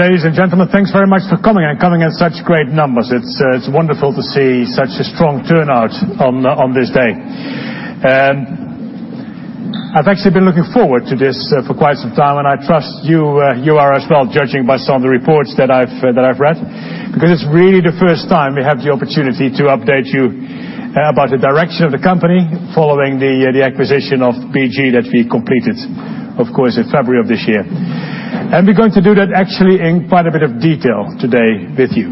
Ladies and gentlemen, thanks very much for coming and coming in such great numbers. It's wonderful to see such a strong turnout on this day. I've actually been looking forward to this for quite some time, and I trust you are as well, judging by some of the reports that I've read. It's really the first time we have the opportunity to update you about the direction of the company following the acquisition of BG that we completed, of course, in February of this year. We're going to do that actually in quite a bit of detail today with you.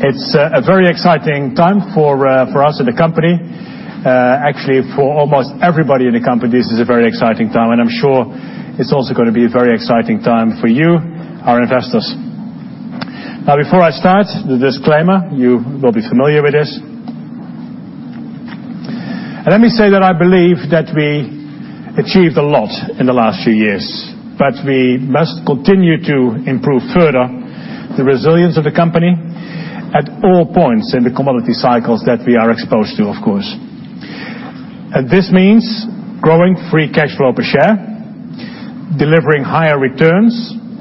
It's a very exciting time for us at the company. Actually, for almost everybody in the company, this is a very exciting time, and I'm sure it's also going to be a very exciting time for you, our investors. Before I start, the disclaimer, you will be familiar with this. Let me say that I believe that we achieved a lot in the last few years, we must continue to improve further the resilience of the company at all points in the commodity cycles that we are exposed to, of course. This means growing free cash flow per share, delivering higher returns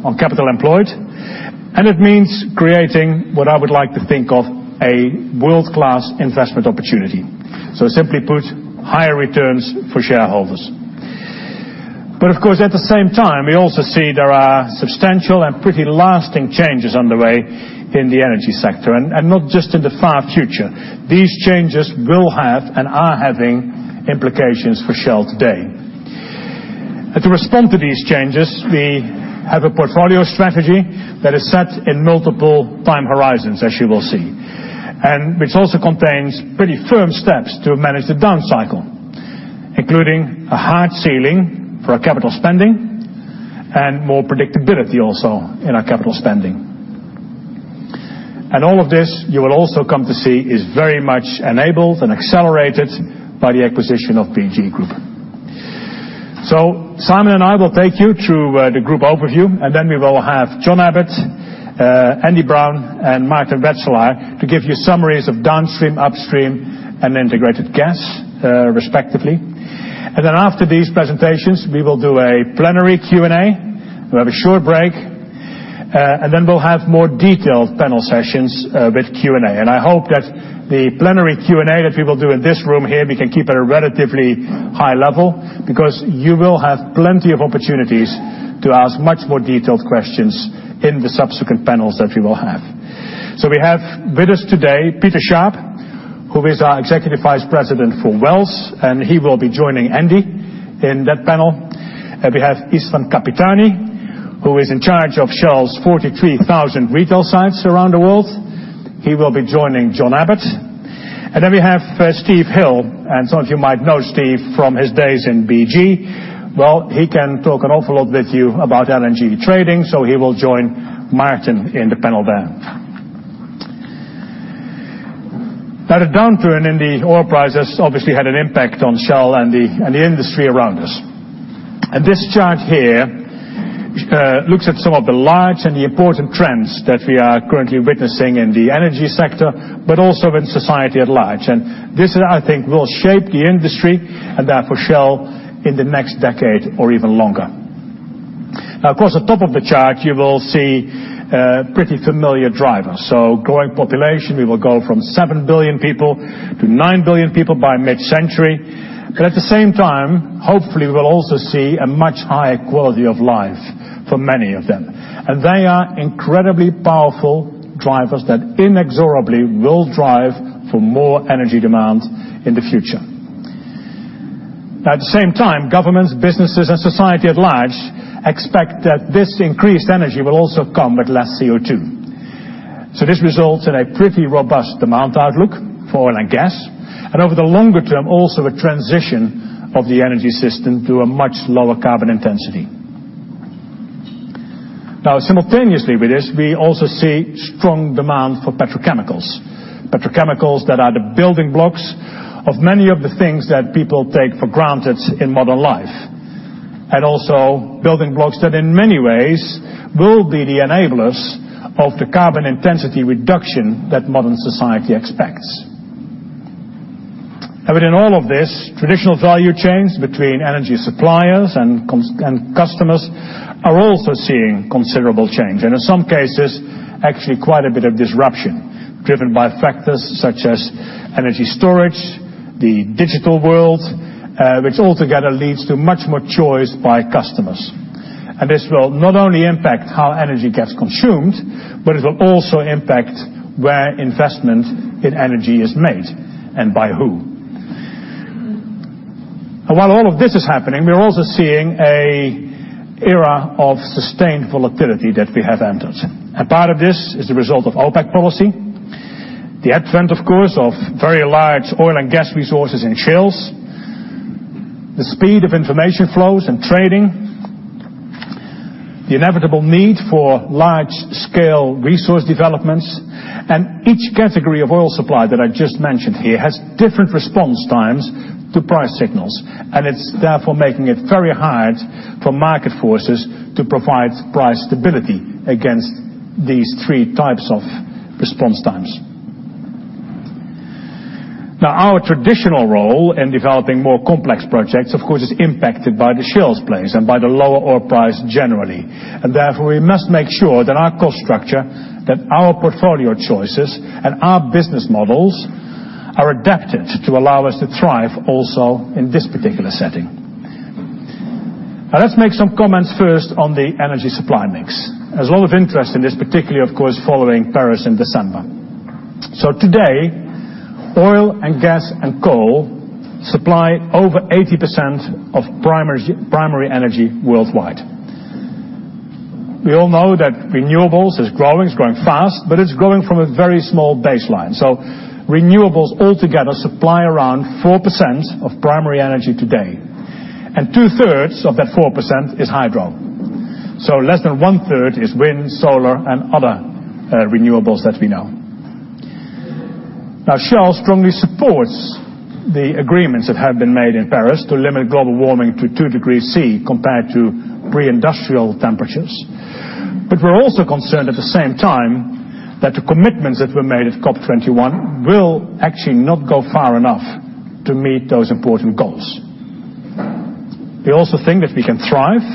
on capital employed, and it means creating what I would like to think of a world-class investment opportunity. Simply put, higher returns for shareholders. Of course, at the same time, we also see there are substantial and pretty lasting changes on the way in the energy sector, and not just in the far future. These changes will have and are having implications for Shell today. To respond to these changes, we have a portfolio strategy that is set in multiple time horizons, as you will see, and which also contains pretty firm steps to manage the down cycle, including a hard ceiling for our capital spending and more predictability also in our capital spending. All of this, you will also come to see, is very much enabled and accelerated by the acquisition of BG Group. Simon and I will take you through the group overview, we will have John Abbott, Andy Brown, and Maarten Wetselaar to give you summaries of Downstream, Upstream, and Integrated Gas, respectively. After these presentations, we will do a plenary Q&A. We'll have a short break, and then we'll have more detailed panel sessions with Q&A. I hope that the plenary Q&A that we will do in this room here, we can keep at a relatively high level because you will have plenty of opportunities to ask much more detailed questions in the subsequent panels that we will have. We have with us today Peter Sharp, who is our Executive Vice President for Wells, and he will be joining Andy in that panel. We have Istvan Kapitany, who is in charge of Shell's 43,000 retail sites around the world. He will be joining John Abbott. Well, we have Steve Hill, and some of you might know Steve from his days in BG. He can talk an awful lot with you about LNG trading, he will join Maarten in the panel there. The downturn in the oil prices obviously had an impact on Shell and the industry around us. This chart here looks at some of the large and the important trends that we are currently witnessing in the energy sector, also in society at large. This, I think, will shape the industry and therefore Shell in the next decade or even longer. Of course, at the top of the chart, you will see pretty familiar drivers. Growing population, we will go from 7 billion people to 9 billion people by mid-century. At the same time, hopefully, we will also see a much higher quality of life for many of them. They are incredibly powerful drivers that inexorably will drive for more energy demand in the future. At the same time, governments, businesses, and society at large expect that this increased energy will also come with less CO2. This results in a pretty robust demand outlook for oil and gas, and over the longer term, also a transition of the energy system to a much lower carbon intensity. Simultaneously with this, we also see strong demand for petrochemicals. petrochemicals that are the building blocks of many of the things that people take for granted in modern life, and also building blocks that in many ways will be the enablers of the carbon intensity reduction that modern society expects. Within all of this, traditional value chains between energy suppliers and customers are also seeing considerable change, and in some cases, actually quite a bit of disruption, driven by factors such as energy storage, the digital world, which altogether leads to much more choice by customers. This will not only impact how energy gets consumed, but it will also impact where investment in energy is made and by who. While all of this is happening, we are also seeing an era of sustained volatility that we have entered. Part of this is the result of OPEC policy, the advent, of course, of very large oil and gas resources in shales, the speed of information flows and trading, the inevitable need for large-scale resource developments. Each category of oil supply that I just mentioned here has different response times to price signals, and it's therefore making it very hard for market forces to provide price stability against these 3 types of response times. Our traditional role in developing more complex projects, of course, is impacted by the shale plays and by the lower oil price generally. Therefore, we must make sure that our cost structure, that our portfolio choices, and our business models are adapted to allow us to thrive also in this particular setting. Let's make some comments first on the energy supply mix. There's a lot of interest in this, particularly, of course, following Paris in December. Today, oil and gas and coal supply over 80% of primary energy worldwide. We all know that renewables is growing. It's growing fast, but it's growing from a very small baseline. Renewables altogether supply around 4% of primary energy today, and two-thirds of that 4% is hydro. Less than one-third is wind, solar, and other renewables that we know. Shell strongly supports the agreements that have been made in Paris to limit global warming to 2 degrees Celsius compared to pre-industrial temperatures. We're also concerned at the same time that the commitments that were made at COP21 will actually not go far enough to meet those important goals. We also think that we can thrive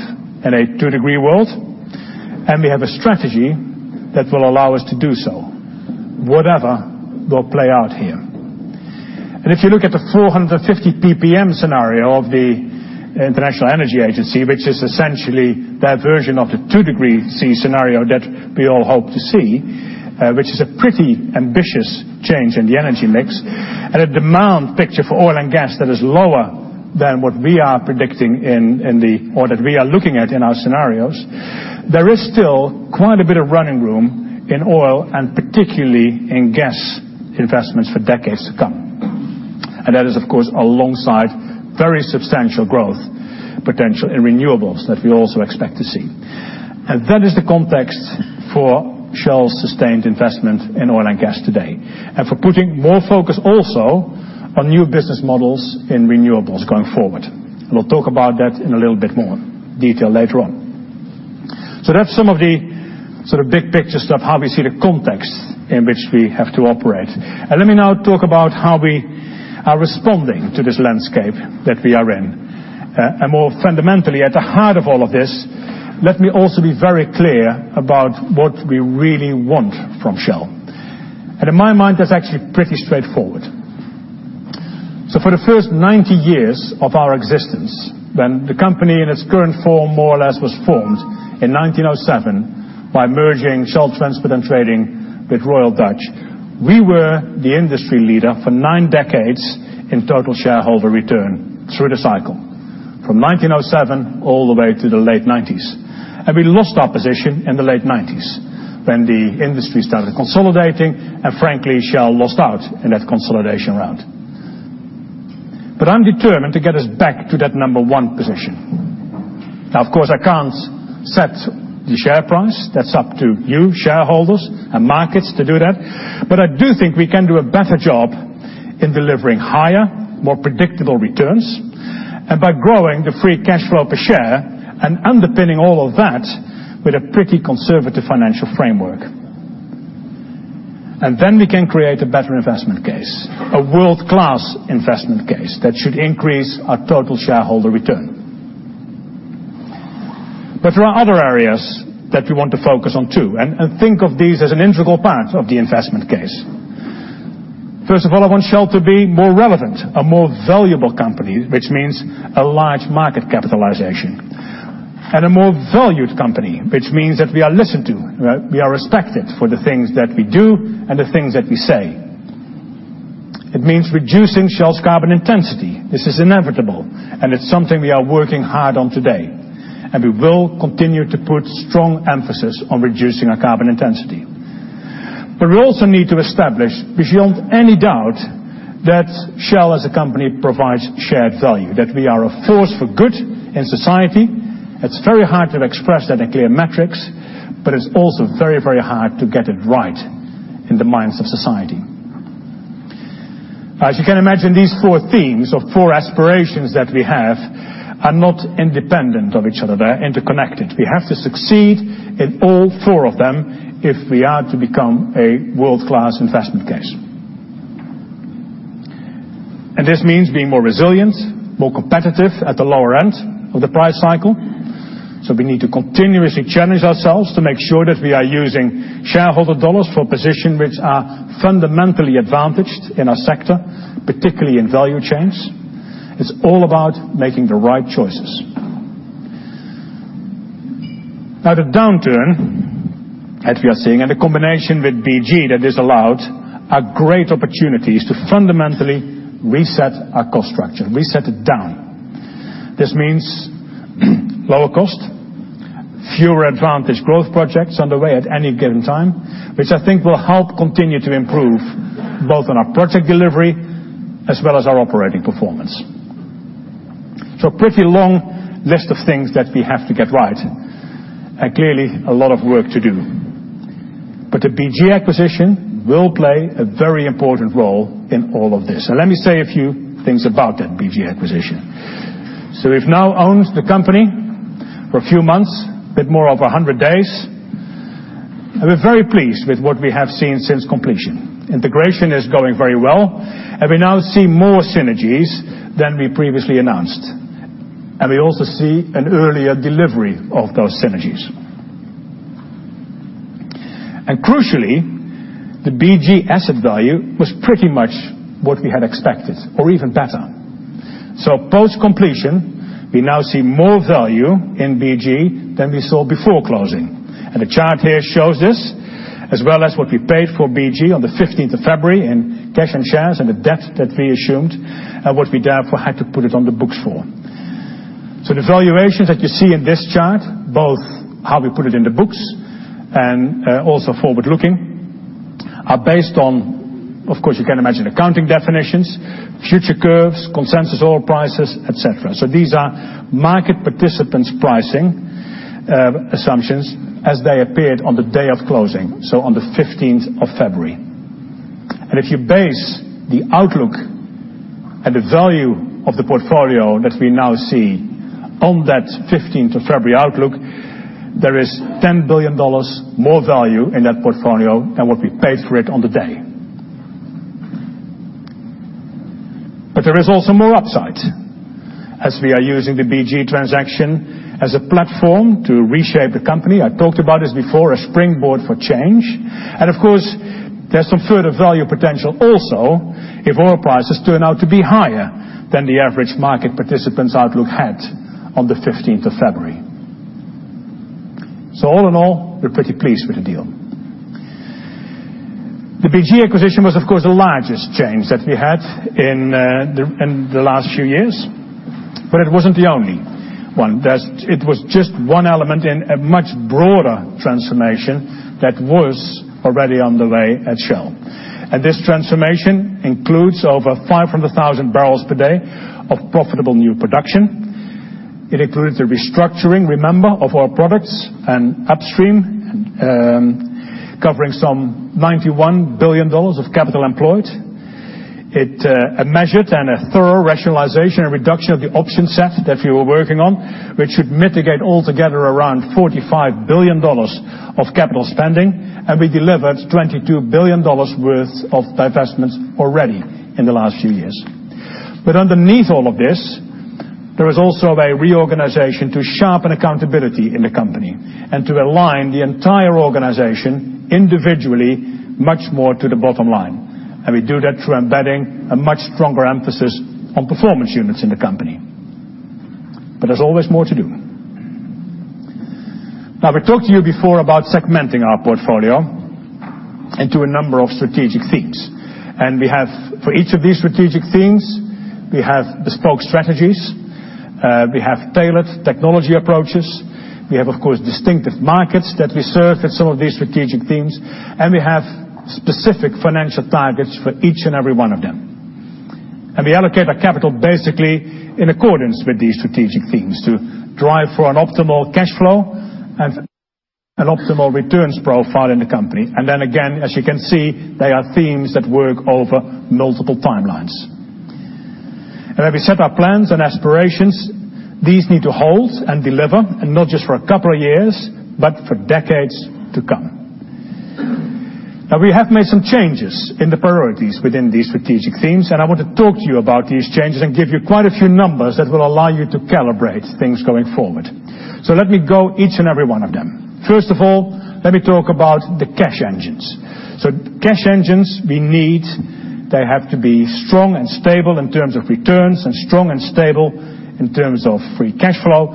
in a two-degree world, and we have a strategy that will allow us to do so, whatever will play out here. If you look at the 450 PPM scenario of the International Energy Agency, which is essentially their version of the two degree C scenario that we all hope to see, which is a pretty ambitious change in the energy mix, a demand picture for oil and gas that is lower than what we are predicting in our scenarios. There is still quite a bit of running room in oil and particularly in gas investments for decades to come. That is, of course, alongside very substantial growth potential in renewables that we also expect to see. That is the context for Shell's sustained investment in oil and gas today, and for putting more focus also on new business models in renewables going forward. We'll talk about that in a little bit more detail later on. That's some of the sort of big picture stuff, how we see the context in which we have to operate. Let me now talk about how we are responding to this landscape that we are in. More fundamentally, at the heart of all of this, let me also be very clear about what we really want from Shell. In my mind, that's actually pretty straightforward. For the first 90 years of our existence, when the company in its current form more or less was formed in 1907 by merging Shell Transport and Trading with Royal Dutch, we were the industry leader for nine decades in total shareholder return through the cycle from 1907 all the way to the late 1990s. We lost our position in the late 1990s when the industry started consolidating, and frankly, Shell lost out in that consolidation round. I'm determined to get us back to that number 1 position. Of course, I can't set the share price. That's up to you shareholders and markets to do that. I do think we can do a better job in delivering higher, more predictable returns and by growing the free cash flow per share and underpinning all of that with a pretty conservative financial framework. We can create a better investment case, a world-class investment case that should increase our total shareholder return. There are other areas that we want to focus on, too, and think of these as an integral part of the investment case. First of all, I want Shell to be more relevant, a more valuable company, which means a large market capitalization. A more valued company, which means that we are listened to. We are respected for the things that we do and the things that we say. It means reducing Shell's carbon intensity. This is inevitable, and it's something we are working hard on today, and we will continue to put strong emphasis on reducing our carbon intensity. We also need to establish beyond any doubt that Shell as a company provides shared value, that we are a force for good in society. It's very hard to express that in clear metrics, but it's also very hard to get it right in the minds of society. As you can imagine, these four themes or four aspirations that we have are not independent of each other. They're interconnected. We have to succeed in all four of them if we are to become a world-class investment case. This means being more resilient, more competitive at the lower end of the price cycle. We need to continuously challenge ourselves to make sure that we are using shareholder dollars for positions which are fundamentally advantaged in our sector, particularly in value chains. It's all about making the right choices. The downturn that we are seeing and the combination with BG that this allowed are great opportunities to fundamentally reset our cost structure, reset it down. This means lower cost, fewer advantage growth projects underway at any given time, which I think will help continue to improve both on our project delivery as well as our operating performance. A pretty long list of things that we have to get right, and clearly a lot of work to do. The BG acquisition will play a very important role in all of this. Let me say a few things about that BG acquisition. We've now owned the company for a few months, a bit more of 100 days, and we're very pleased with what we have seen since completion. Integration is going very well, and we now see more synergies than we previously announced. We also see an earlier delivery of those synergies. Crucially, the BG asset value was pretty much what we had expected, or even better. Post-completion, we now see more value in BG than we saw before closing. The chart here shows this, as well as what we paid for BG on the 15th of February in cash and shares and the debt that we assumed, and what we therefore had to put it on the books for. The valuations that you see in this chart, both how we put it in the books and also forward-looking, are based on, of course, you can imagine, accounting definitions, future curves, consensus oil prices, et cetera. These are market participants' pricing assumptions as they appeared on the day of closing, on the 15th of February. If you base the outlook and the value of the portfolio that we now see on that 15th of February outlook, there is $10 billion more value in that portfolio than what we paid for it on the day. There is also more upside, as we are using the BG transaction as a platform to reshape the company. I've talked about this before, a springboard for change. Of course, there's some further value potential also if oil prices turn out to be higher than the average market participant's outlook had on the 15th of February. All in all, we're pretty pleased with the deal. The BG acquisition was, of course, the largest change that we had in the last few years, but it wasn't the only one. It was just one element in a much broader transformation that was already underway at Shell. This transformation includes over 500,000 barrels per day of profitable new production. It includes the restructuring, remember, of our products and upstream, covering some $91 billion of capital employed. A measured and a thorough rationalization and reduction of the option set that we were working on, which should mitigate altogether around $45 billion of capital spending, and we delivered $22 billion worth of divestments already in the last few years. Underneath all of this, there is also a reorganization to sharpen accountability in the company and to align the entire organization individually much more to the bottom line. We do that through embedding a much stronger emphasis on performance units in the company. There's always more to do. We talked to you before about segmenting our portfolio into a number of strategic themes. We have for each of these strategic themes, we have bespoke strategies, we have tailored technology approaches, we have, of course, distinctive markets that we serve in some of these strategic themes, and we have specific financial targets for each and every one of them. We allocate our capital basically in accordance with these strategic themes to drive for an optimal cash flow and an optimal returns profile in the company. Then again, as you can see, they are themes that work over multiple timelines. As we set our plans and aspirations, these need to hold and deliver, and not just for a couple of years, but for decades to come. We have made some changes in the priorities within these strategic themes, and I want to talk to you about these changes and give you quite a few numbers that will allow you to calibrate things going forward. Let me go each and every one of them. First of all, let me talk about the cash engines. Cash engines we need, they have to be strong and stable in terms of returns and strong and stable in terms of free cash flow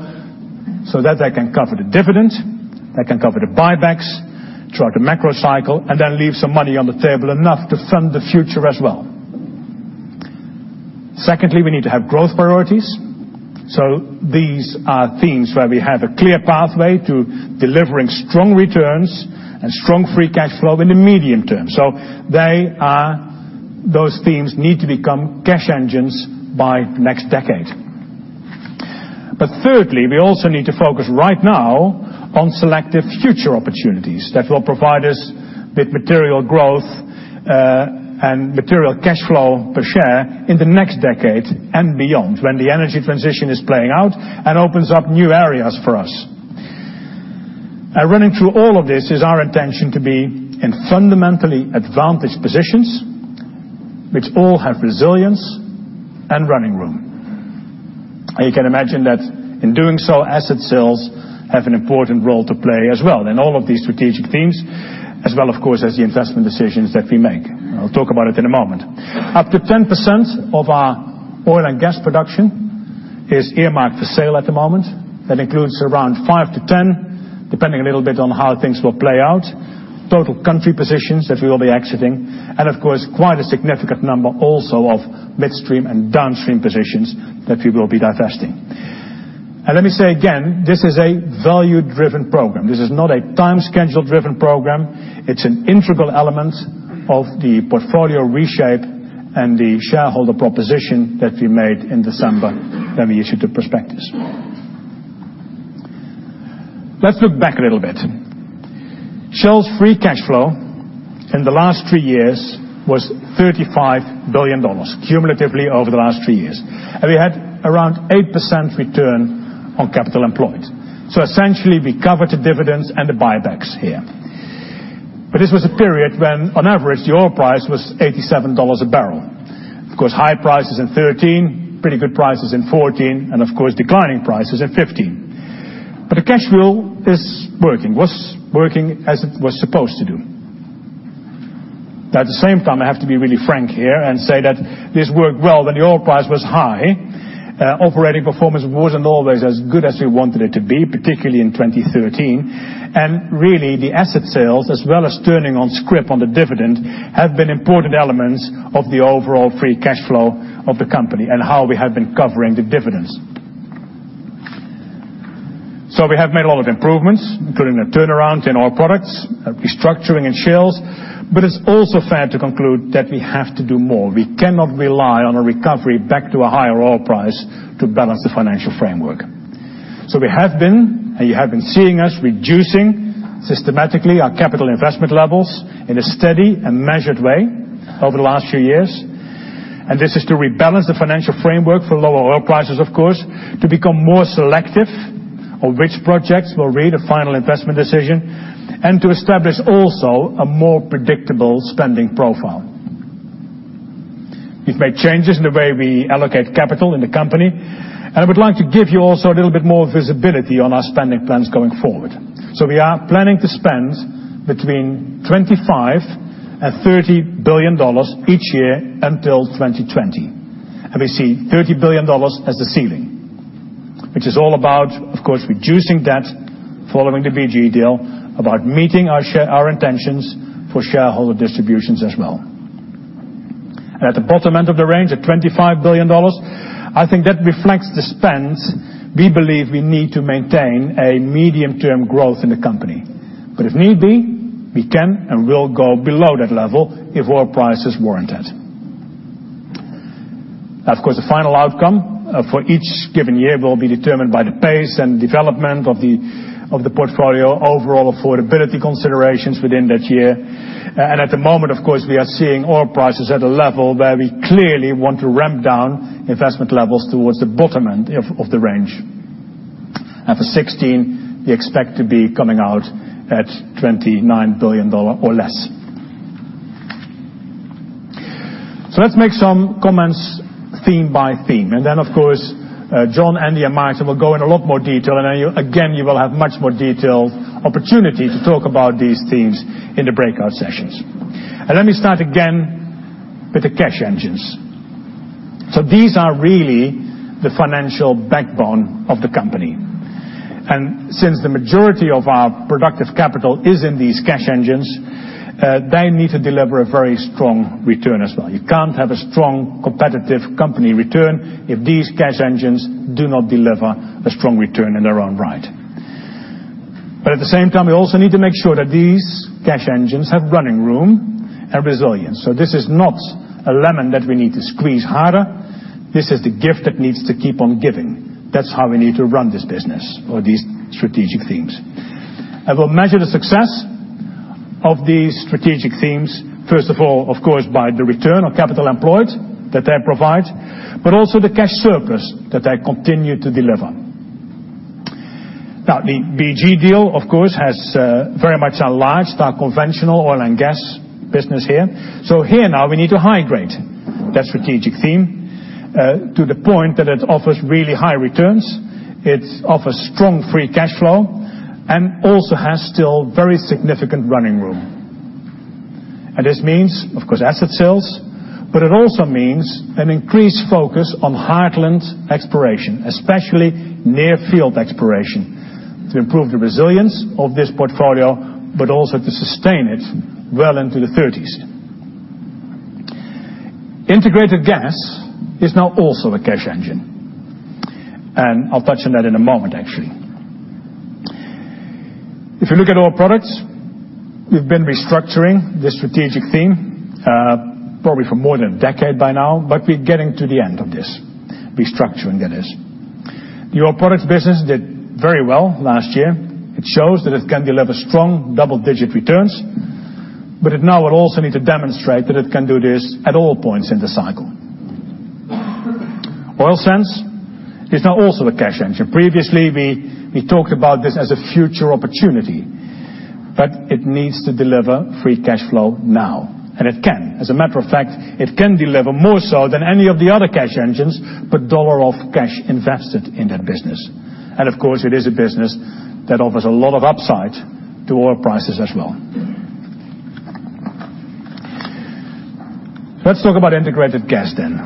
so that they can cover the dividend, they can cover the buybacks throughout the macro cycle, and then leave some money on the table, enough to fund the future as well. Secondly, we need to have growth priorities. These are themes where we have a clear pathway to delivering strong returns and strong free cash flow in the medium term. Those themes need to become cash engines by next decade. Thirdly, we also need to focus right now on selective future opportunities that will provide us with material growth and material cash flow per share in the next decade and beyond, when the energy transition is playing out and opens up new areas for us. Running through all of this is our intention to be in fundamentally advantaged positions, which all have resilience and running room. You can imagine that in doing so, asset sales have an important role to play as well in all of these strategic themes, as well, of course, as the investment decisions that we make. I'll talk about it in a moment. Up to 10% of our oil and gas production is earmarked for sale at the moment. That includes around 5 to 10, depending a little bit on how things will play out, total country positions that we will be exiting, and of course, quite a significant number also of midstream and downstream positions that we will be divesting. Let me say again, this is a value-driven program. This is not a time schedule-driven program. It's an integral element of the portfolio reshape and the shareholder proposition that we made in December when we issued the prospectus. Let's look back a little bit. Shell's free cash flow in the last three years was $35 billion cumulatively over the last three years. We had around 8% return on capital employed. Essentially, we covered the dividends and the buybacks here. This was a period when, on average, the oil price was $87 a barrel. Of course, high prices in 2013, pretty good prices in 2014, and of course, declining prices in 2015. The cash wheel is working, was working as it was supposed to do. At the same time, I have to be really frank here and say that this worked well when the oil price was high. Operating performance wasn't always as good as we wanted it to be, particularly in 2013. Really, the asset sales, as well as turning on scrip on the dividend, have been important elements of the overall free cash flow of the company and how we have been covering the dividends. We have made a lot of improvements, including a turnaround in oil products, restructuring in Shell, but it's also fair to conclude that we have to do more. We cannot rely on a recovery back to a higher oil price to balance the financial framework. We have been, and you have been seeing us reducing, systematically, our capital investment levels in a steady and measured way over the last few years. This is to rebalance the financial framework for lower oil prices, of course, to become more selective of which projects will read a final investment decision, and to establish also a more predictable spending profile. We've made changes in the way we allocate capital in the company, I would like to give you also a little bit more visibility on our spending plans going forward. We are planning to spend between $25 billion and $30 billion each year until 2020. We see $30 billion as the ceiling, which is all about, of course, reducing debt following the BG deal, about meeting our intentions for shareholder distributions as well. At the bottom end of the range, at $25 billion, I think that reflects the spend we believe we need to maintain a medium-term growth in the company. If need be, we can and will go below that level if oil prices warrant it. Of course, the final outcome for each given year will be determined by the pace and development of the portfolio, overall affordability considerations within that year. At the moment, of course, we are seeing oil prices at a level where we clearly want to ramp down investment levels towards the bottom end of the range. For 2016, we expect to be coming out at $29 billion or less. Let's make some comments theme by theme. Then, of course, John, Andy, and Maarten will go in a lot more detail, then you, again, will have much more detailed opportunity to talk about these themes in the breakout sessions. Let me start again with the cash engines. These are really the financial backbone of the company. Since the majority of our productive capital is in these cash engines, they need to deliver a very strong return as well. You can't have a strong competitive company return if these cash engines do not deliver a strong return in their own right. At the same time, we also need to make sure that these cash engines have running room and resilience. This is not a lemon that we need to squeeze harder. This is the gift that needs to keep on giving. That's how we need to run this business or these strategic themes. I will measure the success of these strategic themes, first of all, of course, by the return on capital employed that they provide, but also the cash surplus that they continue to deliver. The BG deal, of course, has very much enlarged our conventional oil and gas business here. Here now we need to high grade that strategic theme to the point that it offers really high returns, it offers strong free cash flow, and also has still very significant running room. This means, of course, asset sales, but it also means an increased focus on heartland exploration, especially near-field exploration, to improve the resilience of this portfolio, but also to sustain it well into the 2030s. Integrated gas is now also a cash engine. I'll touch on that in a moment, actually. If you look at oil products, we've been restructuring this strategic theme probably for more than a decade by now, but we're getting to the end of this. Restructuring, that is. The oil products business did very well last year. It shows that it can deliver strong double-digit returns, but it now would also need to demonstrate that it can do this at all points in the cycle. Oil sands is now also a cash engine. Previously, we talked about this as a future opportunity, but it needs to deliver free cash flow now. It can. As a matter of fact, it can deliver more so than any of the other cash engines per dollar of cash invested in that business. Of course, it is a business that offers a lot of upside to oil prices as well. Let's talk about integrated gas then.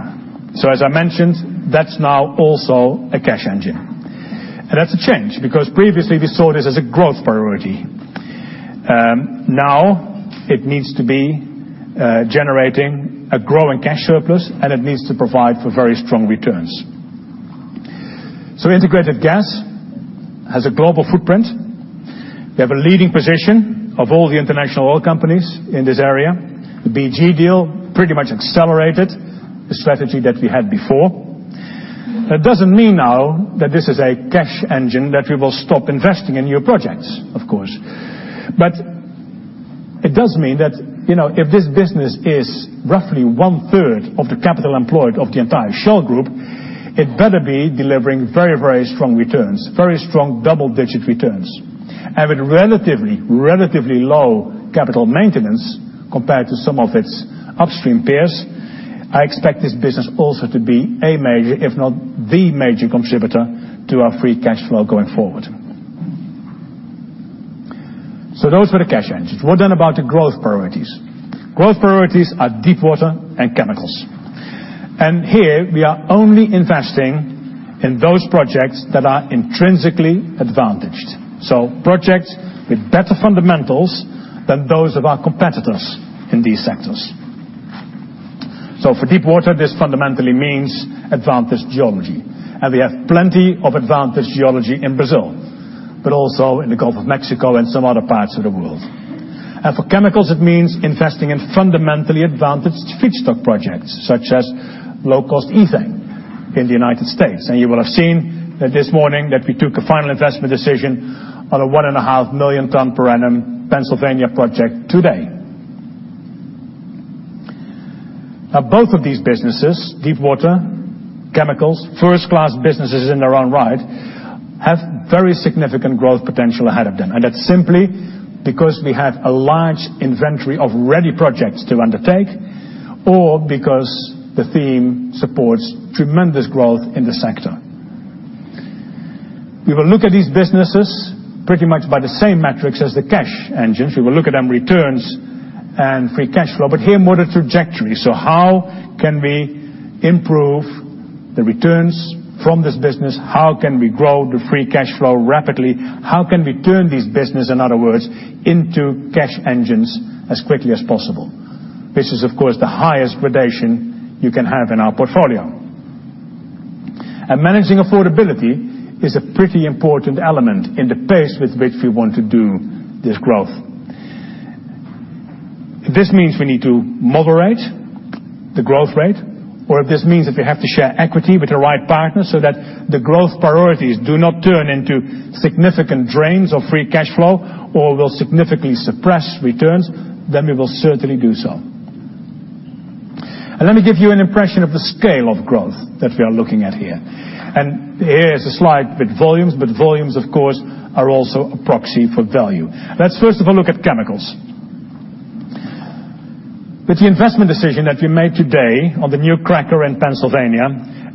As I mentioned, that's now also a cash engine. That's a change because previously we saw this as a growth priority. It needs to be generating a growing cash surplus, and it needs to provide for very strong returns. Integrated gas has a global footprint. We have a leading position of all the international oil companies in this area. The BG deal pretty much accelerated the strategy that we had before. That doesn't mean now that this is a cash engine that we will stop investing in new projects, of course. It does mean that if this business is roughly one-third of the capital employed of the entire Shell group, it better be delivering very strong returns, very strong double-digit returns. With relatively low capital maintenance compared to some of its upstream peers, I expect this business also to be a major, if not the major contributor to our free cash flow going forward. Those were the cash engines. What then about the growth priorities? Growth priorities are deepwater and chemicals. Here we are only investing in those projects that are intrinsically advantaged. Projects with better fundamentals than those of our competitors in these sectors. For deepwater, this fundamentally means advantaged geology. We have plenty of advantaged geology in Brazil, but also in the Gulf of Mexico and some other parts of the world. For chemicals, it means investing in fundamentally advantaged feedstock projects, such as low-cost ethane in the U.S. You will have seen that this morning that we took a final investment decision on a 1.5 million ton per annum Pennsylvania project today. Both of these businesses, deepwater, chemicals, first-class businesses in their own right, have very significant growth potential ahead of them. That's simply because we have a large inventory of ready projects to undertake or because the theme supports tremendous growth in the sector. We will look at these businesses pretty much by the same metrics as the cash engines. We will look at them returns and free cash flow, but here more the trajectory. How can we improve the returns from this business? How can we grow the free cash flow rapidly? How can we turn this business, in other words, into cash engines as quickly as possible? This is, of course, the highest gradation you can have in our portfolio. Managing affordability is a pretty important element in the pace with which we want to do this growth. If this means we need to moderate the growth rate, or if this means that we have to share equity with the right partners so that the growth priorities do not turn into significant drains of free cash flow or will significantly suppress returns, then we will certainly do so. Let me give you an impression of the scale of growth that we are looking at here. Here is a slide with volumes, but volumes of course are also a proxy for value. Let's first of all look at chemicals. With the investment decision that we made today on the new cracker in Pennsylvania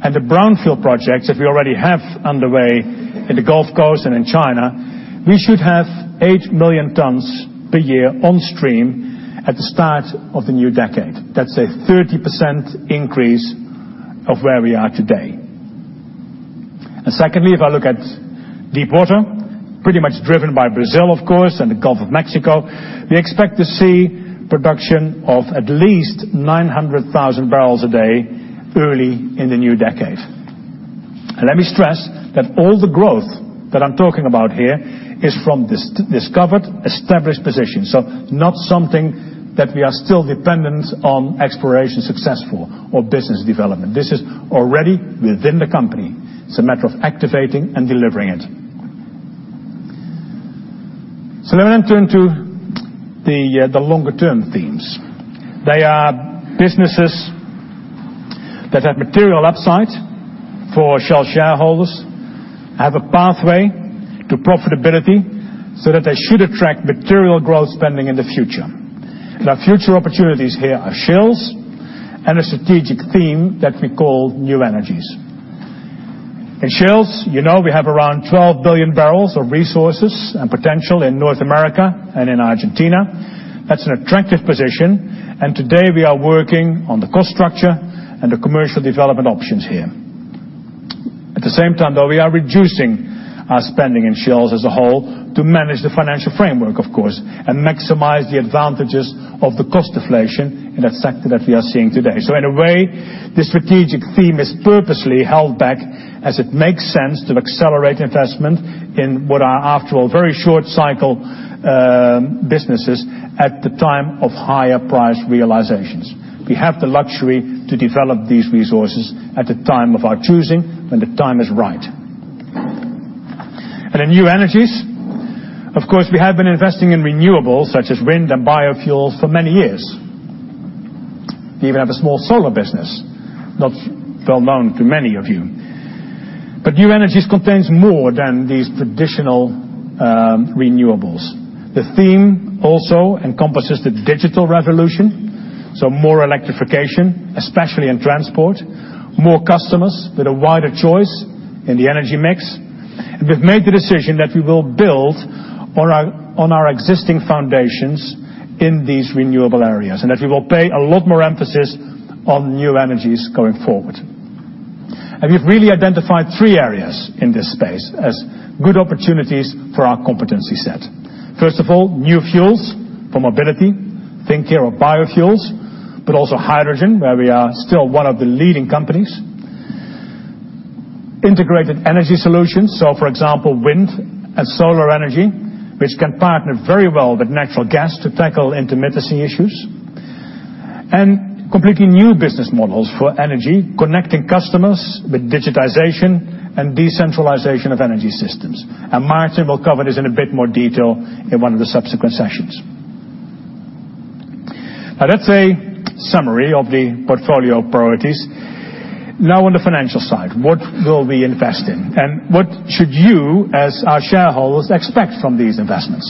and the brownfield projects that we already have underway in the Gulf Coast and in China, we should have 8 million tons per year on stream at the start of the new decade. That's a 30% increase of where we are today. Secondly, if I look at deepwater, pretty much driven by Brazil of course and the Gulf of Mexico, we expect to see production of at least 900,000 barrels a day early in the new decade. Let me stress that all the growth that I'm talking about here is from discovered, established positions. Not something that we are still dependent on exploration successful or business development. This is already within the company. It's a matter of activating and delivering it. Let me turn to the longer term themes. They are businesses that have material upside for Shell shareholders, have a pathway to profitability so that they should attract material growth spending in the future. Future opportunities here are shales and a strategic theme that we call New Energies. In shales, you know we have around 12 billion barrels of resources and potential in North America and in Argentina. That's an attractive position, and today we are working on the cost structure and the commercial development options here. At the same time though, we are reducing our spending in shales as a whole to manage the financial framework, of course, and maximize the advantages of the cost deflation in that sector that we are seeing today. In a way, this strategic theme is purposely held back as it makes sense to accelerate investment in what are, after all, very short cycle businesses at the time of higher price realizations. We have the luxury to develop these resources at the time of our choosing when the time is right. In New Energies, of course, we have been investing in renewables such as wind and biofuels for many years. We even have a small solar business, not well known to many of you. New Energies contains more than these traditional renewables. The theme also encompasses the digital revolution, so more electrification, especially in transport, more customers with a wider choice in the energy mix. We've made the decision that we will build on our existing foundations in these renewable areas and that we will pay a lot more emphasis on New Energies going forward. We've really identified three areas in this space as good opportunities for our competency set. First of all, new fuels for mobility. Think here of biofuels, but also hydrogen, where we are still one of the leading companies. Integrated energy solutions, so for example, wind and solar energy, which can partner very well with natural gas to tackle intermittency issues. Completely new business models for energy, connecting customers with digitization and decentralization of energy systems. Maarten will cover this in a bit more detail in one of the subsequent sessions. That's a summary of the portfolio priorities. On the financial side, what will we invest in? What should you, as our shareholders, expect from these investments?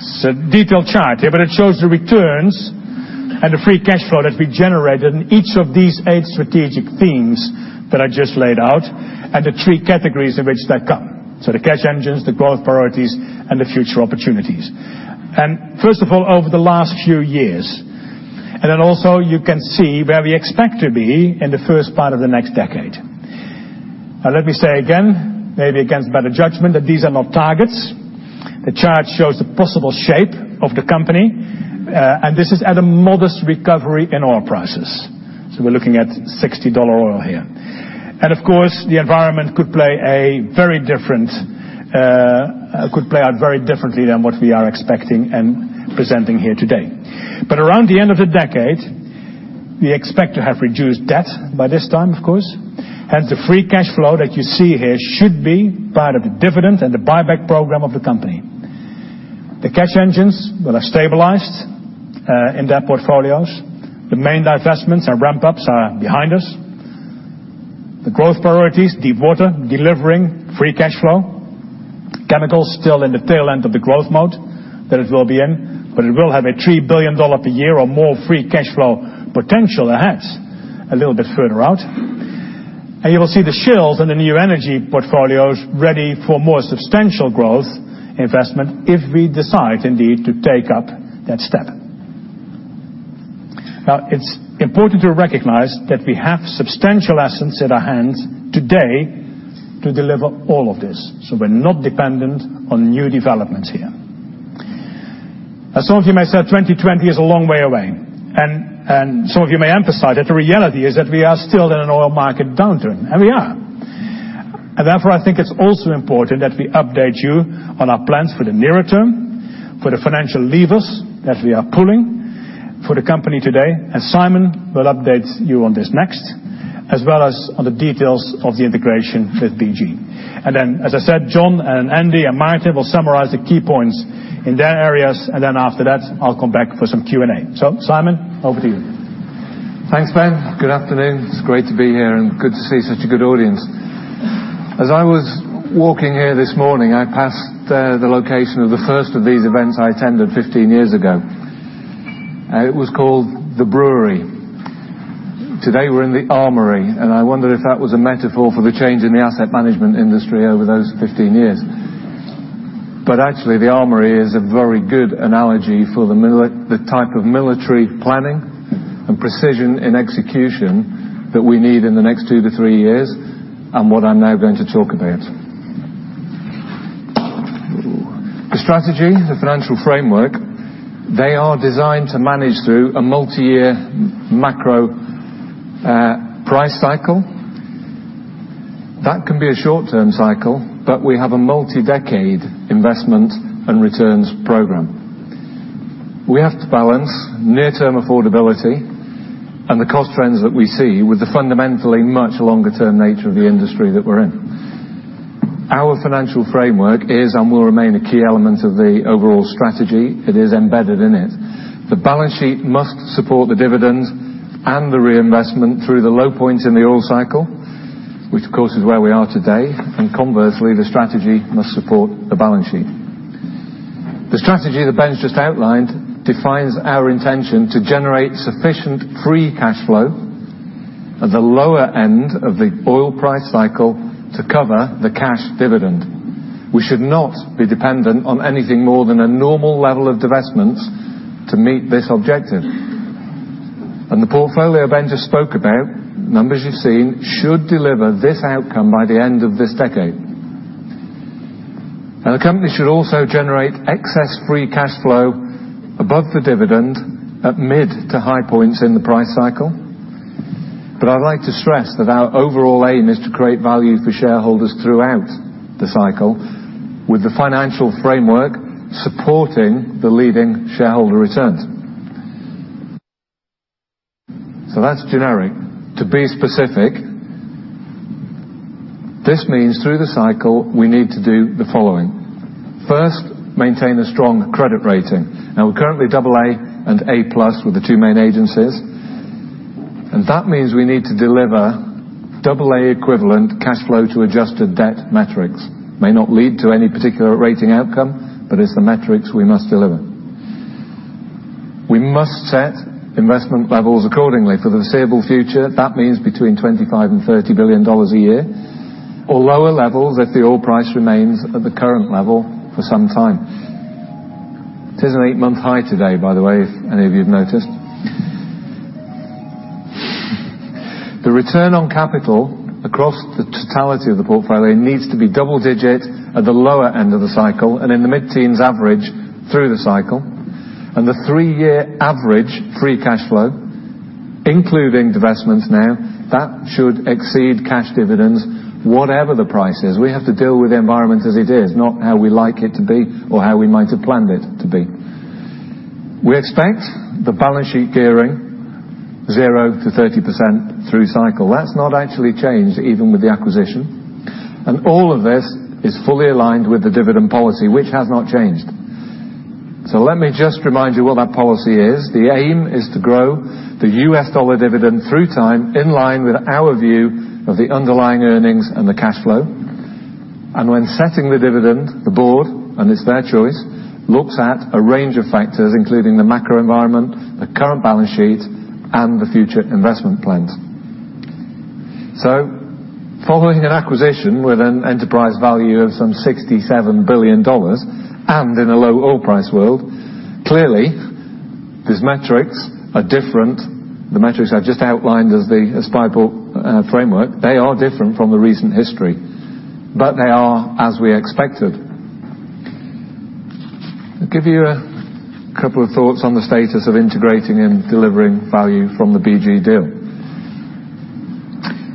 It's a detailed chart here, but it shows the returns and the free cash flow that we generated in each of these eight strategic themes that I just laid out, and the three categories in which they come. The cash engines, the growth priorities, and the future opportunities. First of all, over the last few years, and then also you can see where we expect to be in the first part of the next decade. Let me say again, maybe against better judgment, that these are not targets. The chart shows the possible shape of the company, and this is at a modest recovery in oil prices. We're looking at $60 oil here. Of course, the environment could play out very differently than what we are expecting and presenting here today. Around the end of the decade, we expect to have reduced debt by this time, of course, and the free cash flow that you see here should be part of the dividend and the buyback program of the company. The cash engines will have stabilized in their portfolios. The main divestments and ramp-ups are behind us. The growth priorities, Deepwater, delivering free cash flow. Chemicals still in the tail end of the growth mode that it will be in, but it will have a $3 billion a year or more free cash flow potential, perhaps, a little bit further out. You will see the shale in the new energy portfolios ready for more substantial growth investment if we decide indeed to take up that step. It is important to recognize that we have substantial assets at our hands today to deliver all of this. We are not dependent on new developments here. As some of you may say, 2020 is a long way away. Some of you may emphasize that the reality is that we are still in an oil market downturn. We are. Therefore, I think it is also important that we update you on our plans for the nearer term, for the financial levers that we are pulling for the company today. Simon will update you on this next, as well as on the details of the integration with BG. Then, as I said, John and Andy and Maarten will summarize the key points in their areas. Then after that, I will come back for some Q&A. Simon, over to you. Thanks, Ben. Good afternoon. It is great to be here and good to see such a good audience. As I was walking here this morning, I passed the location of the first of these events I attended 15 years ago. It was called The Brewery. Today, we are in The Armoury, and I wonder if that was a metaphor for the change in the asset management industry over those 15 years. Actually, The Armoury is a very good analogy for the type of military planning and precision in execution that we need in the next 2-3 years, and what I am now going to talk about. The strategy, the financial framework, they are designed to manage through a multiyear macro price cycle. That can be a short-term cycle, but we have a multi-decade investment and returns program. We have to balance near-term affordability and the cost trends that we see with the fundamentally much longer-term nature of the industry that we are in. Our financial framework is and will remain a key element of the overall strategy. It is embedded in it. The balance sheet must support the dividends and the reinvestment through the low points in the oil cycle, which of course is where we are today, and conversely, the strategy must support the balance sheet. The strategy that Ben just outlined defines our intention to generate sufficient free cash flow at the lower end of the oil price cycle to cover the cash dividend. We should not be dependent on anything more than a normal level of divestment to meet this objective. The portfolio Ben just spoke about, numbers you have seen, should deliver this outcome by the end of this decade. The company should also generate excess free cash flow above the dividend at mid to high points in the price cycle. I'd like to stress that our overall aim is to create value for shareholders throughout the cycle, with the financial framework supporting the leading shareholder returns. That's generic. To be specific, this means through the cycle, we need to do the following. First, maintain a strong credit rating. We're currently AA and A+ with the two main agencies, and that means we need to deliver AA equivalent cash flow to adjusted debt metrics. May not lead to any particular rating outcome, but it's the metrics we must deliver. We must set investment levels accordingly. For the foreseeable future, that means between $25 billion and $30 billion a year, or lower levels if the oil price remains at the current level for some time. It is an eight-month high today, by the way, if any of you have noticed. The return on capital across the totality of the portfolio needs to be double-digit at the lower end of the cycle and in the mid-teens average through the cycle, and the three-year average free cash flow Including divestments now, that should exceed cash dividends, whatever the price is. We have to deal with the environment as it is, not how we like it to be, or how we might have planned it to be. We expect the balance sheet gearing 0%-30% through cycle. That's not actually changed even with the acquisition, and all of this is fully aligned with the dividend policy, which has not changed. Let me just remind you what that policy is. The aim is to grow the U.S. dollar dividend through time in line with our view of the underlying earnings and the cash flow. When setting the dividend, the board, and it's their choice, looks at a range of factors, including the macro environment, the current balance sheet, and the future investment plans. Following an acquisition with an enterprise value of some $67 billion and in a low oil price world, clearly, these metrics are different. The metrics I've just outlined as the [SPILE] framework, they are different from the recent history, but they are as we expected. I'll give you a couple of thoughts on the status of integrating and delivering value from the BG deal.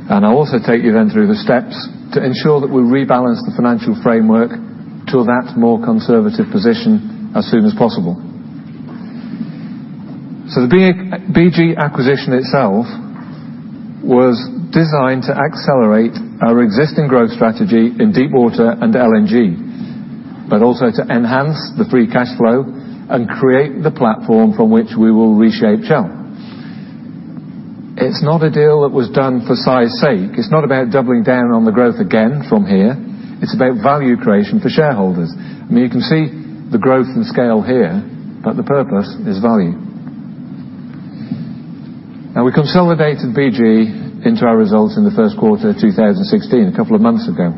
I'll also take you then through the steps to ensure that we rebalance the financial framework to that more conservative position as soon as possible. The BG acquisition itself was designed to accelerate our existing growth strategy in deepwater and LNG, but also to enhance the free cash flow and create the platform from which we will reshape Shell. It's not a deal that was done for size sake. It's not about doubling down on the growth again from here. It's about value creation for shareholders. You can see the growth and scale here, but the purpose is value. We consolidated BG into our results in the first quarter of 2016, a couple of months ago.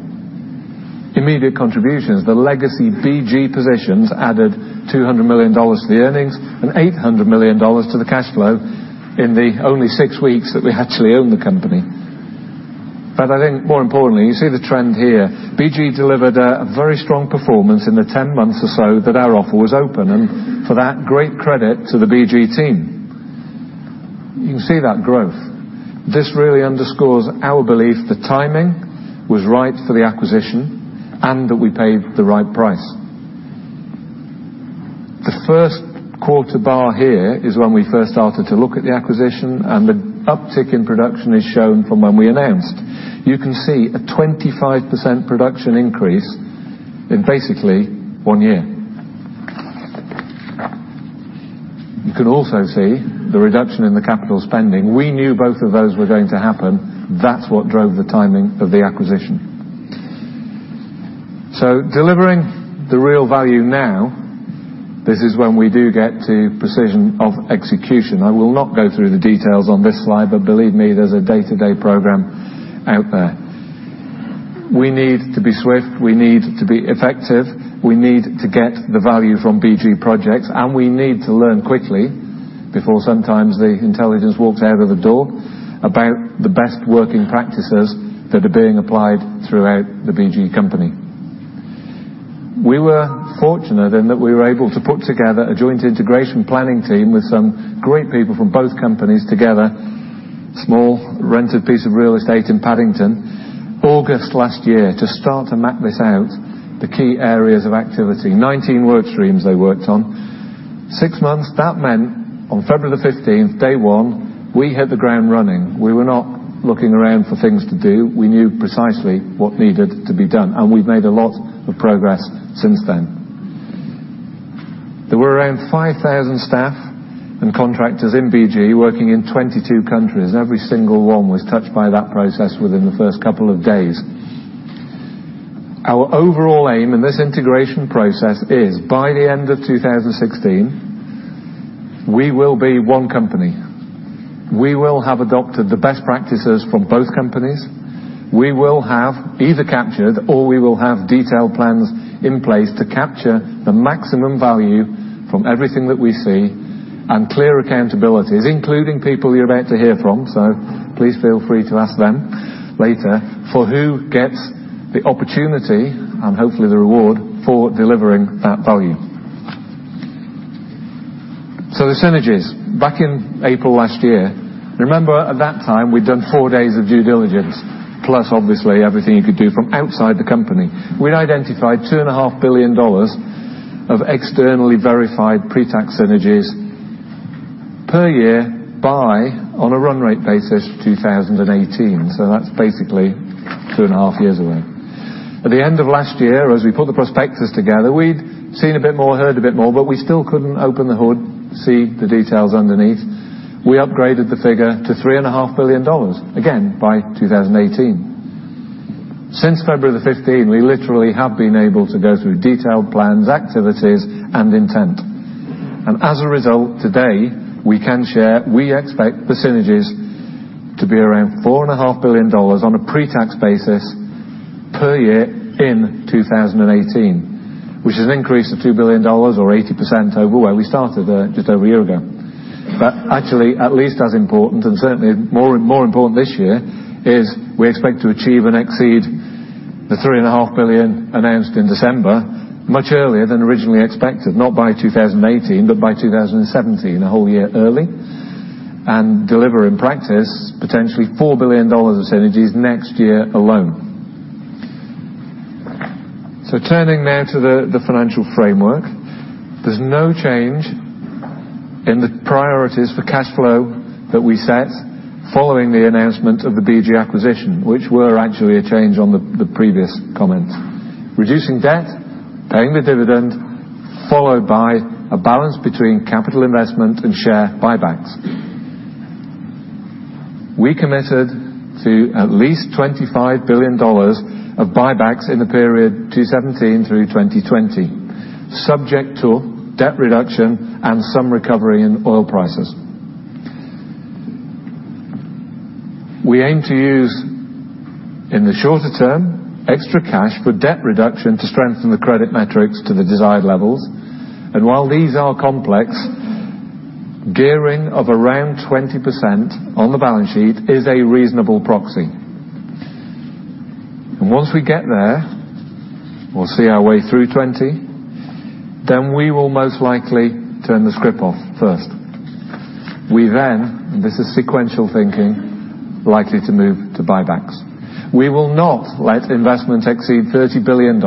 Immediate contributions, the legacy BG positions added $200 million to the earnings and $800 million to the cash flow in the only six weeks that we actually owned the company. I think more importantly, you see the trend here. BG delivered a very strong performance in the 10 months or so that our offer was open, and for that, great credit to the BG team. You can see that growth. This really underscores our belief the timing was right for the acquisition and that we paid the right price. The first quarter bar here is when we first started to look at the acquisition, and the uptick in production is shown from when we announced. You can see a 25% production increase in basically one year. You can also see the reduction in the capital spending. We knew both of those were going to happen. That's what drove the timing of the acquisition. So delivering the real value now, this is when we do get to precision of execution. I will not go through the details on this slide, but believe me, there's a day-to-day program out there. We need to be swift, we need to be effective, we need to get the value from BG projects, and we need to learn quickly before sometimes the intelligence walks out of the door about the best working practices that are being applied throughout the BG company. We were fortunate in that we were able to put together a joint integration planning team with some great people from both companies together, small rented piece of real estate in Paddington, August last year to start to map this out, the key areas of activity. 19 work streams they worked on. Six months, that meant on February 15th, day one, we hit the ground running. We were not looking around for things to do. We knew precisely what needed to be done, and we've made a lot of progress since then. There were around 5,000 staff and contractors in BG working in 22 countries. Every single one was touched by that process within the first couple of days. Our overall aim in this integration process is by the end of 2016, we will be one company. We will have adopted the best practices from both companies. We will have either captured or we will have detailed plans in place to capture the maximum value from everything that we see and clear accountabilities, including people you're about to hear from. So please feel free to ask them later for who gets the opportunity and hopefully the reward for delivering that value. So the synergies. Back in April last year, remember at that time, we'd done four days of due diligence, plus obviously everything you could do from outside the company. We'd identified $2.5 billion of externally verified pre-tax synergies per year by, on a run rate basis, 2018. So that's basically two and a half years away. At the end of last year, as we put the prospectus together, we'd seen a bit more, heard a bit more, but we still couldn't open the hood, see the details underneath. We upgraded the figure to $3.5 billion, again, by 2018. As a result, today, we can share, we expect the synergies to be around $4.5 billion on a pre-tax basis per year in 2018, which is an increase of $2 billion or 80% over where we started just over a year ago. Actually, at least as important and certainly more important this year is we expect to achieve and exceed $3.5 billion announced in December much earlier than originally expected, not by 2018, but by 2017, a whole year early, and deliver in practice, potentially $4 billion of synergies next year alone. Turning now to the financial framework. There's no change in the priorities for cash flow that we set following the announcement of the BG acquisition, which were actually a change on the previous comments. Reducing debt, paying the dividend, followed by a balance between capital investment and share buybacks. We committed to at least $25 billion of buybacks in the period 2017 through 2020, subject to debt reduction and some recovery in oil prices. We aim to use, in the shorter term, extra cash for debt reduction to strengthen the credit metrics to the desired levels, and while these are complex, gearing of around 20% on the balance sheet is a reasonable proxy. Once we get there, we'll see our way through 20, then we will most likely turn the scrip off first. Then, this is sequential thinking, likely to move to buybacks. We will not let investments exceed $30 billion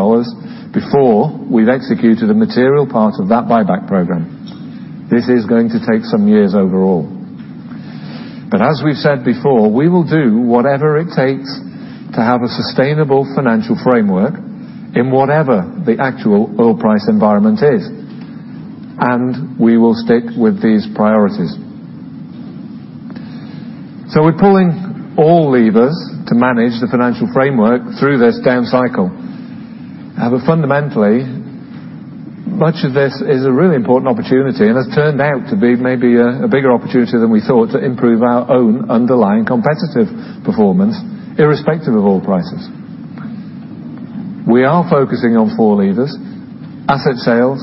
before we've executed a material part of that buyback program. This is going to take some years overall. As we've said before, we will do whatever it takes to have a sustainable financial framework in whatever the actual oil price environment is. We will stick with these priorities. We're pulling all levers to manage the financial framework through this down cycle. Fundamentally, much of this is a really important opportunity, and has turned out to be maybe a bigger opportunity than we thought to improve our own underlying competitive performance, irrespective of oil prices. We are focusing on four levers, asset sales,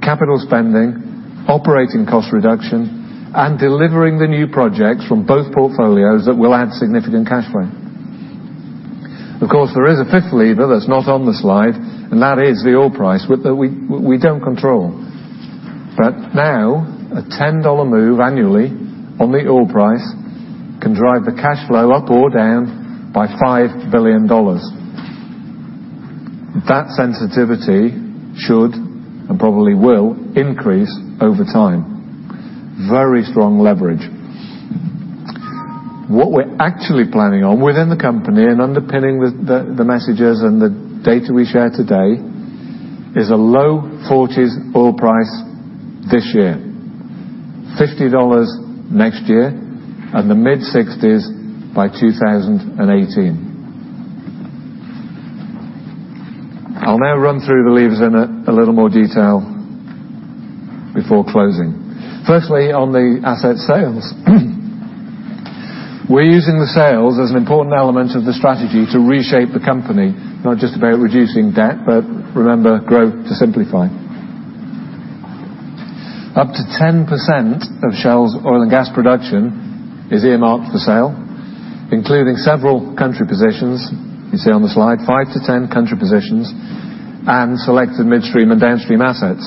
capital spending, operating cost reduction, and delivering the new projects from both portfolios that will add significant cash flow. Of course, there is a fifth lever that's not on the slide, and that is the oil price that we don't control. Now, a $10 move annually on the oil price can drive the cash flow up or down by $5 billion. That sensitivity should, and probably will, increase over time. Very strong leverage. What we're actually planning on within the company and underpinning the messages and the data we share today, is a low 40s oil price this year, $50 next year, and the mid-60s by 2018. I'll now run through the levers in a little more detail before closing. Firstly, on the asset sales. We're using the sales as an important element of the strategy to reshape the company, not just about reducing debt, but remember, grow to simplify. Up to 10% of Shell's oil and gas production is earmarked for sale, including several country positions, you see on the slide, five to 10 country positions, and selected midstream and downstream assets.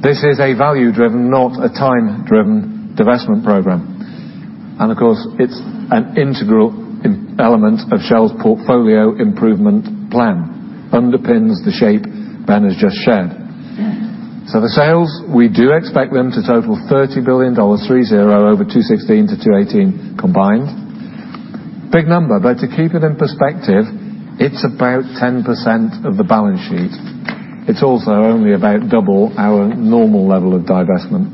This is a value-driven, not a time-driven divestment program. Of course, it's an integral element of Shell's portfolio improvement plan. Underpins the shape Ben has just shared. The sales, we do expect them to total $30 billion, three zero, over 2016 to 2018 combined. Big number, to keep it in perspective, it's about 10% of the balance sheet. It's also only about double our normal level of divestment.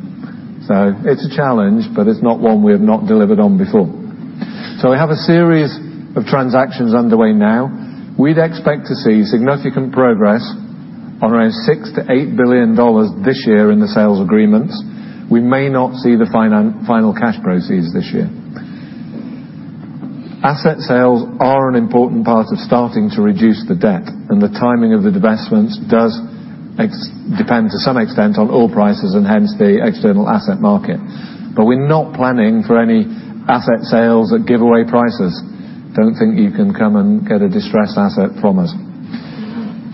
It's a challenge, but it's not one we have not delivered on before. We have a series of transactions underway now. We'd expect to see significant progress on around $6 billion-$8 billion this year in the sales agreements. We may not see the final cash proceeds this year. Asset sales are an important part of starting to reduce the debt, and the timing of the divestments does depend, to some extent, on oil prices and hence the external asset market. We're not planning for any asset sales at giveaway prices. Don't think you can come and get a distressed asset from us.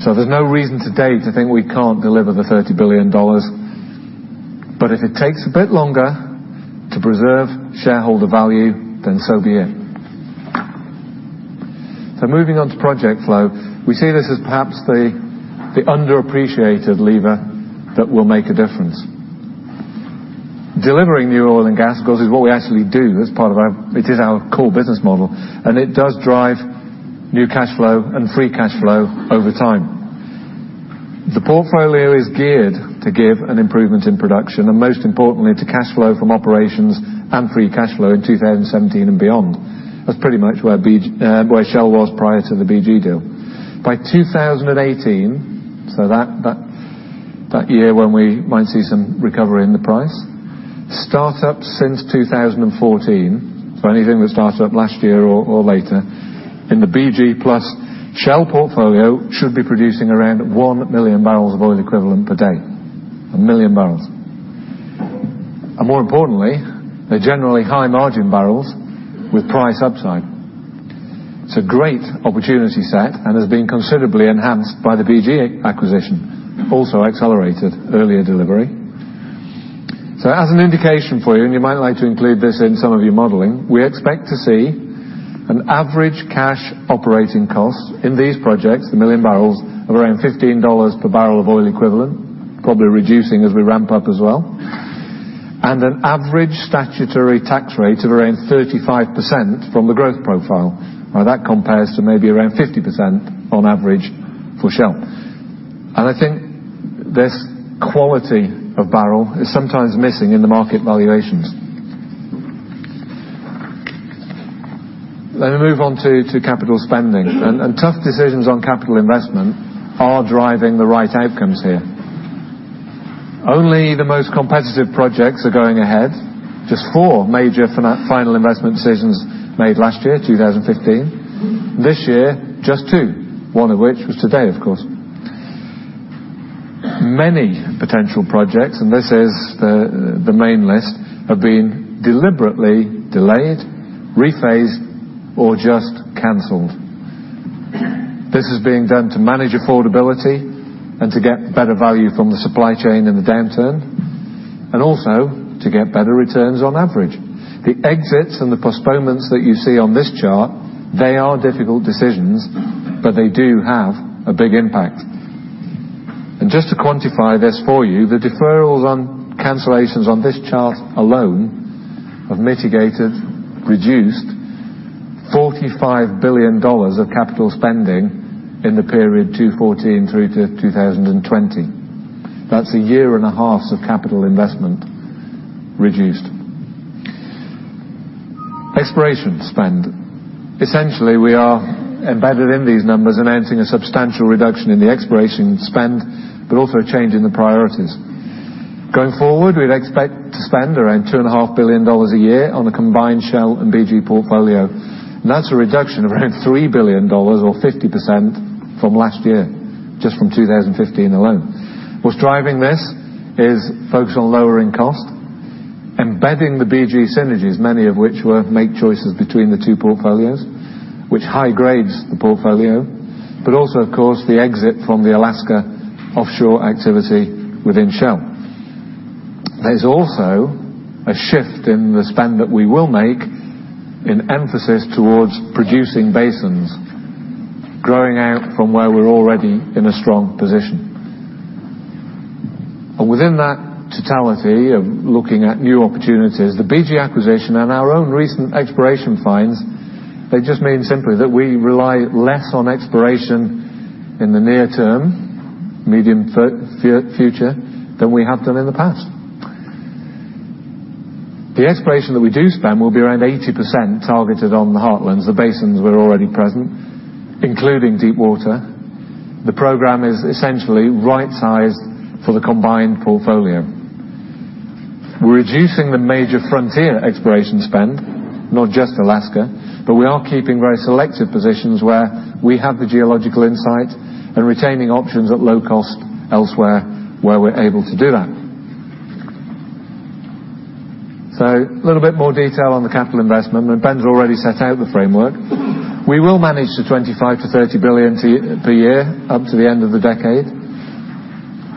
There's no reason to date to think we can't deliver the $30 billion. If it takes a bit longer to preserve shareholder value, then so be it. Moving on to project flow. We see this as perhaps the underappreciated lever that will make a difference. Delivering new oil and gas, of course, is what we actually do as part of our core business model, and it does drive new cash flow and free cash flow over time. The portfolio is geared to give an improvement in production, and most importantly, to cash flow from operations and free cash flow in 2017 and beyond. That's pretty much where Shell was prior to the BG deal. By 2018, that year when we might see some recovery in the price, startups since 2014, anything that started up last year or later, in the BG plus Shell portfolio should be producing around 1 million barrels of oil equivalent per day. A million barrels. More importantly, they're generally high margin barrels with price upside. It's a great opportunity set and has been considerably enhanced by the BG acquisition, also accelerated earlier delivery. As an indication for you, and you might like to include this in some of your modeling, we expect to see an average cash operating cost in these projects, a million barrels of around $15 per barrel of oil equivalent, probably reducing as we ramp up as well, and an average statutory tax rate of around 35% from the growth profile. That compares to maybe around 50% on average for Shell. I think this quality of barrel is sometimes missing in the market valuations. Let me move on to capital spending. Tough decisions on capital investment are driving the right outcomes here. Only the most competitive projects are going ahead. Just four major final investment decisions made last year, 2015. This year, just two, one of which was today, of course. Many potential projects, and this is the main list, have been deliberately delayed, rephased, or just canceled. This is being done to manage affordability and to get better value from the supply chain in the downturn, and also to get better returns on average. The exits and the postponements that you see on this chart, they are difficult decisions, but they do have a big impact. Just to quantify this for you, the deferrals on cancellations on this chart alone have mitigated, reduced $45 billion of capital spending in the period 2014 through to 2020. That's a year and a half of capital investment reduced. Exploration spend. Essentially, we are embedded in these numbers, announcing a substantial reduction in the exploration spend, but also a change in the priorities. Going forward, we'd expect to spend around $2.5 billion a year on a combined Shell and BG portfolio. That's a reduction of around $3 billion or 50% from last year, just from 2015 alone. What's driving this is focus on lowering cost, embedding the BG synergies, many of which were make choices between the two portfolios, which high grades the portfolio, but also of course the exit from the Alaska offshore activity within Shell. There's also a shift in the spend that we will make in emphasis towards producing basins growing out from where we're already in a strong position. Within that totality of looking at new opportunities, the BG acquisition and our own recent exploration finds, they just mean simply that we rely less on exploration in the near term, medium future, than we have done in the past. The exploration that we do spend will be around 80% targeted on the Heartlands, the basins that were already present, including deep water. The program is essentially right sized for the combined portfolio. We're reducing the major frontier exploration spend, not just Alaska, but we are keeping very selective positions where we have the geological insight and retaining options at low cost elsewhere where we're able to do that. A little bit more detail on the capital investment, Ben's already set out the framework. We will manage the $25 billion-$30 billion per year up to the end of the decade.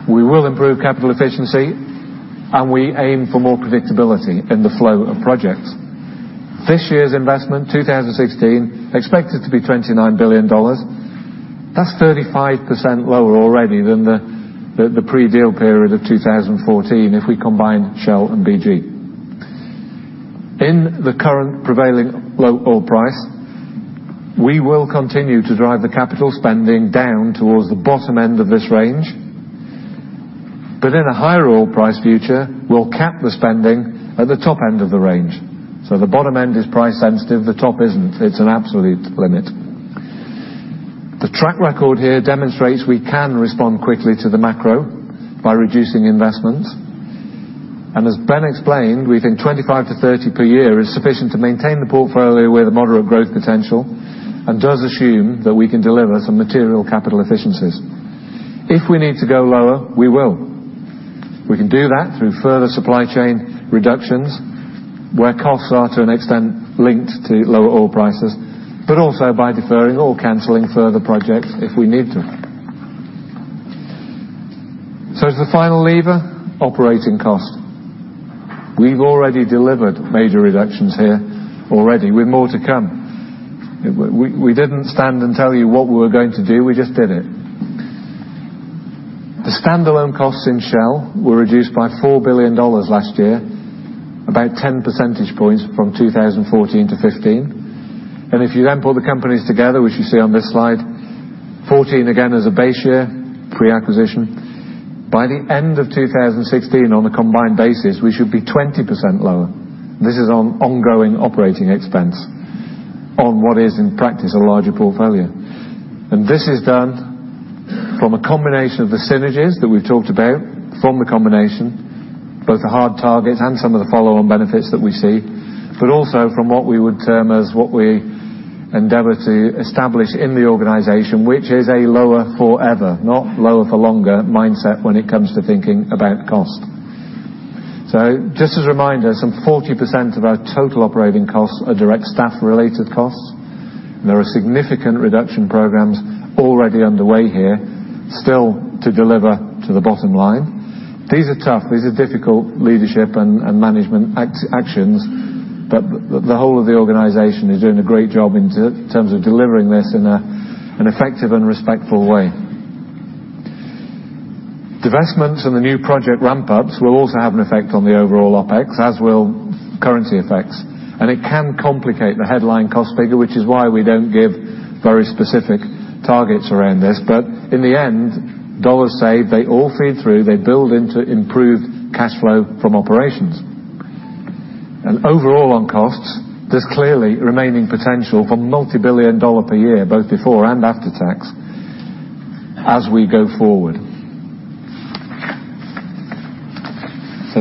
We will improve capital efficiency, we aim for more predictability in the flow of projects. This year's investment, 2016, expected to be $29 billion. That's 35% lower already than the pre-deal period of 2014 if we combine Shell and BG. In the current prevailing low oil price, we will continue to drive the capital spending down towards the bottom end of this range. In a higher oil price future, we'll cap the spending at the top end of the range. The bottom end is price sensitive, the top isn't. It's an absolute limit. The track record here demonstrates we can respond quickly to the macro by reducing investment. As Ben explained, we think $25 billion-$30 billion per year is sufficient to maintain the portfolio with a moderate growth potential and does assume that we can deliver some material capital efficiencies. If we need to go lower, we will. We can do that through further supply chain reductions where costs are to an extent linked to lower oil prices, but also by deferring or canceling further projects if we need to. As the final lever, operating cost. We've already delivered major reductions here already with more to come. We didn't stand and tell you what we were going to do, we just did it. The standalone costs in Shell were reduced by $4 billion last year, about 10 percentage points from 2014 to 2015. If you then pull the companies together, which you see on this slide, 2014 again is a base year, pre-acquisition. By the end of 2016, on a combined basis, we should be 20% lower. This is on ongoing operating expense on what is in practice a larger portfolio. This is done from a combination of the synergies that we've talked about from the combination, both the hard targets and some of the follow-on benefits that we see, but also from what we would term as what we endeavor to establish in the organization, which is a Lower for Ever, not lower for longer mindset when it comes to thinking about cost. Just as a reminder, some 40% of our total operating costs are direct staff related costs. There are significant reduction programs already underway here, still to deliver to the bottom line. These are tough, these are difficult leadership and management actions, but the whole of the organization is doing a great job in terms of delivering this in an effective and respectful way. Divestments and the new project ramp-ups will also have an effect on the overall OpEx, as will currency effects. It can complicate the headline cost figure, which is why we don't give very specific targets around this. In the end, dollars saved, they all feed through. They build into improved cash flow from operations. Overall on costs, there's clearly remaining potential for multibillion-dollar per year, both before and after tax, as we go forward.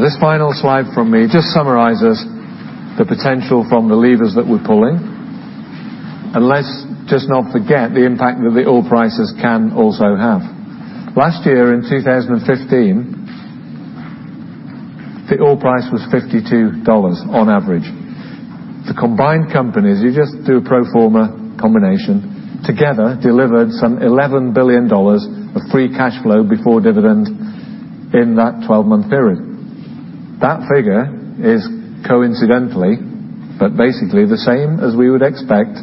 This final slide from me just summarizes the potential from the levers that we're pulling. Let's just not forget the impact that the oil prices can also have. Last year, in 2015, the oil price was $52 on average. The combined companies, you just do a pro forma combination, together delivered some $11 billion of free cash flow before dividend in that 12-month period. That figure is coincidentally, but basically the same as we would expect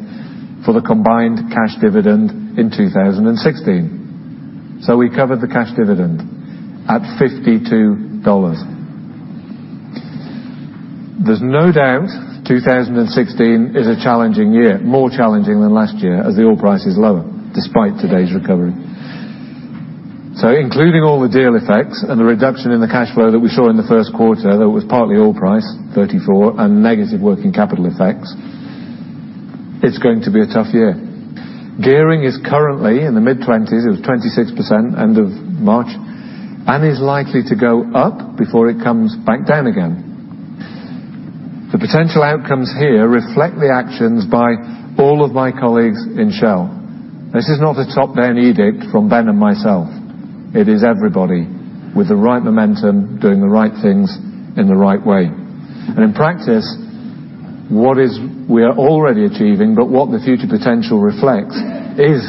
for the combined cash dividend in 2016. We covered the cash dividend at $52. There's no doubt 2016 is a challenging year, more challenging than last year as the oil price is lower despite today's recovery. Including all the deal effects and the reduction in the cash flow that we saw in the first quarter, that was partly oil price $34 and negative working capital effects, it's going to be a tough year. Gearing is currently in the mid-20s. It was 26% end of March, and is likely to go up before it comes back down again. The potential outcomes here reflect the actions by all of my colleagues in Shell. This is not a top-down edict from Ben and myself. It is everybody with the right momentum, doing the right things in the right way. In practice, what we are already achieving, but what the future potential reflects is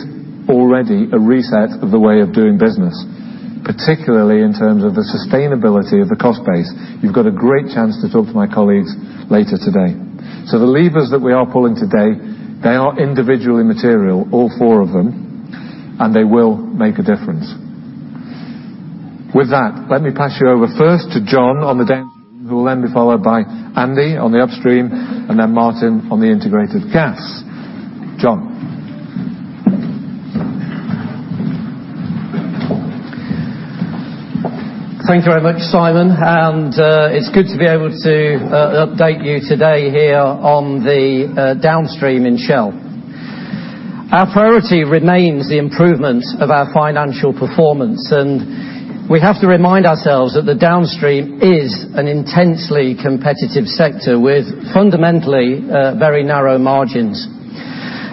already a reset of the way of doing business, particularly in terms of the sustainability of the cost base. You've got a great chance to talk to my colleagues later today. The levers that we are pulling today, they are individually material, all four of them, and they will make a difference. With that, let me pass you over first to John on the Downstream, who will then be followed by Andy on the Upstream, and then Marteen on the Integrated Gas. John. Thank you very much, Simon. It's good to be able to update you today here on the Downstream in Shell. Our priority remains the improvement of our financial performance, and we have to remind ourselves that the Downstream is an intensely competitive sector with fundamentally very narrow margins.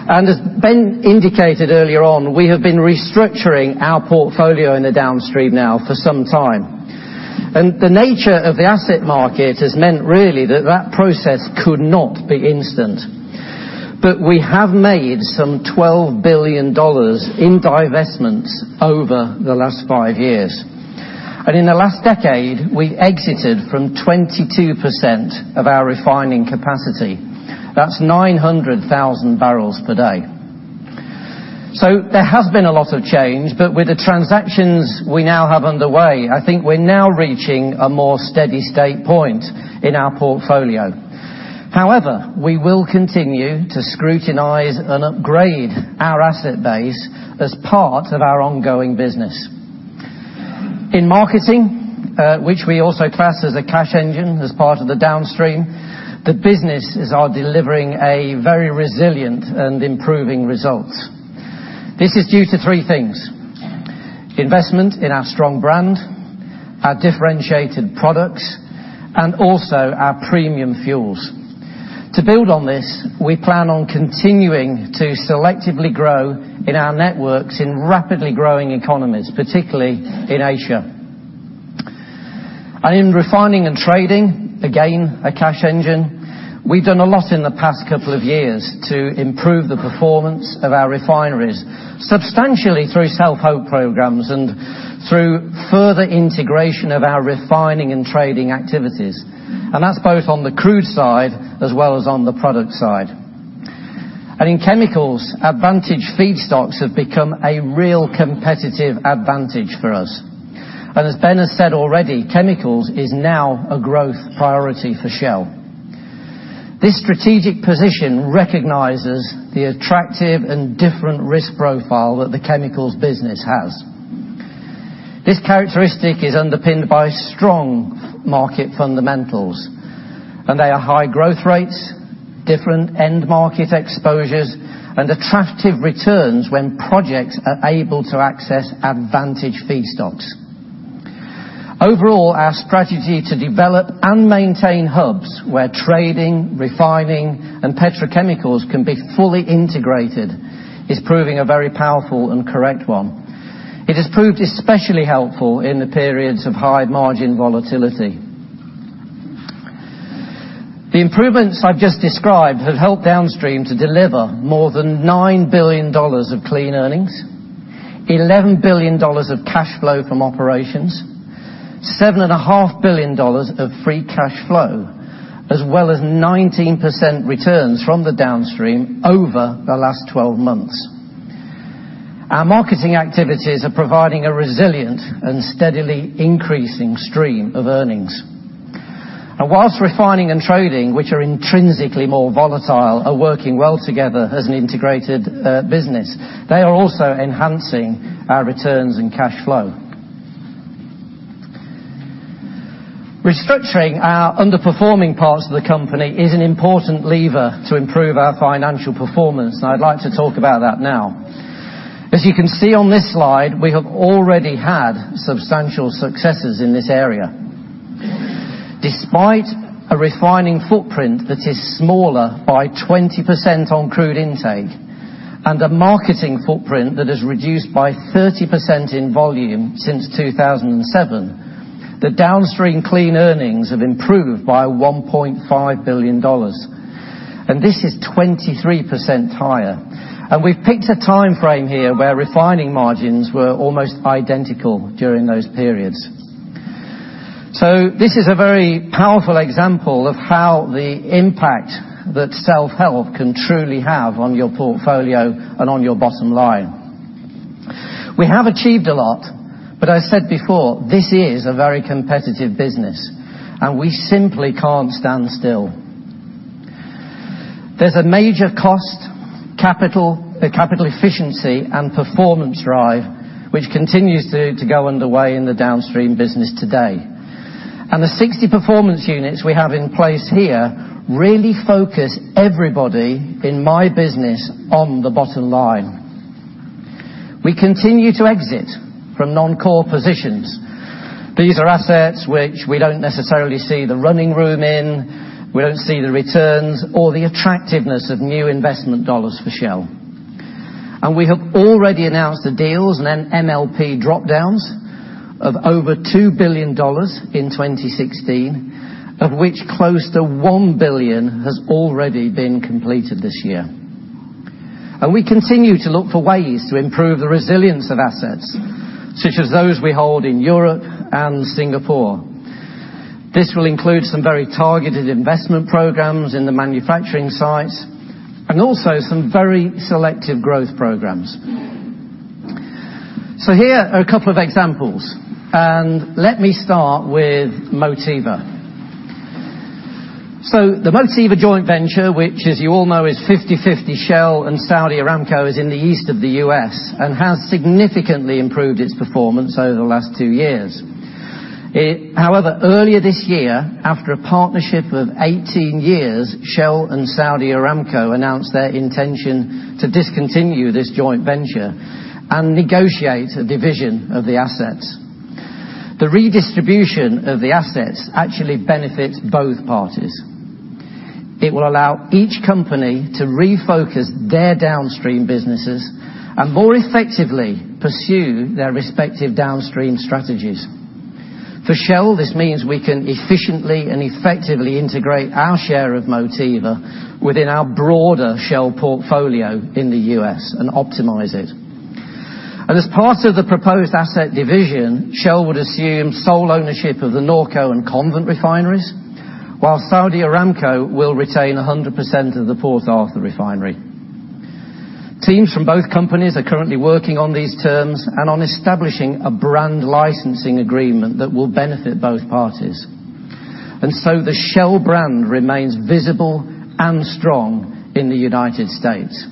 As Ben indicated earlier on, we have been restructuring our portfolio in the Downstream now for some time. The nature of the asset market has meant really that that process could not be instant. We have made some $12 billion in divestments over the last five years. In the last decade, we exited from 22% of our refining capacity. That's 900,000 barrels per day. There has been a lot of change, but with the transactions we now have underway, I think we're now reaching a more steady state point in our portfolio. However, we will continue to scrutinize and upgrade our asset base as part of our ongoing business. In marketing, which we also class as a cash engine, as part of the Downstream, the businesses are delivering a very resilient and improving results. This is due to three things, investment in our strong brand, our differentiated products, and also our premium fuels. To build on this, we plan on continuing to selectively grow in our networks in rapidly growing economies, particularly in Asia. In refining and trading, again, a cash engine, we've done a lot in the past couple of years to improve the performance of our refineries, substantially through self-help programs and through further integration of our refining and trading activities, and that's both on the crude side as well as on the product side. In chemicals, advantaged feedstocks have become a real competitive advantage for us. As Ben has said already, chemicals is now a growth priority for Shell. This strategic position recognizes the attractive and different risk profile that the chemicals business has. This characteristic is underpinned by strong market fundamentals, and they are high growth rates, different end market exposures, and attractive returns when projects are able to access advantaged feedstocks. Overall, our strategy to develop and maintain hubs where trading, refining, and petrochemicals can be fully integrated is proving a very powerful and correct one. It has proved especially helpful in the periods of high margin volatility. The improvements I've just described have helped Downstream to deliver more than $9 billion of clean earnings, $11 billion of cash flow from operations, $7.5 billion of free cash flow, as well as 19% returns from the Downstream over the last 12 months. Our marketing activities are providing a resilient and steadily increasing stream of earnings. Whilst refining and trading, which are intrinsically more volatile, are working well together as an integrated business, they are also enhancing our returns and cash flow. Restructuring our underperforming parts of the company is an important lever to improve our financial performance, and I'd like to talk about that now. As you can see on this slide, we have already had substantial successes in this area. Despite a refining footprint that is smaller by 20% on crude intake and a marketing footprint that has reduced by 30% in volume since 2007, the Downstream clean earnings have improved by $1.5 billion, and this is 23% higher. We've picked a time frame here where refining margins were almost identical during those periods. This is a very powerful example of how the impact that self-help can truly have on your portfolio and on your bottom line. We have achieved a lot, I said before, this is a very competitive business, we simply can't stand still. There is a major cost, capital efficiency, and performance drive, which continues to go underway in the Downstream business today. The 60 performance units we have in place here really focus everybody in my business on the bottom line. We continue to exit from non-core positions. These are assets which we don't necessarily see the running room in, we don't see the returns or the attractiveness of new investment dollars for Shell. We have already announced the deals and MLP dropdowns of over $2 billion in 2016, of which close to $1 billion has already been completed this year. We continue to look for ways to improve the resilience of assets, such as those we hold in Europe and Singapore. This will include some very targeted investment programs in the manufacturing sites, also some very selective growth programs. Here are a couple of examples, let me start with Motiva. The Motiva joint venture, which as you all know is 50/50 Shell and Saudi Aramco, is in the east of the U.S. and has significantly improved its performance over the last two years. However, earlier this year, after a partnership of 18 years, Shell and Saudi Aramco announced their intention to discontinue this joint venture and negotiate a division of the assets. The redistribution of the assets actually benefits both parties. It will allow each company to refocus their Downstream businesses and more effectively pursue their respective Downstream strategies. For Shell, this means we can efficiently and effectively integrate our share of Motiva within our broader Shell portfolio in the U.S. and optimize it. As part of the proposed asset division, Shell would assume sole ownership of the Norco and Convent refineries, while Saudi Aramco will retain 100% of the Port Arthur refinery. Teams from both companies are currently working on these terms and on establishing a brand licensing agreement that will benefit both parties, the Shell brand remains visible and strong in the United States.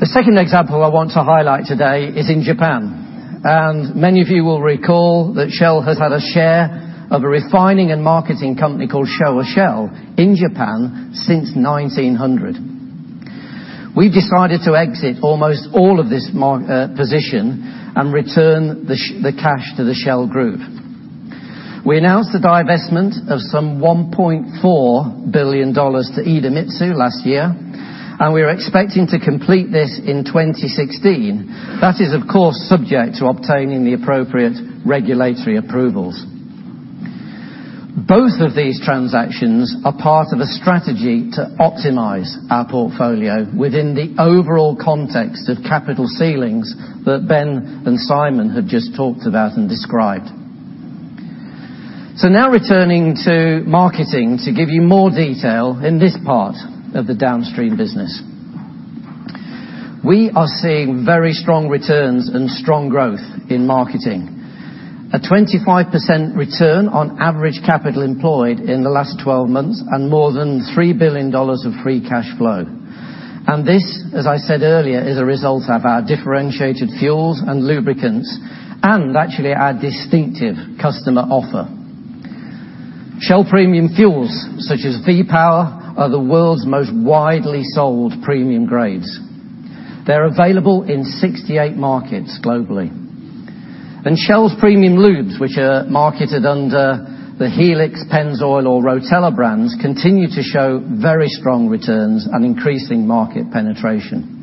The second example I want to highlight today is in Japan, many of you will recall that Shell has had a share of a refining and marketing company called Showa Shell in Japan since 1900. We've decided to exit almost all of this position and return the cash to the Shell group. We announced the divestment of some $1.4 billion to Idemitsu last year, we are expecting to complete this in 2016. That is, of course, subject to obtaining the appropriate regulatory approvals. Both of these transactions are part of a strategy to optimize our portfolio within the overall context of capital ceilings that Ben and Simon have just talked about and described. Now returning to marketing to give you more detail in this part of the Downstream business. We are seeing very strong returns and strong growth in marketing. A 25% return on average capital employed in the last 12 months and more than $3 billion of free cash flow. This, as I said earlier, is a result of our differentiated fuels and lubricants and actually our distinctive customer offer. Shell premium fuels, such as V-Power, are the world's most widely sold premium grades. They're available in 68 markets globally. Shell's premium lubes, which are marketed under the Helix, Pennzoil, or Rotella brands, continue to show very strong returns and increasing market penetration.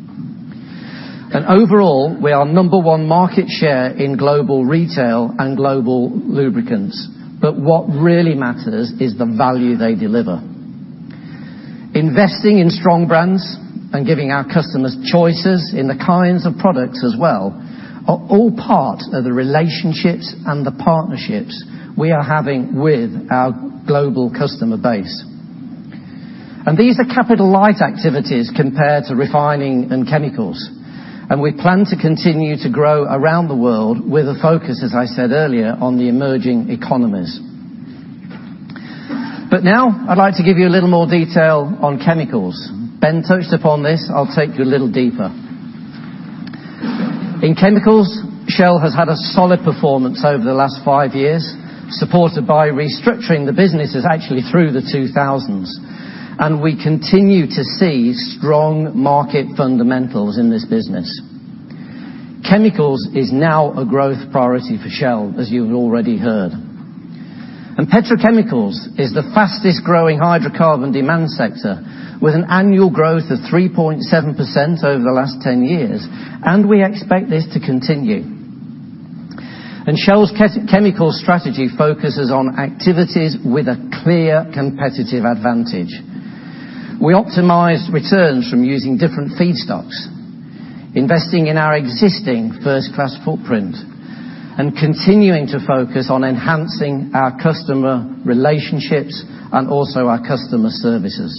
Overall, we are number one market share in global retail and global lubricants, but what really matters is the value they deliver. Investing in strong brands and giving our customers choices in the kinds of products as well, are all part of the relationships and the partnerships we are having with our global customer base. These are capital light activities compared to refining and chemicals, and we plan to continue to grow around the world with a focus, as I said earlier, on the emerging economies. Now I'd like to give you a little more detail on chemicals. Ben touched upon this, I'll take you a little deeper. In chemicals, Shell has had a solid performance over the last five years, supported by restructuring the businesses actually through the 2000s, and we continue to see strong market fundamentals in this business. Chemicals is now a growth priority for Shell, as you've already heard. Petrochemicals is the fastest growing hydrocarbon demand sector, with an annual growth of 3.7% over the last 10 years, and we expect this to continue. Shell's chemical strategy focuses on activities with a clear competitive advantage. We optimize returns from using different feedstocks, investing in our existing first-class footprint, and continuing to focus on enhancing our customer relationships and also our customer services.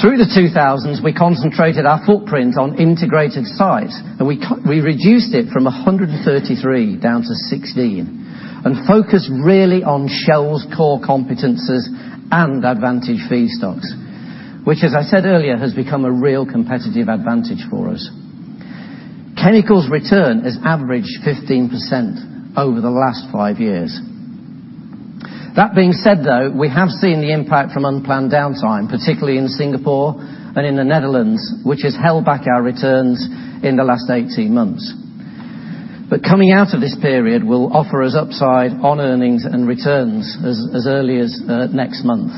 Through the 2000s, we concentrated our footprint on integrated sites, and we reduced it from 133 down to six and focused really on Shell's core competencies and advantage feedstocks, which as I said earlier, has become a real competitive advantage for us. Chemicals return has averaged 15% over the last five years. That being said, though, we have seen the impact from unplanned downtime, particularly in Singapore and in the Netherlands, which has held back our returns in the last 18 months. Coming out of this period will offer us upside on earnings and returns as early as next month.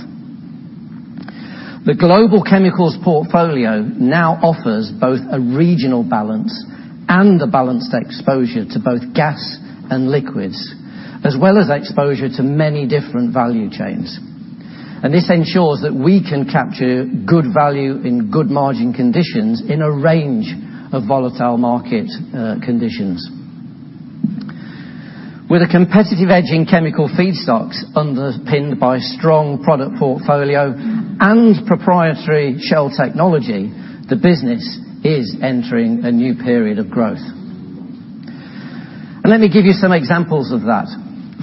The global chemicals portfolio now offers both a regional balance and a balanced exposure to both gas and liquids, as well as exposure to many different value chains, and this ensures that we can capture good value in good margin conditions in a range of volatile market conditions. With a competitive edge in chemical feedstocks, underpinned by strong product portfolio and proprietary Shell technology, the business is entering a new period of growth. Let me give you some examples of that.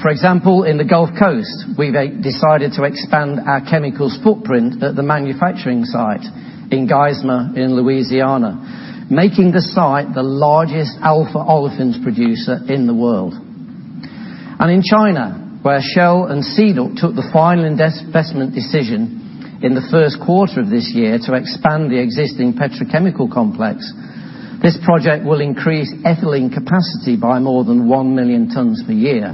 For example, in the Gulf Coast, we've decided to expand our chemicals footprint at the manufacturing site in Geismar in Louisiana, making the site the largest alpha olefins producer in the world. In China, where Shell and CNOOC took the final investment decision in the first quarter of this year to expand the existing petrochemical complex. This project will increase ethylene capacity by more than 1 million tons per year,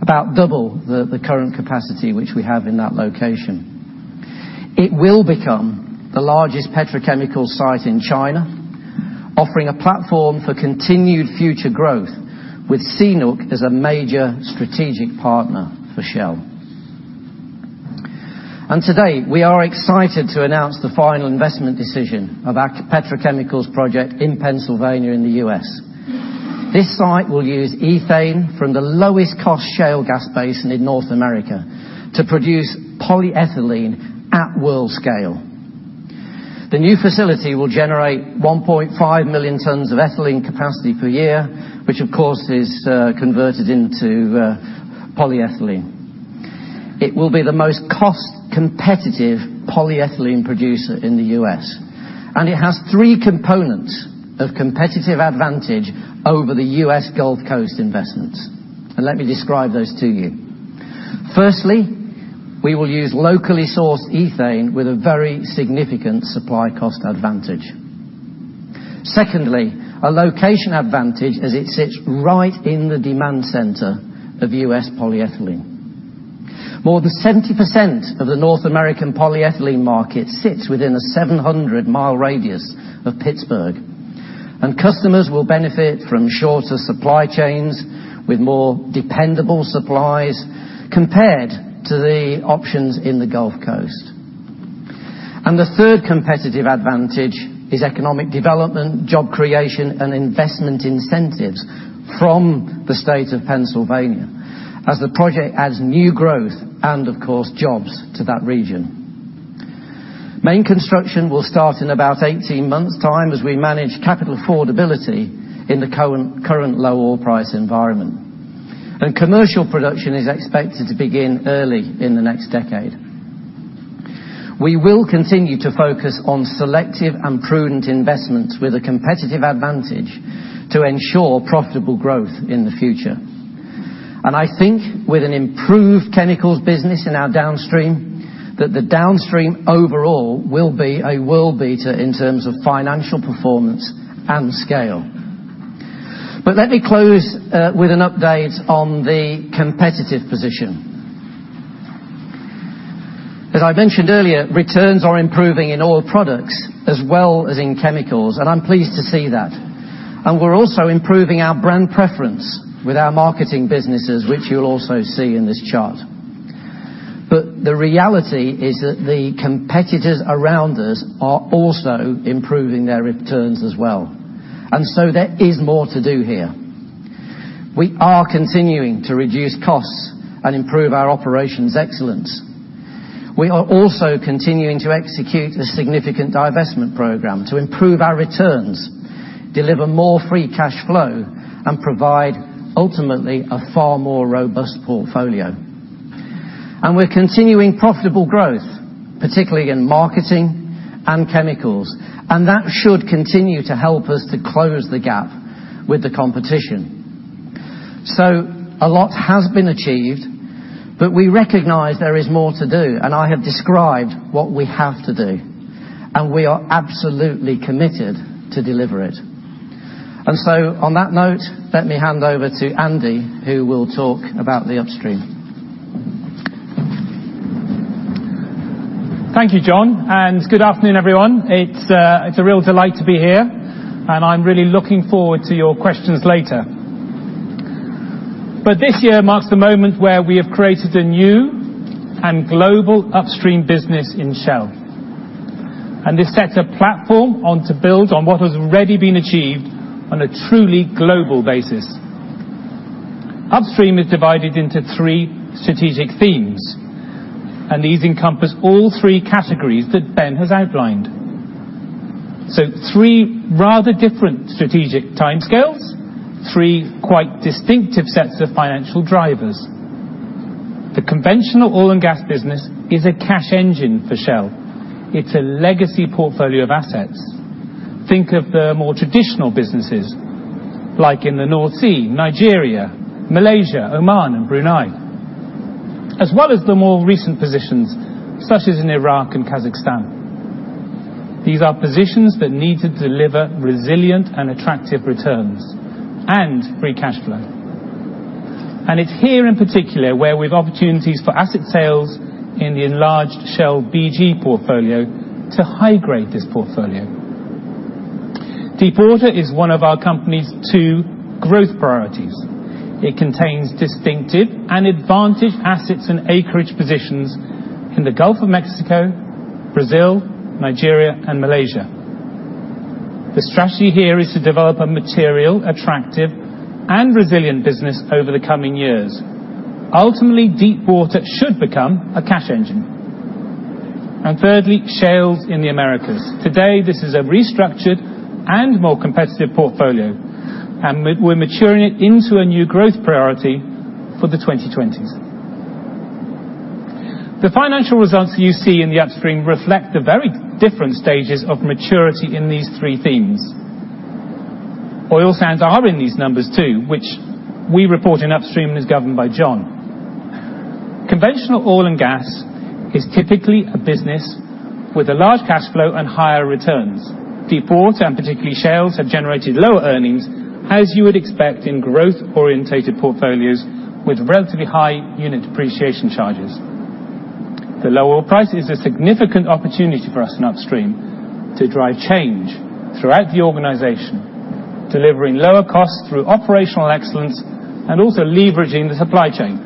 about double the current capacity which we have in that location. It will become the largest petrochemical site in China, offering a platform for continued future growth with CNOOC as a major strategic partner for Shell. Today, we are excited to announce the final investment decision of our petrochemicals project in Pennsylvania in the U.S. This site will use ethane from the lowest cost shale gas basin in North America to produce polyethylene at world scale. The new facility will generate 1.5 million tons of ethylene capacity per year, which, of course, is converted into polyethylene. It will be the most cost-competitive polyethylene producer in the U.S., and it has three components of competitive advantage over the U.S. Gulf Coast investments. Let me describe those to you. Firstly, we will use locally sourced ethane with a very significant supply cost advantage. Secondly, a location advantage as it sits right in the demand center of U.S. polyethylene. More than 70% of the North American polyethylene market sits within a 700-mile radius of Pittsburgh, and customers will benefit from shorter supply chains with more dependable supplies compared to the options in the Gulf Coast. The third competitive advantage is economic development, job creation, and investment incentives from the state of Pennsylvania as the project adds new growth and, of course, jobs to that region. Main construction will start in about 18 months' time as we manage capital affordability in the current low oil price environment. Commercial production is expected to begin early in the next decade. We will continue to focus on selective and prudent investments with a competitive advantage to ensure profitable growth in the future. I think with an improved chemicals business in our Downstream, that the Downstream overall will be a world beater in terms of financial performance and scale. Let me close with an update on the competitive position. As I mentioned earlier, returns are improving in Oil Products as well as in Chemicals, I'm pleased to see that. We're also improving our brand preference with our marketing businesses, which you'll also see in this chart. The reality is that the competitors around us are also improving their returns as well. There is more to do here. We are continuing to reduce costs and improve our operations excellence. We are also continuing to execute a significant divestment program to improve our returns, deliver more free cash flow, and provide, ultimately, a far more robust portfolio. We're continuing profitable growth, particularly in marketing and chemicals, and that should continue to help us to close the gap with the competition. A lot has been achieved, but we recognize there is more to do, and I have described what we have to do, and we are absolutely committed to deliver it. On that note, let me hand over to Andy, who will talk about the Upstream. Thank you, John, and good afternoon, everyone. It's a real delight to be here, and I'm really looking forward to your questions later. This year marks the moment where we have created a new and global Upstream business in Shell. This sets a platform on to build on what has already been achieved on a truly global basis. Upstream is divided into three strategic themes, and these encompass all three categories that Ben has outlined. Three rather different strategic timescales, three quite distinctive sets of financial drivers. The conventional oil and gas business is a cash engine for Shell. It's a legacy portfolio of assets. Think of the more traditional businesses, like in the North Sea, Nigeria, Malaysia, Oman, and Brunei, as well as the more recent positions, such as in Iraq and Kazakhstan. These are positions that need to deliver resilient and attractive returns and free cash flow. It's here in particular where we've opportunities for asset sales in the enlarged Shell BG portfolio to high grade this portfolio. Deep water is one of our company's two growth priorities. It contains distinctive and advantage assets and acreage positions in the Gulf of Mexico, Brazil, Nigeria, and Malaysia. The strategy here is to develop a material, attractive, and resilient business over the coming years. Ultimately, deep water should become a cash engine. Thirdly, shales in the Americas. Today, this is a restructured and more competitive portfolio, and we're maturing it into a new growth priority for the 2020s. The financial results you see in the Upstream reflect the very different stages of maturity in these three themes. Oil sands are in these numbers too, which we report in Upstream and is governed by John. Conventional oil and gas is typically a business with a large cash flow and higher returns. Deep water, and particularly shales, have generated lower earnings, as you would expect in growth-orientated portfolios with relatively high unit depreciation charges. The lower price is a significant opportunity for us in Upstream to drive change throughout the organization, delivering lower costs through operational excellence and also leveraging the supply chain.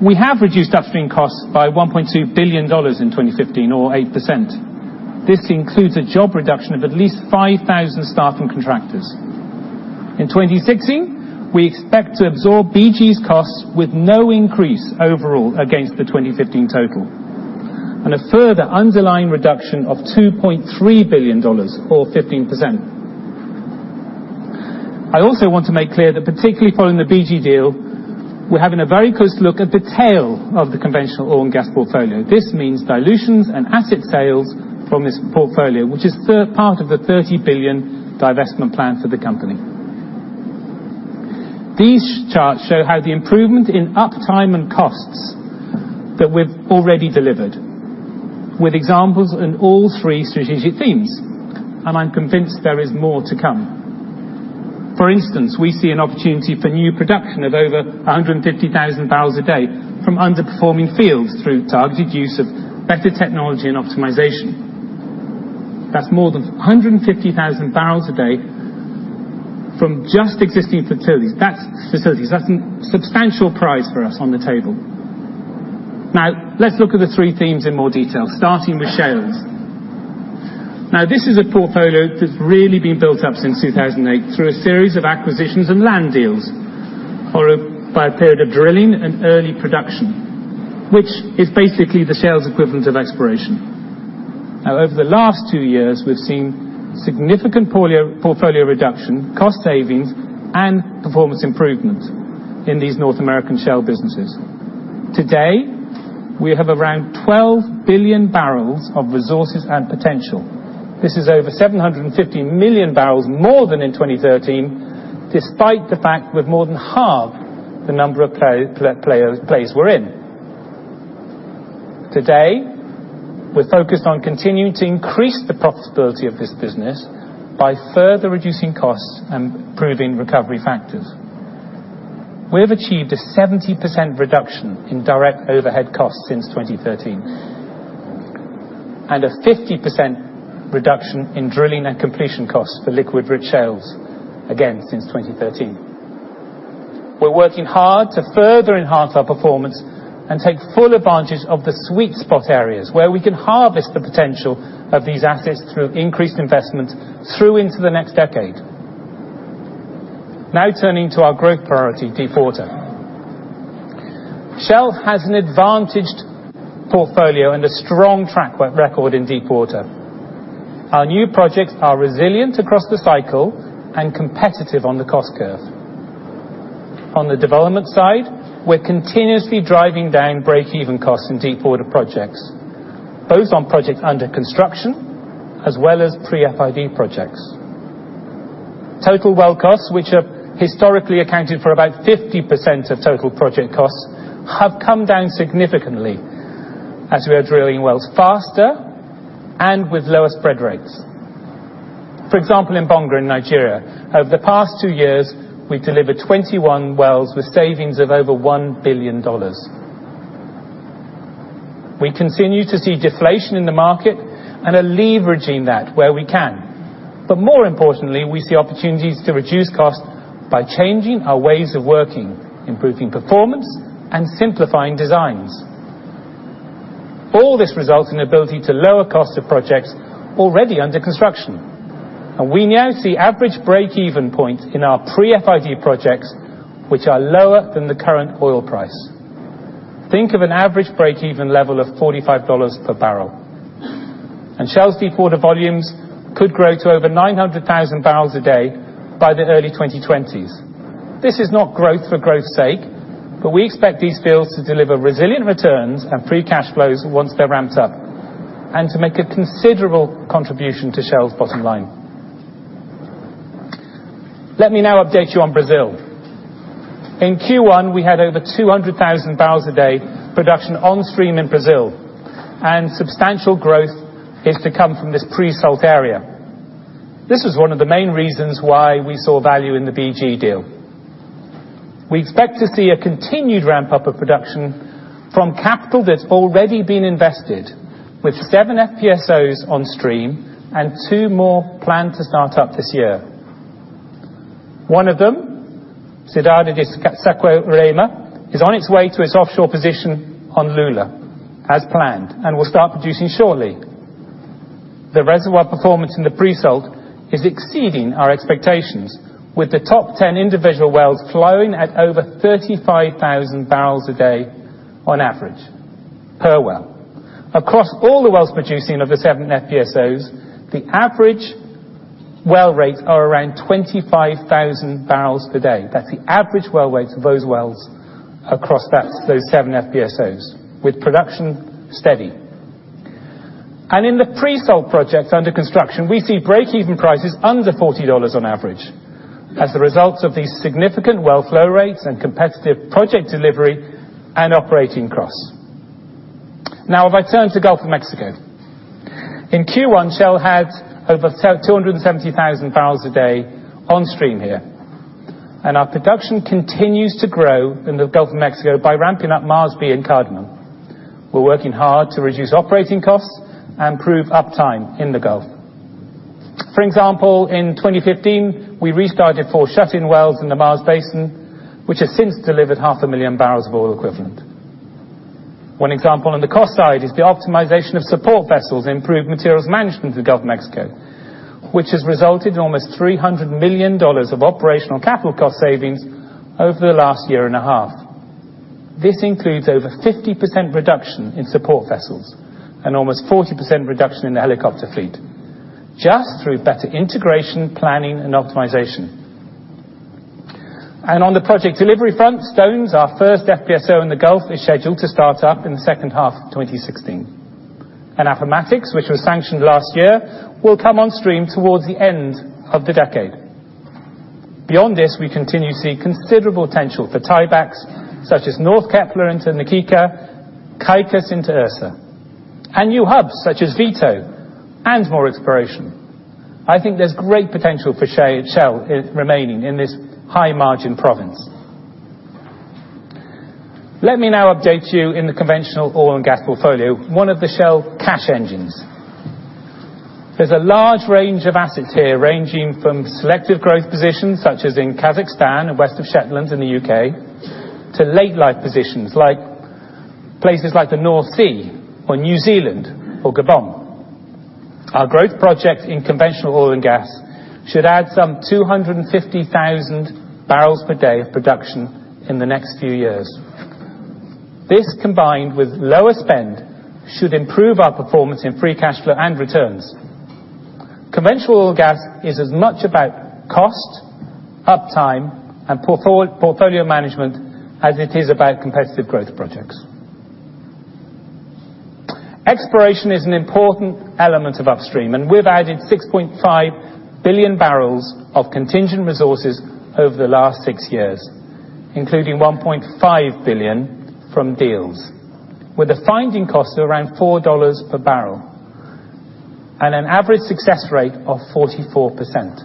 We have reduced Upstream costs by $1.2 billion in 2015, or 8%. This includes a job reduction of at least 5,000 staff and contractors. In 2016, we expect to absorb BG's costs with no increase overall against the 2015 total, and a further underlying reduction of $2.3 billion or 15%. I also want to make clear that particularly following the BG deal, we're having a very close look at the tail of the conventional oil and gas portfolio. This means dilutions and asset sales from this portfolio, which is part of the $30 billion divestment plan for the company. These charts show how the improvement in uptime and costs that we've already delivered, with examples in all three strategic themes, and I'm convinced there is more to come. For instance, we see an opportunity for new production of over 150,000 barrels a day from underperforming fields through targeted use of better technology and optimization. That's more than 150,000 barrels a day from just existing facilities. That's a substantial prize for us on the table. Let's look at the three themes in more detail, starting with shales. This is a portfolio that's really been built up since 2008 through a series of acquisitions and land deals, followed by a period of drilling and early production, which is basically the sales equivalent of exploration. Over the last two years, we've seen significant portfolio reduction, cost savings, and performance improvement in these North American Shell businesses. Today, we have around 12 billion barrels of resources and potential. This is over 750 million barrels more than in 2013, despite the fact we've more than halved the number of plays we're in. Today, we're focused on continuing to increase the profitability of this business by further reducing costs and improving recovery factors. We have achieved a 70% reduction in direct overhead costs since 2013, and a 50% reduction in drilling and completion costs for liquid-rich shales, again, since 2013. We're working hard to further enhance our performance and take full advantage of the sweet spot areas where we can harvest the potential of these assets through increased investment through into the next decade. Turning to our growth priority, deep water. Shell has an advantaged portfolio and a strong track record in deep water. Our new projects are resilient across the cycle and competitive on the cost curve. On the development side, we're continuously driving down break-even costs in deep water projects, both on projects under construction as well as pre-FID projects. Total well costs, which have historically accounted for about 50% of total project costs, have come down significantly as we are drilling wells faster and with lower spread rates. For example, in Bonga in Nigeria, over the past two years, we've delivered 21 wells with savings of over $1 billion. We continue to see deflation in the market and are leveraging that where we can. More importantly, we see opportunities to reduce costs by changing our ways of working, improving performance, and simplifying designs. All this results in ability to lower costs of projects already under construction. We now see average break-even points in our pre-FID projects which are lower than the current oil price. Think of an average break-even level of $45 per barrel. Shell's deep water volumes could grow to over 900,000 barrels a day by the early 2020s. This is not growth for growth's sake, but we expect these fields to deliver resilient returns and free cash flows once they're ramped up, and to make a considerable contribution to Shell's bottom line. Let me now update you on Brazil. In Q1, we had over 200,000 barrels a day production on stream in Brazil, and substantial growth is to come from this pre-salt area. This is one of the main reasons why we saw value in the BG deal. We expect to see a continued ramp-up of production from capital that's already been invested, with seven FPSOs on stream and two more planned to start up this year. One of them, Cidade de Saquarema, is on its way to its offshore position on Lula, as planned, and will start producing shortly. The reservoir performance in the pre-salt is exceeding our expectations, with the top 10 individual wells flowing at over 35,000 barrels a day on average per well. Across all the wells producing of the seven FPSOs, the average well rates are around 25,000 barrels per day. That's the average well rates of those wells across those seven FPSOs, with production steady. In the pre-salt projects under construction, we see break-even prices under $40 on average as a result of these significant well flow rates and competitive project delivery and operating costs. Now, if I turn to Gulf of Mexico. In Q1, Shell had over 270,000 barrels a day on stream here. Our production continues to grow in the Gulf of Mexico by ramping up Mars B and Cardamom. We're working hard to reduce operating costs and improve uptime in the Gulf. For example, in 2015, we restarted four shut-in wells in the Mars Basin, which has since delivered half a million barrels of oil equivalent. One example on the cost side is the optimization of support vessels and improved materials management in the Gulf of Mexico, which has resulted in almost $300 million of operational capital cost savings over the last year and a half. This includes over 50% reduction in support vessels and almost 40% reduction in the helicopter fleet, just through better integration, planning, and optimization. On the project delivery front, Stones, our first FPSO in the Gulf, is scheduled to start up in the second half of 2016. Appomattox, which was sanctioned last year, will come on stream towards the end of the decade. Beyond this, we continue to see considerable potential for tiebacks such as North Kepler into Na Kika, Kaikias into Ursa, and new hubs such as Vito and more exploration. I think there's great potential for Shell remaining in this high-margin province. Let me now update you in the conventional oil and gas portfolio, one of the Shell cash engines. There's a large range of assets here, ranging from selective growth positions such as in Kazakhstan and west of Shetland in the U.K., to late life positions like places like the North Sea or New Zealand or Gabon. Our growth project in conventional oil and gas should add some 250,000 barrels per day of production in the next few years. This combined with lower spend should improve our performance in free cash flow and returns. Conventional oil gas is as much about cost, uptime, and portfolio management as it is about competitive growth projects. Exploration is an important element of upstream, and we've added 6.5 billion barrels of contingent resources over the last six years, including 1.5 billion from deals, with a finding cost of around $4 per barrel and an average success rate of 44%.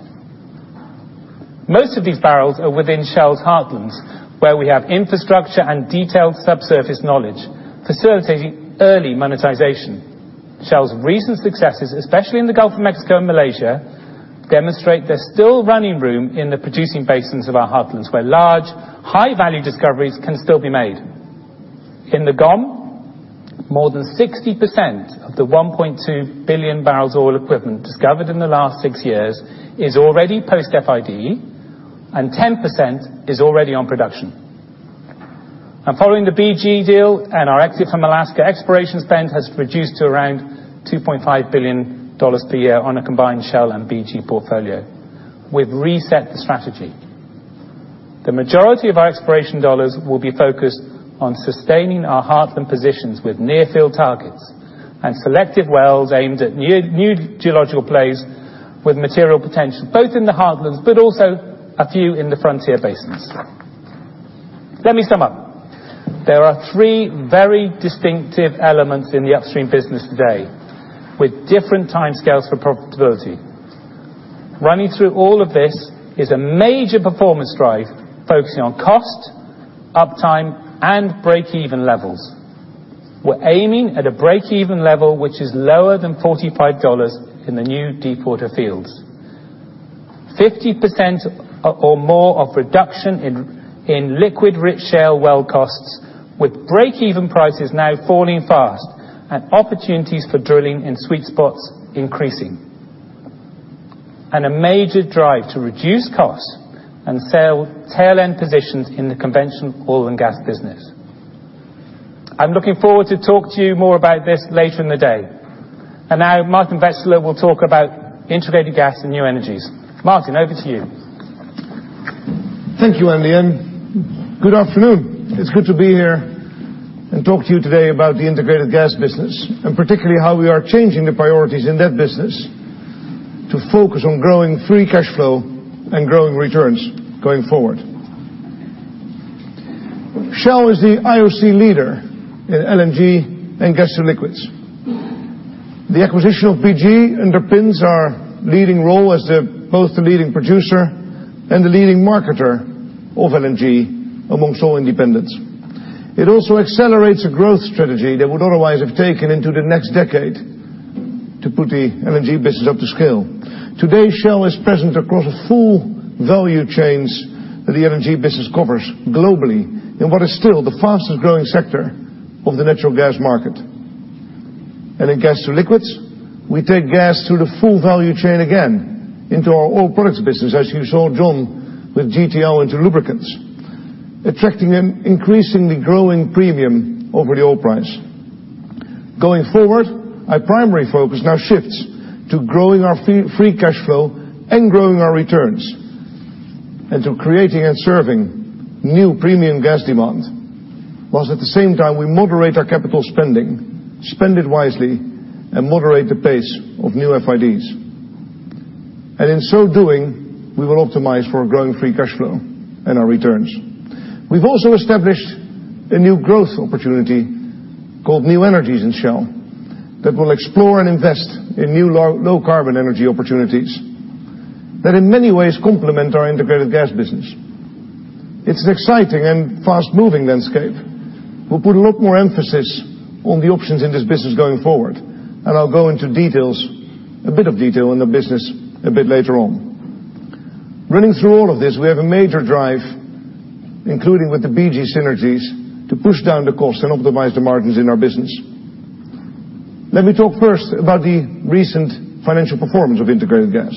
Most of these barrels are within Shell's heartlands, where we have infrastructure and detailed subsurface knowledge facilitating early monetization. Shell's recent successes, especially in the Gulf of Mexico and Malaysia, demonstrate there's still running room in the producing basins of our heartlands, where large, high-value discoveries can still be made. In the GOM, more than 60% of the 1.2 billion barrels of oil equivalent discovered in the last six years is already post FID and 10% is already on production. Now following the BG deal and our exit from Alaska, exploration spend has reduced to around $2.5 billion per year on a combined Shell and BG portfolio. We've reset the strategy. The majority of our exploration dollars will be focused on sustaining our heartland positions with near field targets and selective wells aimed at new geological plays with material potential, both in the heartlands, but also a few in the frontier basins. Let me sum up. There are three very distinctive elements in the upstream business today with different timescales for profitability. Running through all of this is a major performance drive focusing on cost, uptime, and breakeven levels. We're aiming at a breakeven level which is lower than $45 in the new deepwater fields, 50% or more of reduction in liquid-rich shale well costs with breakeven prices now falling fast and opportunities for drilling in sweet spots increasing, and a major drive to reduce costs and sell tail-end positions in the conventional oil and gas business. I'm looking forward to talk to you more about this later in the day. Now, Maarten Wetselaar will talk about Integrated Gas and New Energies. Maarten, over to you. Thank you, Andy, and good afternoon. It's good to be here and talk to you today about the Integrated Gas business, and particularly how we are changing the priorities in that business to focus on growing free cash flow and growing returns going forward. Shell is the IOC leader in LNG and gas to liquids. The acquisition of BG underpins our leading role as both the leading producer and the leading marketer of LNG amongst all independents. It also accelerates a growth strategy that would otherwise have taken into the next decade to put the LNG business up to scale. Today, Shell is present across a full value chains that the LNG business covers globally in what is still the fastest growing sector of the natural gas market. In gas to liquids, we take gas through the full value chain again into our oil products business, as you saw John with GTL into lubricants, attracting an increasingly growing premium over the oil price. Going forward, our primary focus now shifts to growing our free cash flow and growing our returns and to creating and serving new premium gas demand, whilst at the same time, we moderate our capital spending, spend it wisely, and moderate the pace of new FIDs. In so doing, we will optimize for a growing free cash flow and our returns. We've also established a new growth opportunity called New Energies in Shell that will explore and invest in new low carbon energy opportunities that in many ways complement our Integrated Gas business. It's an exciting and fast-moving landscape. We'll put a lot more emphasis on the options in this business going forward. I'll go into a bit of detail on the business a bit later on. Running through all of this, we have a major drive, including with the BG synergies, to push down the cost and optimize the margins in our business. Let me talk first about the recent financial performance of Integrated Gas.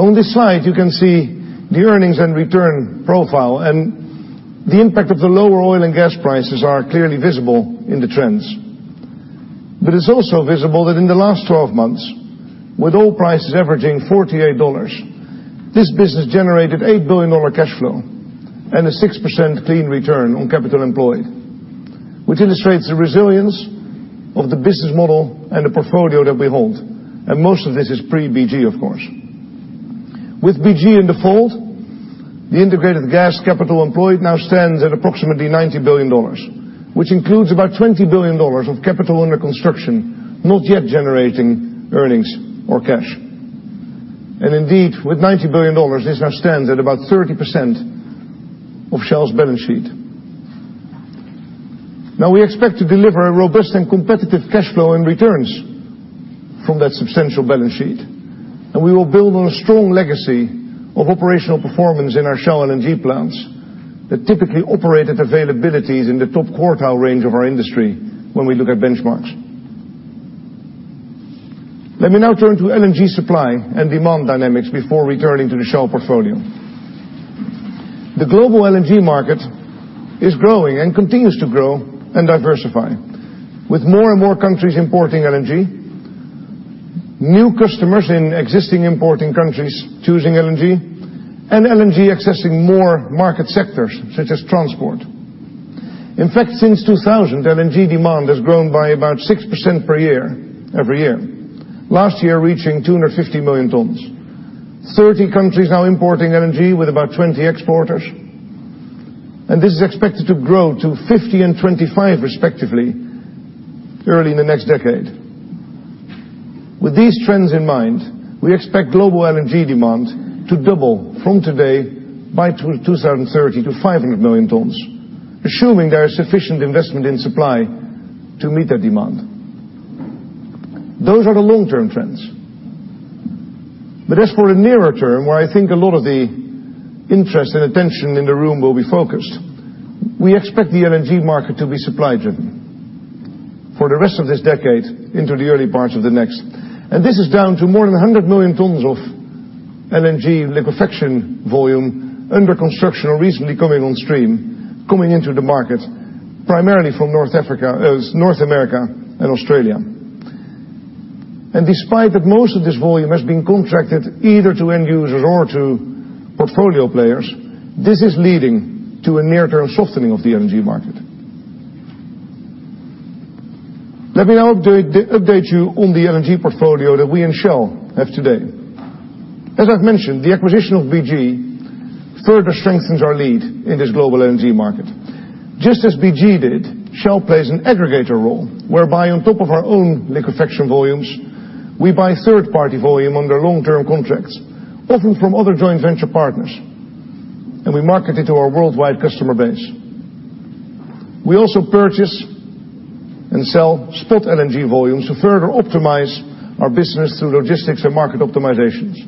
On this slide, you can see the earnings and return profile. The impact of the lower oil and gas prices are clearly visible in the trends. It's also visible that in the last 12 months, with oil prices averaging $48, this business generated $8 billion cash flow and a 6% clean return on capital employed, which illustrates the resilience of the business model and the portfolio that we hold. Most of this is pre-BG, of course. With BG in default, the Integrated Gas capital employed now stands at approximately $90 billion, which includes about $20 billion of capital under construction, not yet generating earnings or cash. Indeed, with $90 billion, this now stands at about 30% of Shell's balance sheet. We expect to deliver a robust and competitive cash flow and returns from that substantial balance sheet. We will build on a strong legacy of operational performance in our Shell LNG plants that typically operate at availabilities in the top quartile range of our industry when we look at benchmarks. Let me now turn to LNG supply and demand dynamics before returning to the Shell portfolio. The global LNG market is growing and continues to grow and diversify, with more and more countries importing LNG, new customers in existing importing countries choosing LNG, and LNG accessing more market sectors such as transport. In fact, since 2000, LNG demand has grown by about 6% per year every year, last year reaching 250 million tons. 30 countries now importing LNG with about 20 exporters. This is expected to grow to 50 and 25 respectively early in the next decade. With these trends in mind, we expect global LNG demand to double from today by 2030 to 500 million tons, assuming there is sufficient investment in supply to meet that demand. Those are the long-term trends. As for the nearer term, where I think a lot of the interest and attention in the room will be focused, we expect the LNG market to be supply-driven for the rest of this decade into the early parts of the next. This is down to more than 100 million tons of LNG liquefaction volume under construction or recently coming on stream, coming into the market, primarily from North America and Australia. Despite that most of this volume has been contracted either to end users or to portfolio players, this is leading to a near-term softening of the LNG market. Let me now update you on the LNG portfolio that we in Shell have today. As I've mentioned, the acquisition of BG further strengthens our lead in this global LNG market. Just as BG did, Shell plays an aggregator role whereby on top of our own liquefaction volumes, we buy third-party volume under long-term contracts, often from other joint venture partners. We market it to our worldwide customer base. We also purchase and sell spot LNG volumes to further optimize our business through logistics and market optimizations.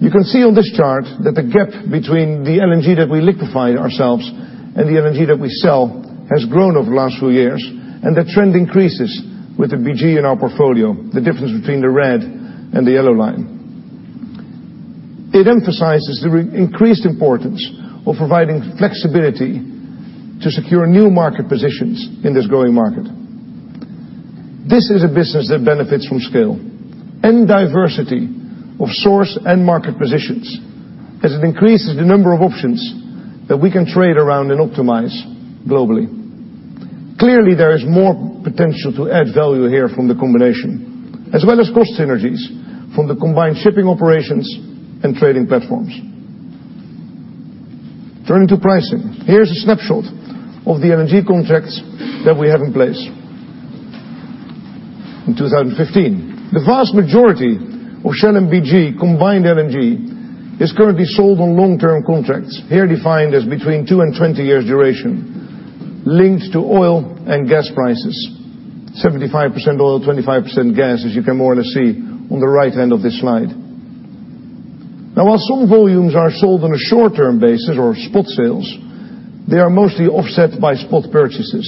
You can see on this chart that the gap between the LNG that we liquefy ourselves and the LNG that we sell has grown over the last few years, and that trend increases with the BG in our portfolio, the difference between the red and the yellow line. It emphasizes the increased importance of providing flexibility to secure new market positions in this growing market. This is a business that benefits from scale and diversity of source and market positions, as it increases the number of options that we can trade around and optimize globally. Clearly, there is more potential to add value here from the combination, as well as cost synergies from the combined shipping operations and trading platforms. Turning to pricing. Here's a snapshot of the LNG contracts that we have in place in 2015. The vast majority of Shell and BG combined LNG is currently sold on long-term contracts, here defined as between 2 and 20 years duration, linked to oil and gas prices, 75% oil, 25% gas, as you can more or less see on the right end of this slide. While some volumes are sold on a short-term basis or spot sales, they are mostly offset by spot purchases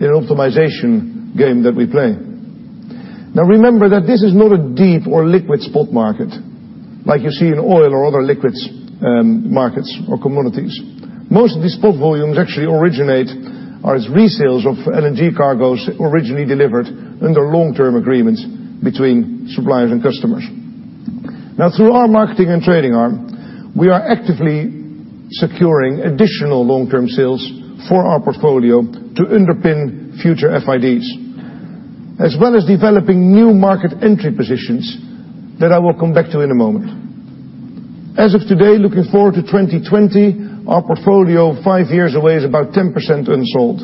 in optimization game that we play. Remember that this is not a deep or liquid spot market like you see in oil or other liquids markets or commodities. Most of these spot volumes actually originate or is resales of LNG cargos originally delivered under long-term agreements between suppliers and customers. Through our marketing and trading arm, we are actively securing additional long-term sales for our portfolio to underpin future FIDs, as well as developing new market entry positions that I will come back to in a moment. As of today, looking forward to 2020, our portfolio five years away is about 10% unsold.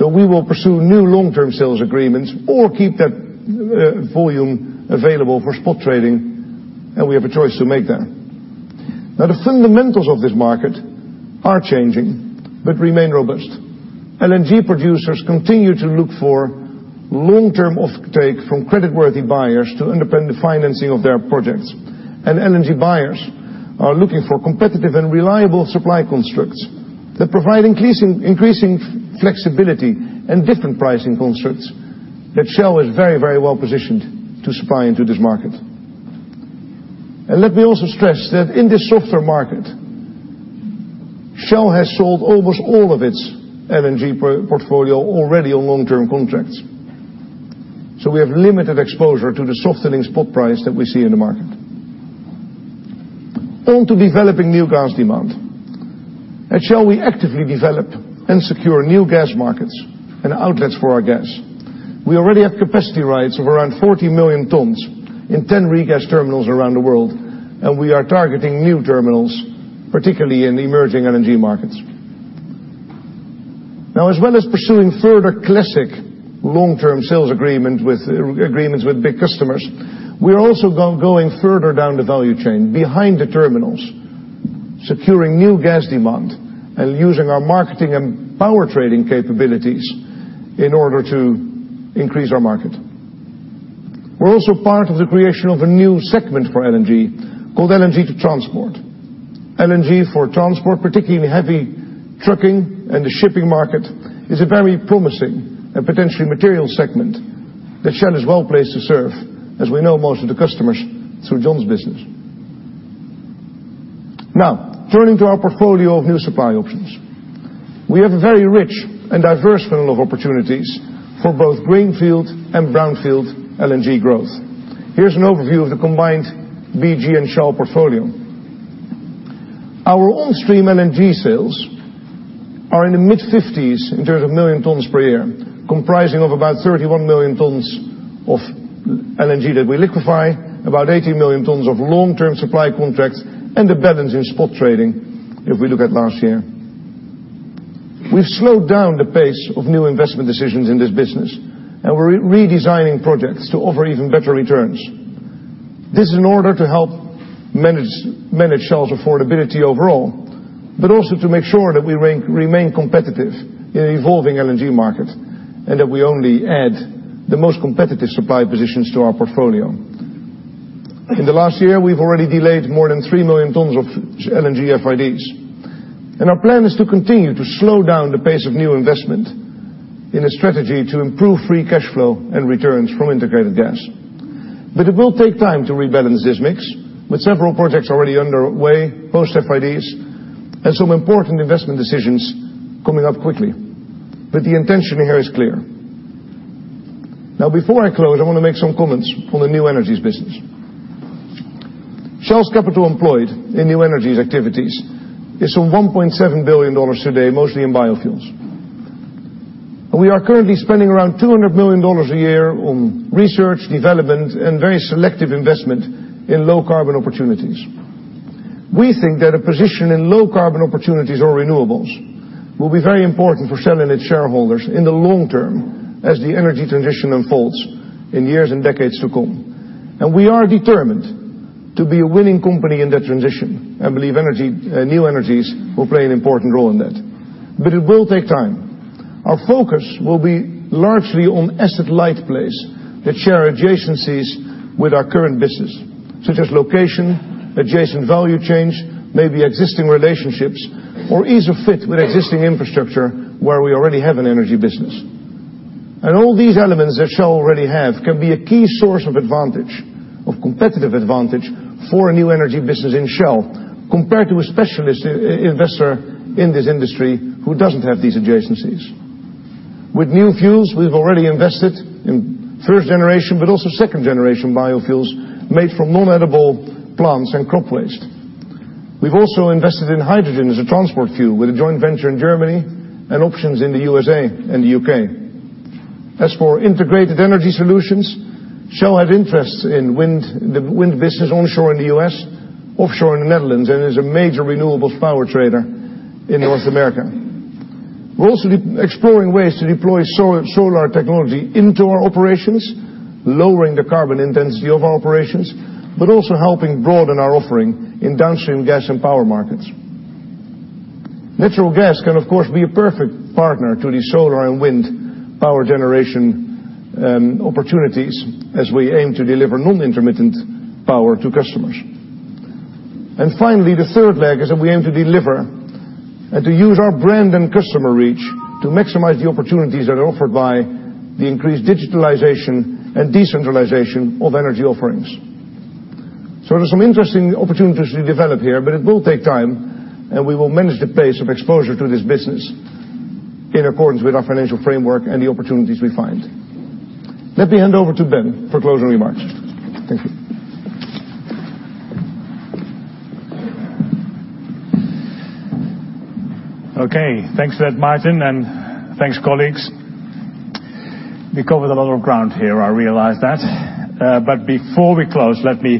We will pursue new long-term sales agreements or keep that volume available for spot trading, and we have a choice to make there. The fundamentals of this market are changing but remain robust. LNG producers continue to look for long-term offtake from creditworthy buyers to underpin the financing of their projects. LNG buyers are looking for competitive and reliable supply constructs that provide increasing flexibility and different pricing constructs that Shell is very, very well positioned to supply into this market. Let me also stress that in this softer market, Shell has sold almost all of its LNG portfolio already on long-term contracts. We have limited exposure to the softening spot price that we see in the market. On to developing new gas demand. At Shell, we actively develop and secure new gas markets and outlets for our gas. We already have capacity rights of around 40 million tons in 10 regas terminals around the world, and we are targeting new terminals, particularly in the emerging LNG markets. As well as pursuing further classic long-term sales agreements with big customers, we are also going further down the value chain behind the terminals, securing new gas demand and using our marketing and power trading capabilities in order to increase our market. We're also part of the creation of a new segment for LNG called LNG to transport. LNG for transport, particularly in heavy trucking and the shipping market, is a very promising and potentially material segment that Shell is well-placed to serve as we know most of the customers through John's business. Turning to our portfolio of new supply options. We have a very rich and diverse funnel of opportunities for both greenfield and brownfield LNG growth. Here's an overview of the combined BG and Shell portfolio. Our own stream LNG sales are in the mid-50s in terms of million tons per year, comprising of about 31 million tons of LNG that we liquefy, about 18 million tons of long-term supply contracts, and the balance in spot trading if we look at last year. We've slowed down the pace of new investment decisions in this business. We're redesigning projects to offer even better returns. This is in order to help manage Shell's affordability overall, also to make sure that we remain competitive in an evolving LNG market, and that we only add the most competitive supply positions to our portfolio. In the last year, we've already delayed more than three million tons of LNG FIDs. Our plan is to continue to slow down the pace of new investment in a strategy to improve free cash flow and returns from integrated gas. It will take time to rebalance this mix, with several projects already underway, post FIDs, and some important investment decisions coming up quickly. The intention here is clear. Before I close, I want to make some comments on the New Energies business. Shell's capital employed in New Energies activities is some $1.7 billion today, mostly in biofuels. We are currently spending around $200 million a year on research, development, and very selective investment in low carbon opportunities. We think that a position in low carbon opportunities or renewables will be very important for Shell and its shareholders in the long term as the energy transition unfolds in years and decades to come. We are determined to be a winning company in that transition. I believe New Energies will play an important role in that. It will take time. Our focus will be largely on asset-light plays that share adjacencies with our current business, such as location, adjacent value chains, maybe existing relationships, or ease of fit with existing infrastructure where we already have an energy business. All these elements that Shell already have can be a key source of advantage, of competitive advantage, for a New Energies business in Shell, compared to a specialist investor in this industry who doesn't have these adjacencies. With new fuels, we've already invested in first generation, also second-generation biofuels made from non-edible plants and crop waste. We've also invested in hydrogen as a transport fuel with a joint venture in Germany and options in the U.S.A. and the U.K. As for integrated energy solutions, Shell had interests in the wind business onshore in the U.S., offshore in the Netherlands, and is a major renewables power trader in North America. We're also exploring ways to deploy solar technology into our operations, lowering the carbon intensity of our operations, also helping broaden our offering in downstream gas and power markets. Natural gas can, of course, be a perfect partner to the solar and wind power generation opportunities as we aim to deliver non-intermittent power to customers. Finally, the third leg is that we aim to deliver and to use our brand and customer reach to maximize the opportunities that are offered by the increased digitalization and decentralization of energy offerings. There's some interesting opportunities to develop here, but it will take time, and we will manage the pace of exposure to this business in accordance with our financial framework and the opportunities we find. Let me hand over to Ben for closing remarks. Thank you. Okay, thanks for that, Maarten, and thanks, colleagues. Before we close, let me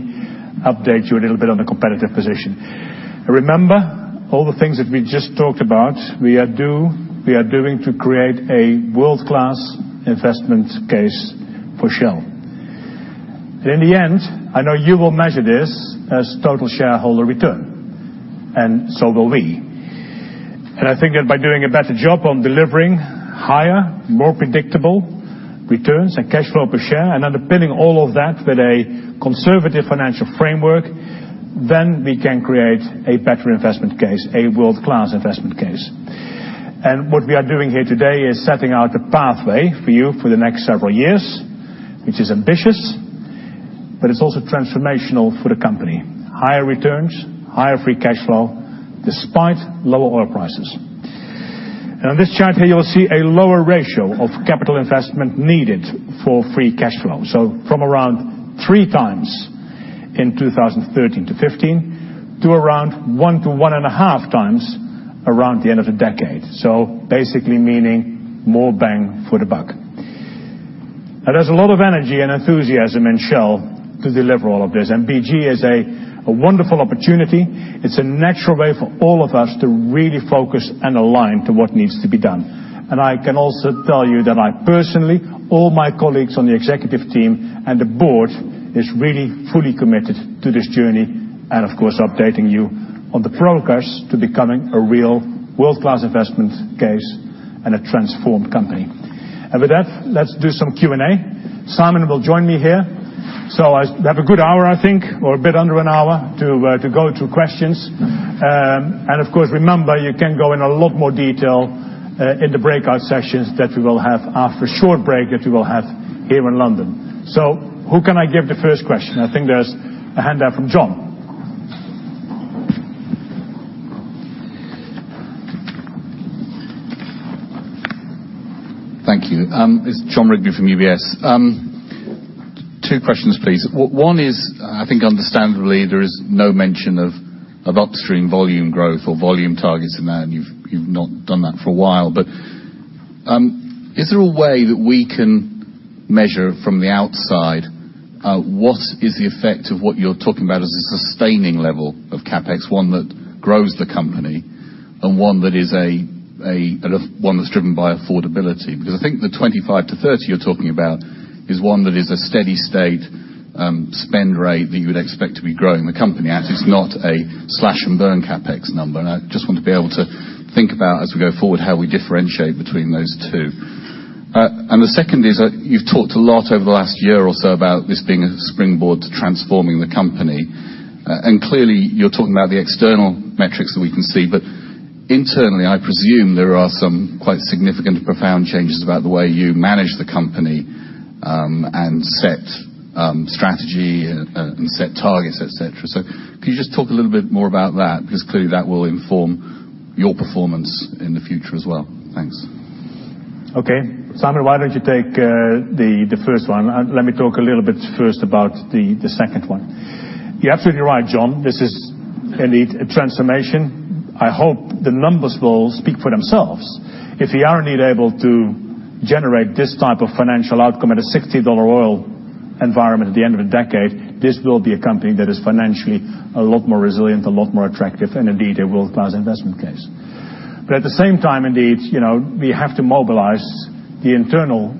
update you a little bit on the competitive position. Remember all the things that we just talked about we are doing to create a world-class investment case for Shell. In the end, I know you will measure this as total shareholder return, and so will we. I think that by doing a better job on delivering higher, more predictable returns and cash flow per share and underpinning all of that with a conservative financial framework, then we can create a better investment case, a world-class investment case. What we are doing here today is setting out a pathway for you for the next several years, which is ambitious, but it's also transformational for the company. Higher returns, higher free cash flow, despite lower oil prices. On this chart here, you will see a lower ratio of capital investment needed for free cash flow. From around 3 times in 2013 to 2015, to around 1 to 1.5 times around the end of the decade. Basically meaning more bang for the buck. There's a lot of energy and enthusiasm in Shell to deliver all of this and BG is a wonderful opportunity. It's a natural way for all of us to really focus and align to what needs to be done. I can also tell you that I personally, all my colleagues on the executive team, and the board is really fully committed to this journey and, of course, updating you on the progress to becoming a real world-class investment case and a transformed company. With that, let's do some Q&A. Simon will join me here We have a good hour, I think, or a bit under an hour to go to questions. Of course, remember, you can go in a lot more detail in the breakout sessions that we will have after a short break that we will have here in London. Who can I give the first question? I think there's a handout from John. Thank you. It's John Rigby from UBS. Two questions, please. One is, I think understandably, there is no mention of upstream volume growth or volume targets in there, and you've not done that for a while. Is there a way that we can measure from the outside what is the effect of what you're talking about as a sustaining level of CapEx, one that grows the company and one that's driven by affordability? Because I think the $25 billion-$30 billion you're talking about is one that is a steady state spend rate that you would expect to be growing the company at. It's not a slash and burn CapEx number, and I just want to be able to think about, as we go forward, how we differentiate between those two. The second is you've talked a lot over the last year or so about this being a springboard to transforming the company. Clearly you're talking about the external metrics that we can see, but internally, I presume there are some quite significant profound changes about the way you manage the company, and set strategy and set targets, et cetera. Can you just talk a little bit more about that? Because clearly that will inform your performance in the future as well. Thanks. Okay. Simon, why don't you take the first one? Let me talk a little bit first about the second one. You're absolutely right, John, this is indeed a transformation. I hope the numbers will speak for themselves. If we are indeed able to generate this type of financial outcome at a $60 oil environment at the end of a decade, this will be a company that is financially a lot more resilient, a lot more attractive, and indeed a world-class investment case. At the same time, indeed, we have to mobilize the internal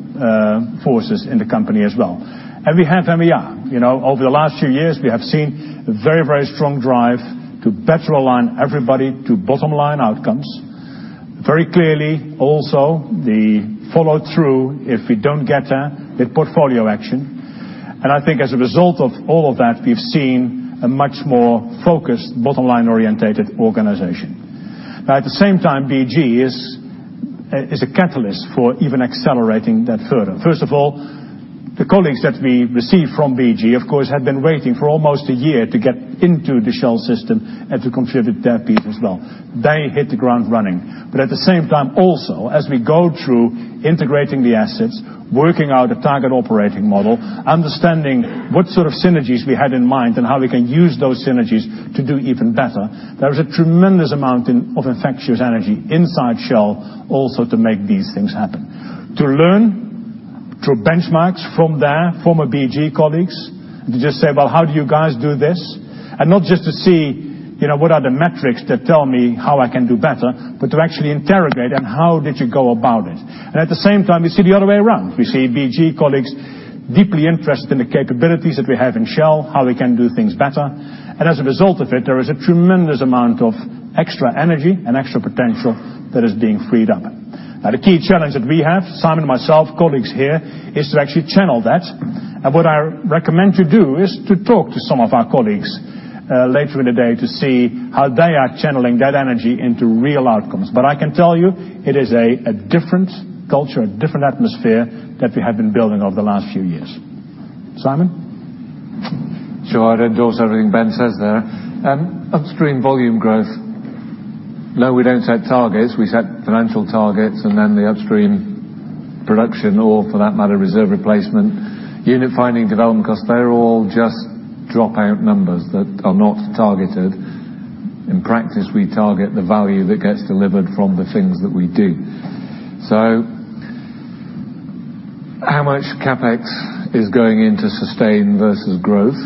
forces in the company as well. We have and we are. Over the last few years, we have seen very strong drive to better align everybody to bottom line outcomes. Very clearly also the follow-through if we don't get there with portfolio action. I think as a result of all of that, we've seen a much more focused bottom line orientated organization. Now at the same time, BG is a catalyst for even accelerating that further. First of all, the colleagues that we received from BG, of course, had been waiting for almost a year to get into the Shell system and to contribute their bit as well. They hit the ground running. At the same time, also as we go through integrating the assets, working out a target operating model, understanding what sort of synergies we had in mind and how we can use those synergies to do even better, there is a tremendous amount of infectious energy inside Shell also to make these things happen. To learn through benchmarks from their former BG colleagues and to just say, "Well, how do you guys do this?" Not just to see what are the metrics that tell me how I can do better, but to actually interrogate and how did you go about it? At the same time, we see the other way around. We see BG colleagues deeply interested in the capabilities that we have in Shell, how we can do things better. As a result of it, there is a tremendous amount of extra energy and extra potential that is being freed up. The key challenge that we have, Simon and myself, colleagues here, is to actually channel that. What I recommend to do is to talk to some of our colleagues later in the day to see how they are channeling that energy into real outcomes. I can tell you it is a different culture, a different atmosphere that we have been building over the last few years. Simon? Sure. I'd endorse everything Ben says there. Upstream volume growth, no, we don't set targets. We set financial targets and then the upstream production or for that matter, reserve replacement, unit finding development costs, they're all just drop out numbers that are not targeted. In practice, we target the value that gets delivered from the things that we do. How much CapEx is going into sustain versus growth?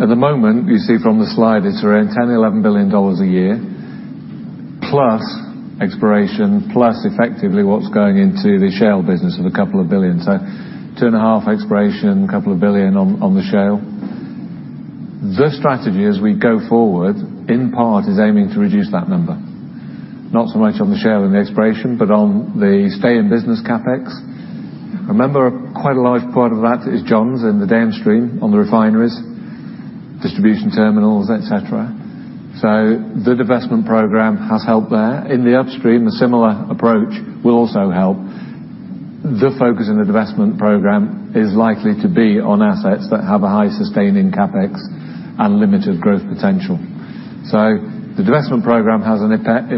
At the moment, you see from the slide it's around $10 billion-$11 billion a year, plus exploration, plus effectively what's going into the Shell business of $2 billion. Two and a half exploration, $2 billion on the Shell. Strategy as we go forward in part is aiming to reduce that number. Not so much on the Shell and the exploration, but on the stay in business CapEx. Remember, quite a large part of that is John's in the downstream on the refineries, distribution terminals, et cetera. The divestment program has helped there. In the upstream, a similar approach will also help. The focus in the divestment program is likely to be on assets that have a high sustaining CapEx and limited growth potential. The divestment program has an effect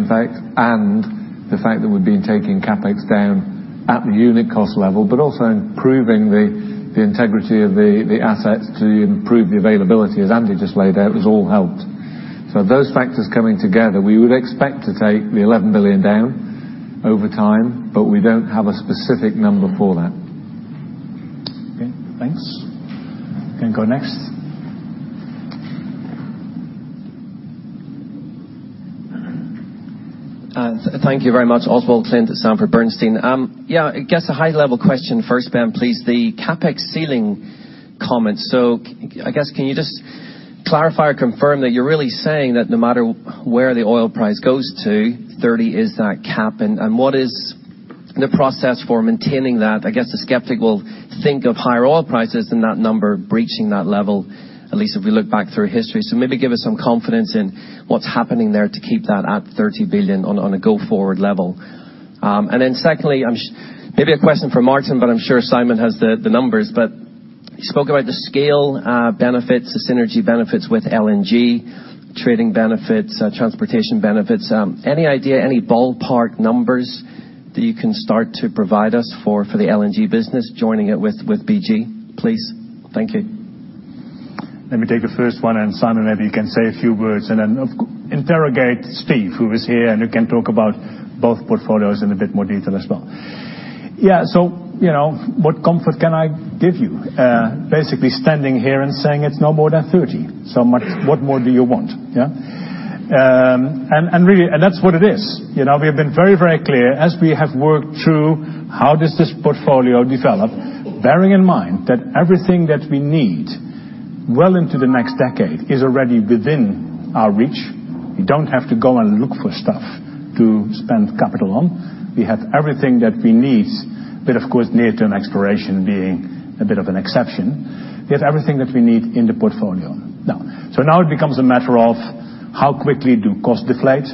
and the fact that we've been taking CapEx down at the unit cost level, but also improving the integrity of the assets to improve the availability, as Andy just laid out, has all helped. Those factors coming together, we would expect to take the $11 billion down over time, but we don't have a specific number for that. Okay, thanks. You can go next. Thank you very much. Oswald Clint at Sanford C. Bernstein & Co., LLC. I guess a high level question first, Ben, please. The CapEx ceiling comments. I guess can you just clarify or confirm that you're really saying that no matter where the oil price goes to $30 is that cap and what is the process for maintaining that, I guess, the skeptic will think of higher oil prices than that number breaching that level, at least if we look back through history. Maybe give us some confidence in what's happening there to keep that at $30 billion on a go-forward level. And then secondly, maybe a question for Maarten, but I'm sure Simon has the numbers. But you spoke about the scale benefits, the synergy benefits with LNG, trading benefits, transportation benefits. Any idea, any ballpark numbers that you can start to provide us for the LNG business, joining it with BG, please? Thank you. Let me take the first one, Simon, maybe you can say a few words and then interrogate Steve, who is here, and who can talk about both portfolios in a bit more detail as well. Yeah. What comfort can I give you? Basically standing here and saying it's no more than $30. What more do you want? Yeah. Really, that's what it is. We have been very clear as we have worked through how does this portfolio develop, bearing in mind that everything that we need well into the next decade is already within our reach. We don't have to go and look for stuff to spend capital on. We have everything that we need, but of course, near-term exploration being a bit of an exception. We have everything that we need in the portfolio. now it becomes a matter of how quickly do costs deflate?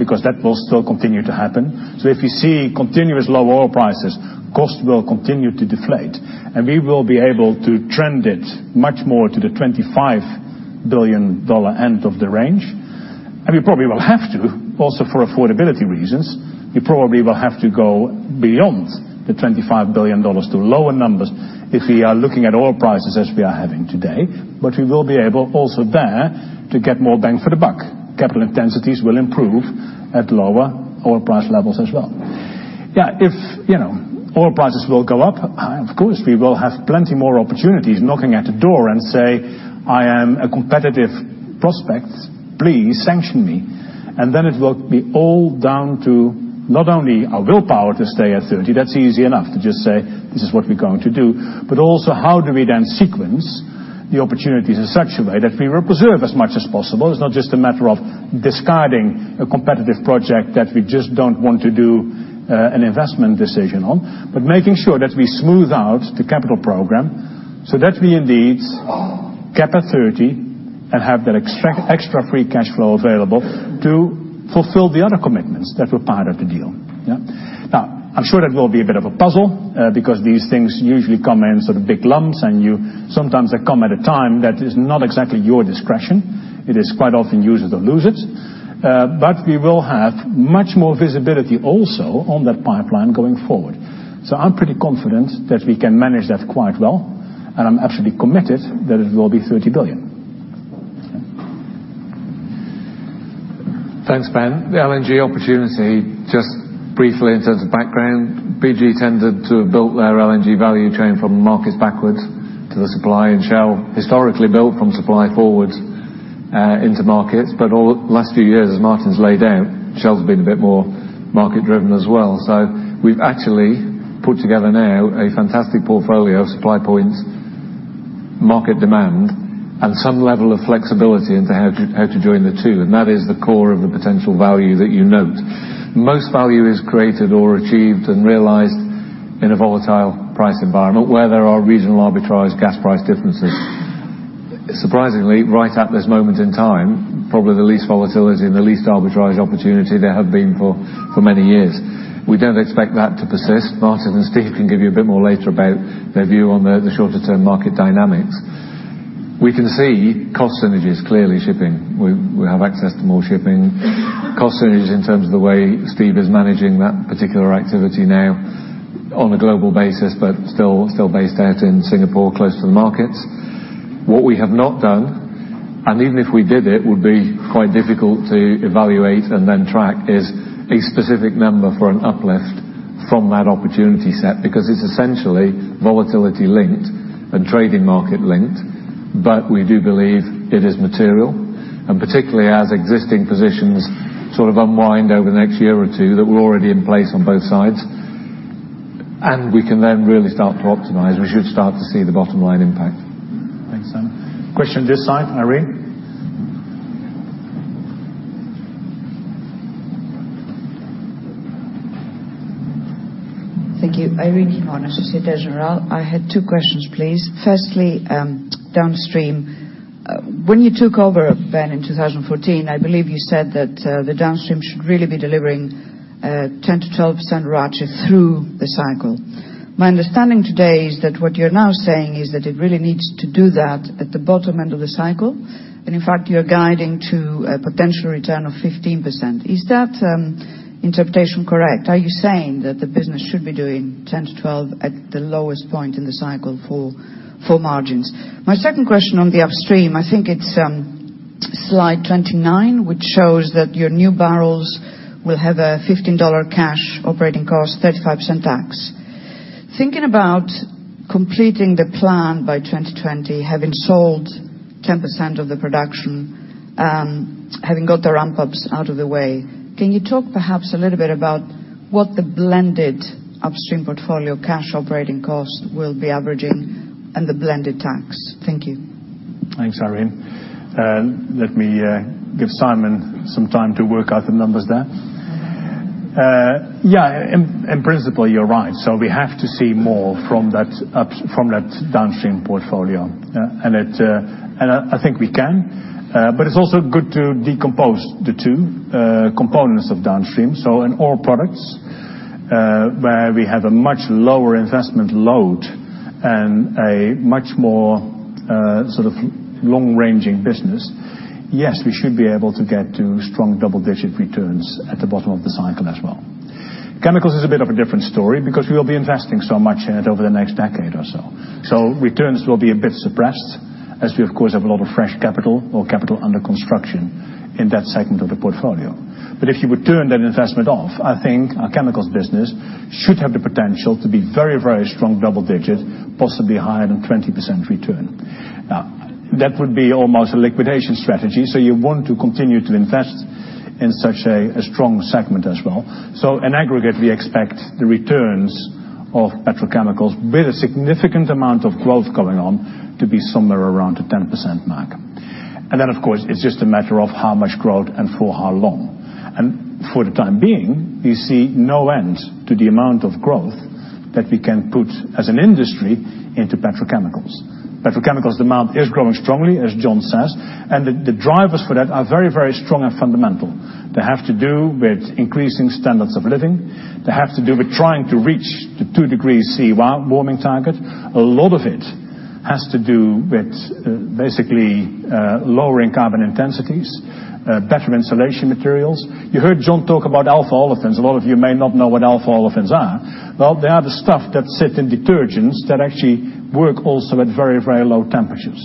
Because that will still continue to happen. If you see continuous low oil prices, costs will continue to deflate, and we will be able to trend it much more to the $25 billion end of the range. We probably will have to, also for affordability reasons, we probably will have to go beyond the $25 billion to lower numbers if we are looking at oil prices as we are having today. We will be able also there, to get more bang for the buck. Capital intensities will improve at lower oil price levels as well. If oil prices will go up, of course, we will have plenty more opportunities knocking at the door and say, "I am a competitive prospect. Please sanction me." then it will be all down to not only our willpower to stay at $30, that's easy enough to just say this is what we're going to do. Also how do we then sequence the opportunities in such a way that we preserve as much as possible? It's not just a matter of discarding a competitive project that we just don't want to do an investment decision on, but making sure that we smooth out the capital program so that we indeed cap at $30 and have that extra free cash flow available to fulfill the other commitments that were part of the deal. I'm sure that will be a bit of a puzzle, because these things usually come in sort of big lumps, and sometimes they come at a time that is not exactly your discretion. It is quite often use it or lose it. We will have much more visibility also on that pipeline going forward. I'm pretty confident that we can manage that quite well, and I'm actually committed that it will be $30 billion. Thanks, Ben. The LNG opportunity, just briefly in terms of background, BG tended to have built their LNG value chain from markets backwards to the supply, and Shell historically built from supply forwards into markets. All last few years, as Maarten's laid out, Shell's been a bit more market-driven as well. We've actually put together now a fantastic portfolio of supply points, market demand, and some level of flexibility into how to join the two, and that is the core of the potential value that you note. Most value is created or achieved and realized in a volatile price environment where there are regional arbitraged gas price differences. Surprisingly, right at this moment in time, probably the least volatility and the least arbitraged opportunity there have been for many years. We don't expect that to persist. Maarten and Steve can give you a bit more later about their view on the shorter-term market dynamics. We can see cost synergies clearly shipping. We have access to more shipping. Cost synergies in terms of the way Steve is managing that particular activity now on a global basis, but still based out in Singapore, close to the markets. What we have not done, even if we did it, would be quite difficult to evaluate and then track, is a specific number for an uplift from that opportunity set, because it's essentially volatility linked and trading market linked. We do believe it is material, particularly as existing positions sort of unwind over the next year or two, that we're already in place on both sides. We can then really start to optimize. We should start to see the bottom line impact. Thanks, Simon. Question this side, Irene? Thank you. Irene Himona, Societe Generale. I had two questions, please. Firstly, downstream. When you took over, Ben, in 2014, I believe you said that the downstream should really be delivering 10%-12% ROACE through the cycle. My understanding today is that what you're now saying is that it really needs to do that at the bottom end of the cycle. In fact, you're guiding to a potential return of 15%. Is that interpretation correct? Are you saying that the business should be doing 10-12 at the lowest point in the cycle for margins? My second question on the upstream, I think it's slide 29, which shows that your new barrels will have a $15 cash operating cost, 35% tax. Thinking about completing the plan by 2020, having sold 10% of the production, having got the ramp-ups out of the way, can you talk perhaps a little bit about what the blended upstream portfolio cash operating cost will be averaging and the blended tax? Thank you. Thanks, Irene. Let me give Simon some time to work out the numbers there. In principle, you're right. We have to see more from that downstream portfolio. I think we can, but it's also good to decompose the two components of downstream. In all products, where we have a much lower investment load and a much more sort of long-ranging business, yes, we should be able to get to strong double-digit returns at the bottom of the cycle as well. Chemicals is a bit of a different story because we will be investing so much in it over the next decade or so. Returns will be a bit suppressed as we of course, have a lot of fresh capital or capital under construction in that segment of the portfolio. If you would turn that investment off, I think our chemicals business should have the potential to be very, very strong double digit, possibly higher than 20% return. That would be almost a liquidation strategy, so you want to continue to invest in such a strong segment as well. In aggregate, we expect the returns of petrochemicals with a significant amount of growth going on to be somewhere around the 10% mark. Then of course, it's just a matter of how much growth and for how long. For the time being, we see no end to the amount of growth that we can put as an industry into petrochemicals. Petrochemicals demand is growing strongly, as John says, and the drivers for that are very, very strong and fundamental. They have to do with increasing standards of living. They have to do with trying to reach the two degrees Celsius warming target. A lot of it has to do with basically, lowering carbon intensities, better insulation materials. You heard John talk about alpha olefins. A lot of you may not know what alpha olefins are. They are the stuff that sit in detergents that actually work also at very, very low temperatures.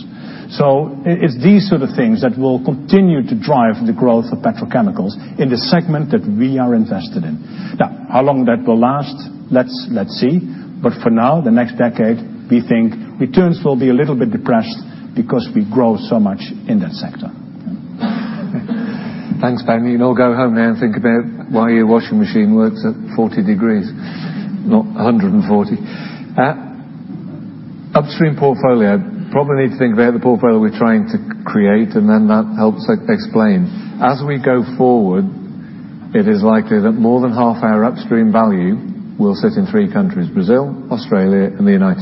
It's these sort of things that will continue to drive the growth of petrochemicals in the segment that we are invested in. How long that will last, let's see. For now, the next decade, we think returns will be a little bit depressed because we grow so much in that sector. Thanks, Ben. You can all go home now and think about why your washing machine works at 40 degrees, not 140. Upstream portfolio, probably need to think about the portfolio we're trying to create and then that helps explain. As we go forward, it is likely that more than half our upstream value will sit in three countries, Brazil, Australia, and the U.S.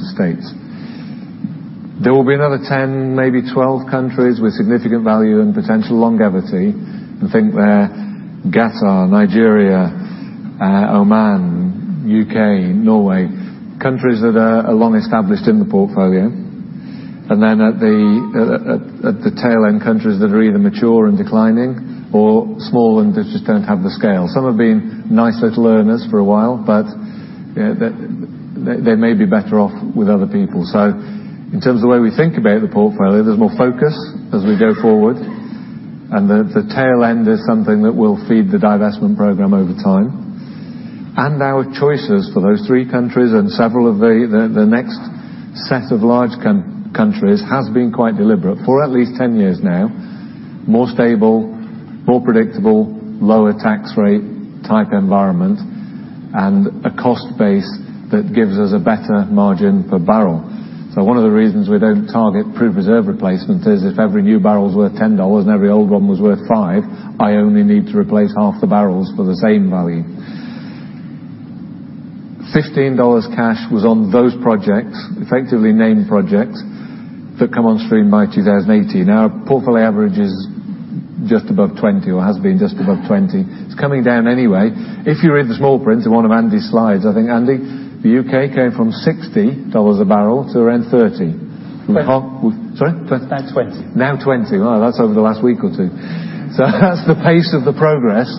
There will be another 10, maybe 12 countries with significant value and potential longevity. I think there, Qatar, Nigeria, Oman, U.K., Norway, countries that are long established in the portfolio. Then at the tail end, countries that are either mature and declining or small and just don't have the scale. Some have been nice little earners for a while, but they may be better off with other people. In terms of the way we think about the portfolio, there's more focus as we go forward, and the tail end is something that will feed the divestment program over time. Our choices for those three countries and several of the next set of large countries has been quite deliberate for at least 10 years now. More stable, more predictable, lower tax rate type environment, and a cost base that gives us a better margin per barrel. One of the reasons we don't target proved reserve replacement is if every new barrel is worth $10 and every old one was worth $5, I only need to replace half the barrels for the same value. $15 cash was on those projects, effectively named projects, that come on stream by 2018. Our portfolio average is just above 20 or has been just above 20. It's coming down anyway. If you read the small print in one of Andy's slides, I think Andy, the U.K. came from $60 a barrel to around $30. $20. Sorry? Now $20. Now $20. Wow, that's over the last week or two. That's the pace of the progress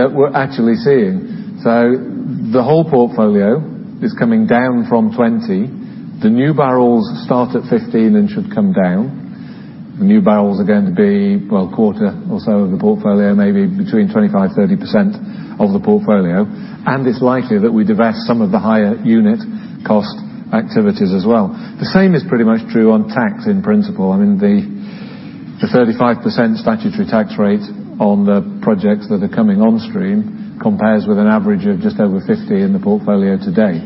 that we're actually seeing. The whole portfolio is coming down from $20. The new barrels start at $15 and should come down. The new barrels are going to be, well, a quarter or so of the portfolio, maybe between 25%-30% of the portfolio. It's likely that we divest some of the higher unit cost activities as well. The same is pretty much true on tax in principle. I mean, the 35% statutory tax rate on the projects that are coming on stream compares with an average of just over 50 in the portfolio today.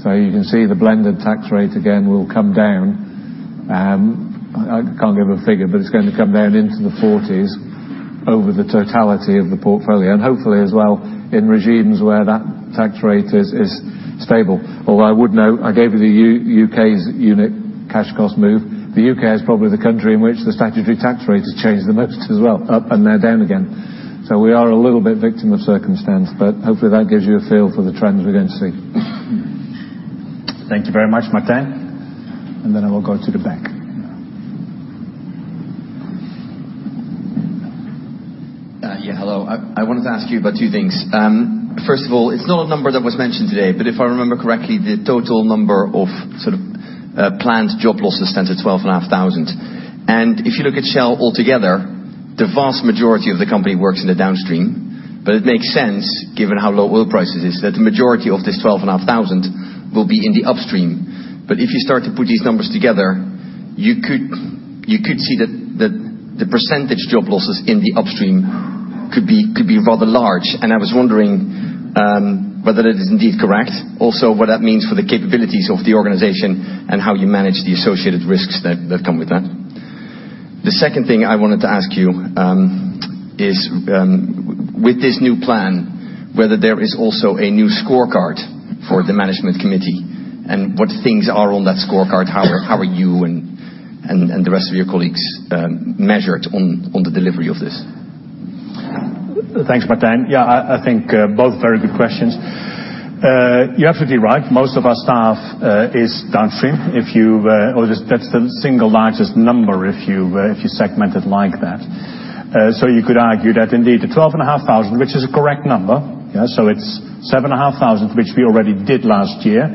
You can see the blended tax rate again will come down. I can't give a figure, but it's going to come down into the 40s over the totality of the portfolio, and hopefully as well in regimes where that tax rate is stable. Although I would note, I gave you the U.K.'s unit cash cost move. The U.K. is probably the country in which the statutory tax rate has changed the most as well, up and they're down again. We are a little bit victim of circumstance, but hopefully that gives you a feel for the trends we're going to see. Thank you very much, Maarten. Then I will go to the back. Yeah, hello. I wanted to ask you about two things. First of all, it's not a number that was mentioned today, but if I remember correctly, the total number of sort of planned job losses stands at 12,500. If you look at Shell altogether, the vast majority of the company works in the downstream, but it makes sense given how low oil prices is, that the majority of this 12,500 will be in the upstream. If you start to put these numbers together, you could see that the percentage job losses in the upstream could be rather large. I was wondering whether that is indeed correct. Also, what that means for the capabilities of the organization and how you manage the associated risks that come with that. The second thing I wanted to ask you is, with this new plan, whether there is also a new scorecard for the management committee, and what things are on that scorecard? How are you and the rest of your colleagues measured on the delivery of this? Thanks, Martijn. Yeah, I think both very good questions. You're absolutely right, most of our staff is downstream. That's the single largest number if you segment it like that. You could argue that indeed, the 12,500, which is a correct number. It's 7,500, which we already did last year.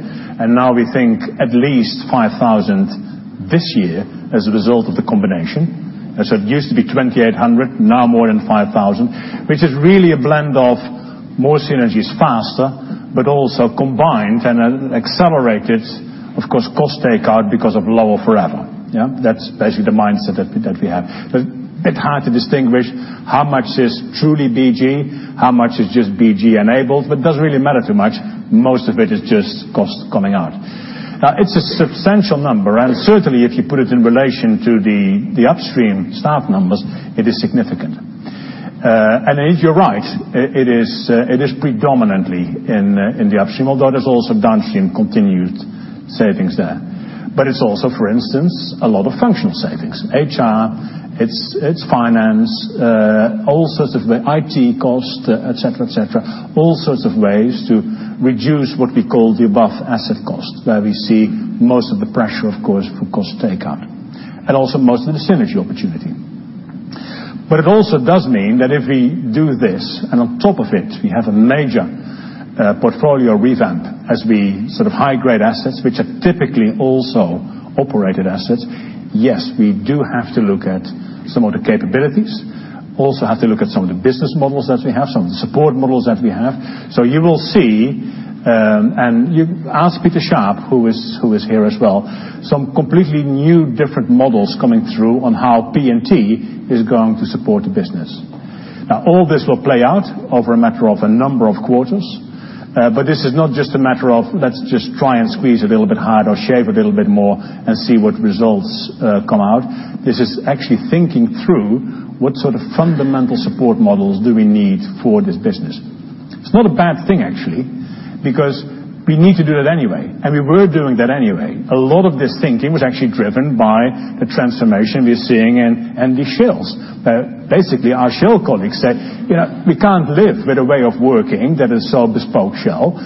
Now we think at least 5,000 this year as a result of the combination. It used to be 2,800, now more than 5,000, which is really a blend of more synergies faster, but also combined and accelerated, of course, cost takeout because of LowerForEver. Yeah? That's basically the mindset that we have. A bit hard to distinguish how much is truly BG, how much is just BG enabled, but it doesn't really matter too much. Most of it is just cost coming out. It's a substantial number, and certainly if you put it in relation to the upstream staff numbers, it is significant. You're right, it is predominantly in the upstream, although there's also downstream continued savings there. It's also, for instance, a lot of functional savings. HR, IT, finance, all sorts of the IT cost, et cetera. All sorts of ways to reduce what we call the above asset cost, where we see most of the pressure, of course, for cost takeout, and also most of the synergy opportunity. It also does mean that if we do this, and on top of it, we have a major portfolio revamp as we high grade assets, which are typically also operated assets. Yes, we do have to look at some of the capabilities. Also have to look at some of the business models that we have, some of the support models that we have. You will see, and ask Peter Sharpe, who is here as well, some completely new different models coming through on how P&T is going to support the business. All this will play out over a matter of a number of quarters. This is not just a matter of let's just try and squeeze a little bit harder or shave a little bit more and see what results come out. This is actually thinking through what sort of fundamental support models do we need for this business. It's not a bad thing, actually, because we need to do that anyway. We were doing that anyway. A lot of this thinking was actually driven by the transformation we're seeing in the Shell. Basically, our Shell colleagues said, "We can't live with a way of working that is so bespoke Shell.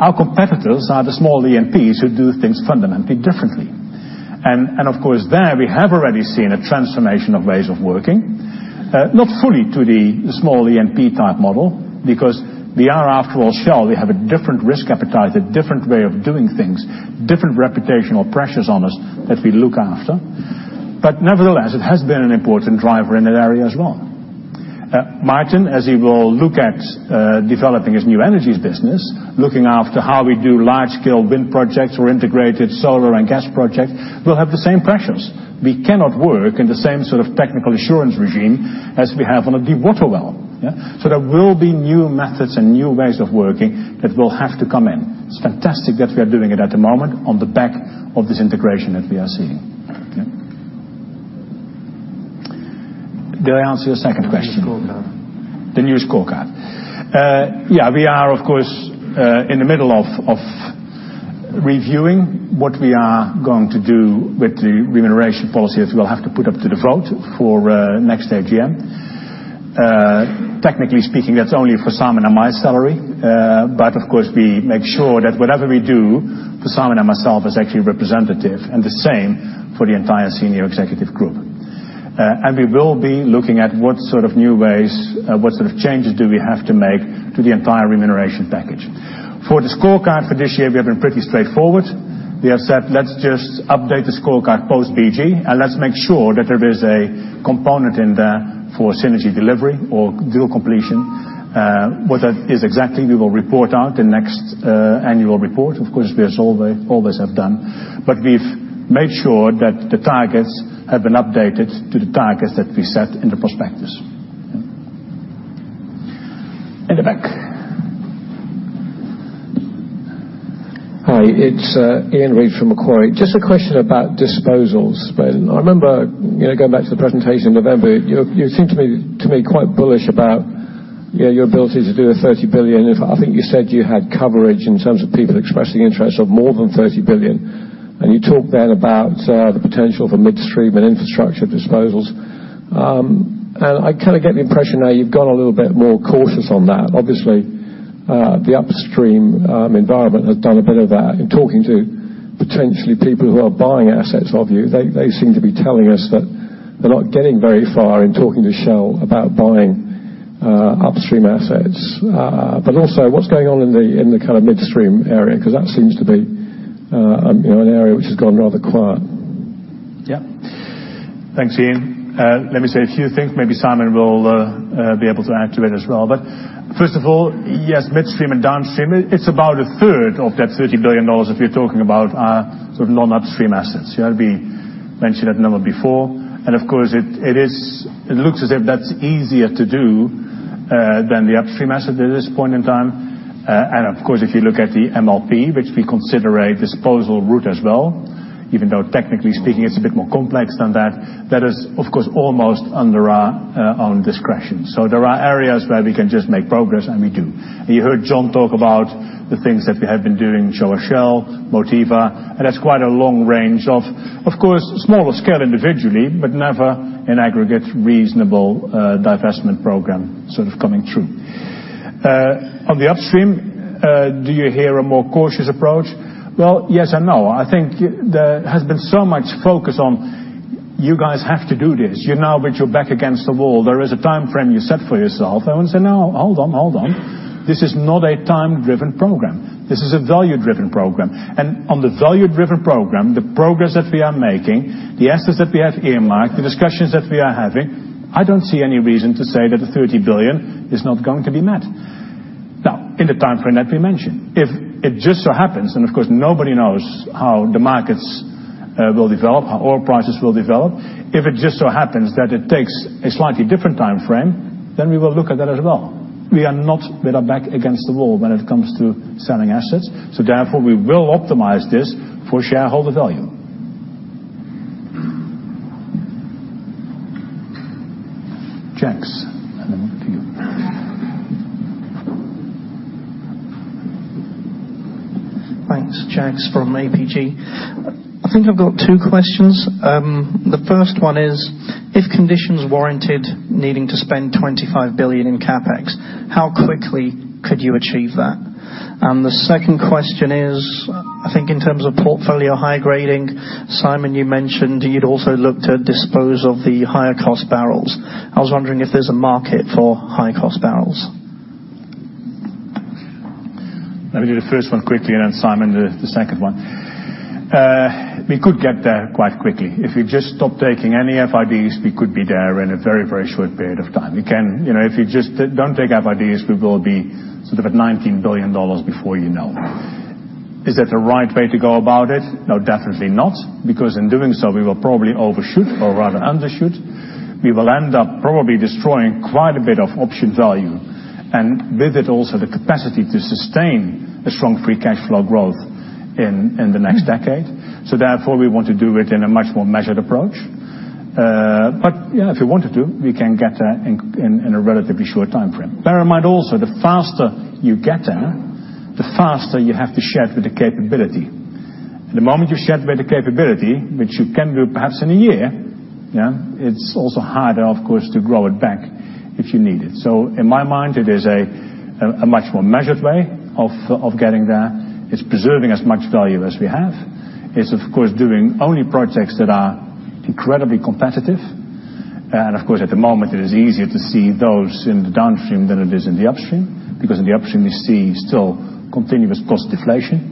Our competitors are the small E&Ps who do things fundamentally differently." Of course, there we have already seen a transformation of ways of working. Not fully to the small E&P type model, because we are, after all, Shell. We have a different risk appetite, a different way of doing things, different reputational pressures on us that we look after. Nevertheless, it has been an important driver in that area as well. Maarten, as he will look at developing his new energies business, looking after how we do large scale wind projects or integrated solar and gas projects, will have the same pressures. We cannot work in the same sort of technical assurance regime as we have on a deep water well. Yeah. There will be new methods and new ways of working that will have to come in. It's fantastic that we are doing it at the moment on the back of this integration that we are seeing. Did I answer your second question? The new scorecard. The new scorecard. Yeah, we are, of course, in the middle of reviewing what we are going to do with the remuneration policy that we'll have to put up to the vote for next AGM. Technically speaking, that's only for Simon and my salary. Of course, we make sure that whatever we do for Simon and myself is actually representative and the same for the entire senior executive group. We will be looking at what sort of new ways, what sort of changes do we have to make to the entire remuneration package. For the scorecard for this year, we have been pretty straightforward. We have said, "Let's just update the scorecard post BG, and let's make sure that there is a component in there for synergy delivery or deal completion." What that is exactly, we will report out in next annual report. Of course, as always have done. We've made sure that the targets have been updated to the targets that we set in the prospectus in the back. Hi, it's Iain Reid from Macquarie. Just a question about disposals, Ben. I remember going back to the presentation in November, you seemed to me quite bullish about your ability to do the $30 billion. I think you said you had coverage in terms of people expressing interest of more than $30 billion. You talked then about the potential for midstream and infrastructure disposals. I kind of get the impression now you've gone a little bit more cautious on that. Obviously, the upstream environment has done a bit of that. In talking to potentially people who are buying assets of you, they seem to be telling us that they're not getting very far in talking to Shell about buying upstream assets. Also, what's going on in the kind of midstream area? Because that seems to be an area which has gone rather quiet. Yeah. Thanks, Iain. Let me say a few things, maybe Simon will be able to add to it as well. First of all, yes, midstream and downstream, it's about a third of that $30 billion if you're talking about our sort of non-upstream assets. You have to be Mentioned that number before. Of course, it looks as if that's easier to do than the upstream assets at this point in time. Of course, if you look at the MLP, which we consider a disposal route as well, even though technically speaking, it's a bit more complex than that. That is of course, almost under our own discretion. There are areas where we can just make progress, and we do. You heard John talk about the things that we have been doing, Shell, Motiva. That's quite a long range of course, smaller scale individually, but never in aggregate, reasonable divestment program sort of coming through. On the upstream, do you hear a more cautious approach? Well, yes and no. I think there has been so much focus on, "You guys have to do this. You're now with your back against the wall. There is a timeframe you set for yourself." I want to say, "No, hold on. This is not a time-driven program. This is a value-driven program." On the value-driven program, the progress that we are making, the assets that we have earmarked, the discussions that we are having, I don't see any reason to say that the $30 billion is not going to be met. Now, in the timeframe that we mentioned. If it just so happens, of course, nobody knows how the markets will develop, how oil prices will develop. If it just so happens that it takes a slightly different timeframe, we will look at that as well. We are not with our back against the wall when it comes to selling assets, therefore, we will optimize this for shareholder value. Jacks, then to you. Thanks. Jacks from APG. I think I've got two questions. The first one is, if conditions warranted needing to spend $25 billion in CapEx, how quickly could you achieve that? The second question is, I think in terms of portfolio high grading, Simon, you mentioned you'd also look to dispose of the higher cost barrels. I was wondering if there's a market for high cost barrels. Let me do the first one quickly, then Simon, the second one. We could get there quite quickly. If we just stop taking any FIDs, we could be there in a very short period of time. If you just don't take FIDs, we will be sort of at $19 billion before you know it. Is that the right way to go about it? No, definitely not, because in doing so, we will probably overshoot or rather undershoot. We will end up probably destroying quite a bit of option value, with it also the capacity to sustain a strong free cash flow growth in the next decade. Therefore, we want to do it in a much more measured approach. If we wanted to, we can get there in a relatively short timeframe. Bear in mind also, the faster you get there, the faster you have to shed the capability. The moment you shed the capability, which you can do perhaps in a year, it is also harder, of course, to grow it back if you need it. In my mind, it is a much more measured way of getting there. It is preserving as much value as we have. It is, of course, doing only projects that are incredibly competitive. Of course, at the moment, it is easier to see those in the downstream than it is in the upstream, because in the upstream, you see still continuous cost deflation.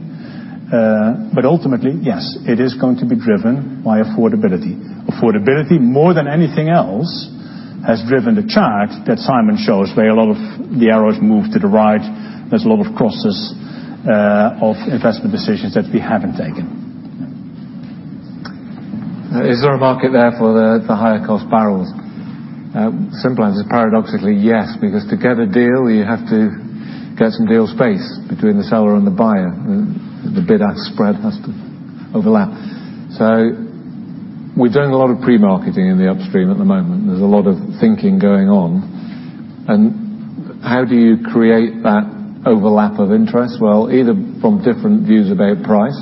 Ultimately, yes, it is going to be driven by affordability. Affordability, more than anything else, has driven the chart that Simon shows, where a lot of the arrows move to the right. There's a lot of crosses of investment decisions that we haven't taken. Is there a market there for the higher cost barrels? Simply, it's paradoxically yes, because to get a deal, you have to get some deal space between the seller and the buyer. The bid ask spread has to overlap. We're doing a lot of pre-marketing in the upstream at the moment. There's a lot of thinking going on. How do you create that overlap of interest? Well, either from different views about price.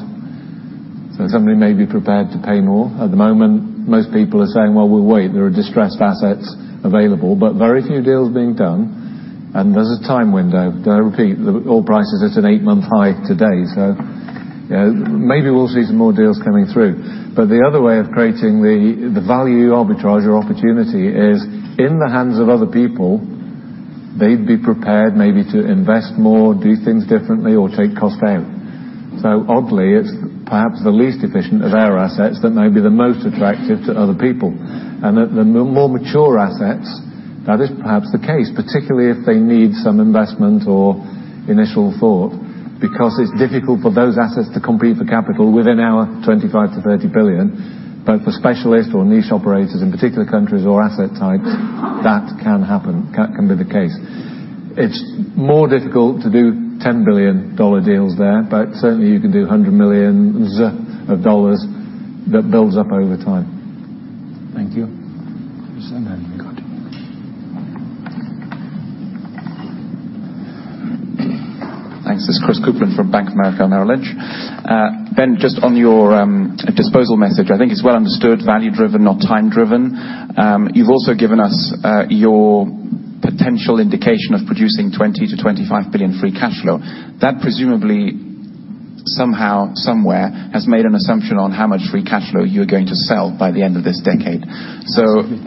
Somebody may be prepared to pay more. At the moment, most people are saying, "Well, we'll wait. There are distressed assets available." Very few deals being done, and there's a time window. I repeat, the oil price is at an eight-month high today, maybe we'll see some more deals coming through. The other way of creating the value arbitrage or opportunity is in the hands of other people, they'd be prepared maybe to invest more, do things differently, or take cost out. Oddly, it's perhaps the least efficient of our assets that may be the most attractive to other people. The more mature assets, that is perhaps the case, particularly if they need some investment or initial thought, because it's difficult for those assets to compete for capital within our $25 billion-$30 billion, both for specialist or niche operators in particular countries or asset types, that can happen, can be the case. It's more difficult to do $10 billion deals there, but certainly you can do $100 millions that builds up over time. Thank you. Who's that? Got you. Thanks. This is Chris Kuplent from Bank of America Merrill Lynch. Ben, just on your disposal message, I think it's well understood, value driven, not time driven. You've also given us your potential indication of producing $20 billion-$25 billion free cash flow. That presumably somehow, somewhere, has made an assumption on how much free cash flow you are going to sell by the end of this decade. Absolutely.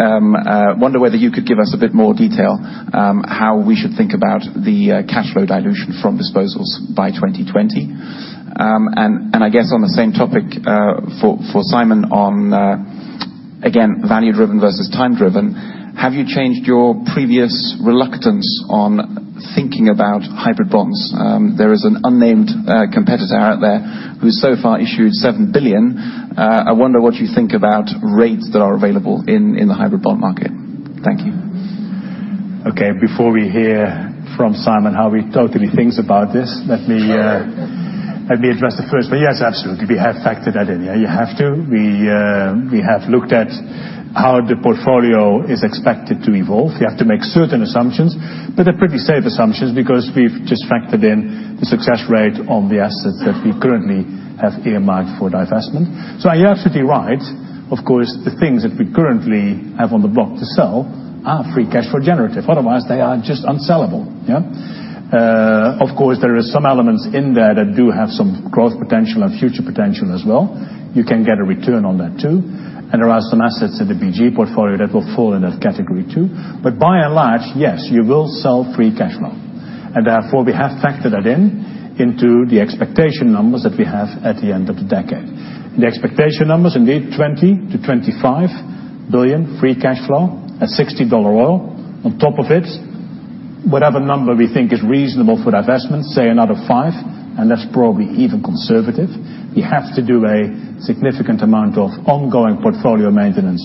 Wonder whether you could give us a bit more detail how we should think about the cash flow dilution from disposals by 2020. I guess on the same topic, for Simon on Again, value driven versus time driven. Have you changed your previous reluctance on thinking about hybrid bonds? There is an unnamed competitor out there who so far issued $7 billion. I wonder what you think about rates that are available in the hybrid bond market. Thank you. Okay. Before we hear from Simon, how he totally thinks about this, let me address it first. Yes, absolutely, we have factored that in. You have to. We have looked at how the portfolio is expected to evolve. You have to make certain assumptions, but they're pretty safe assumptions because we've just factored in the success rate on the assets that we currently have earmarked for divestment. You're absolutely right. Of course, the things that we currently have on the block to sell are free cash flow generative. Otherwise, they are just unsellable. Of course, there are some elements in there that do have some growth potential and future potential as well. You can get a return on that, too. There are some assets in the BG portfolio that will fall in that category, too. By and large, yes, you will sell free cash flow. Therefore, we have factored that in into the expectation numbers that we have at the end of the decade. The expectation numbers, indeed, $20 billion to $25 billion free cash flow at $60 oil. On top of it, whatever number we think is reasonable for divestment, say another $5, and that's probably even conservative. We have to do a significant amount of ongoing portfolio maintenance,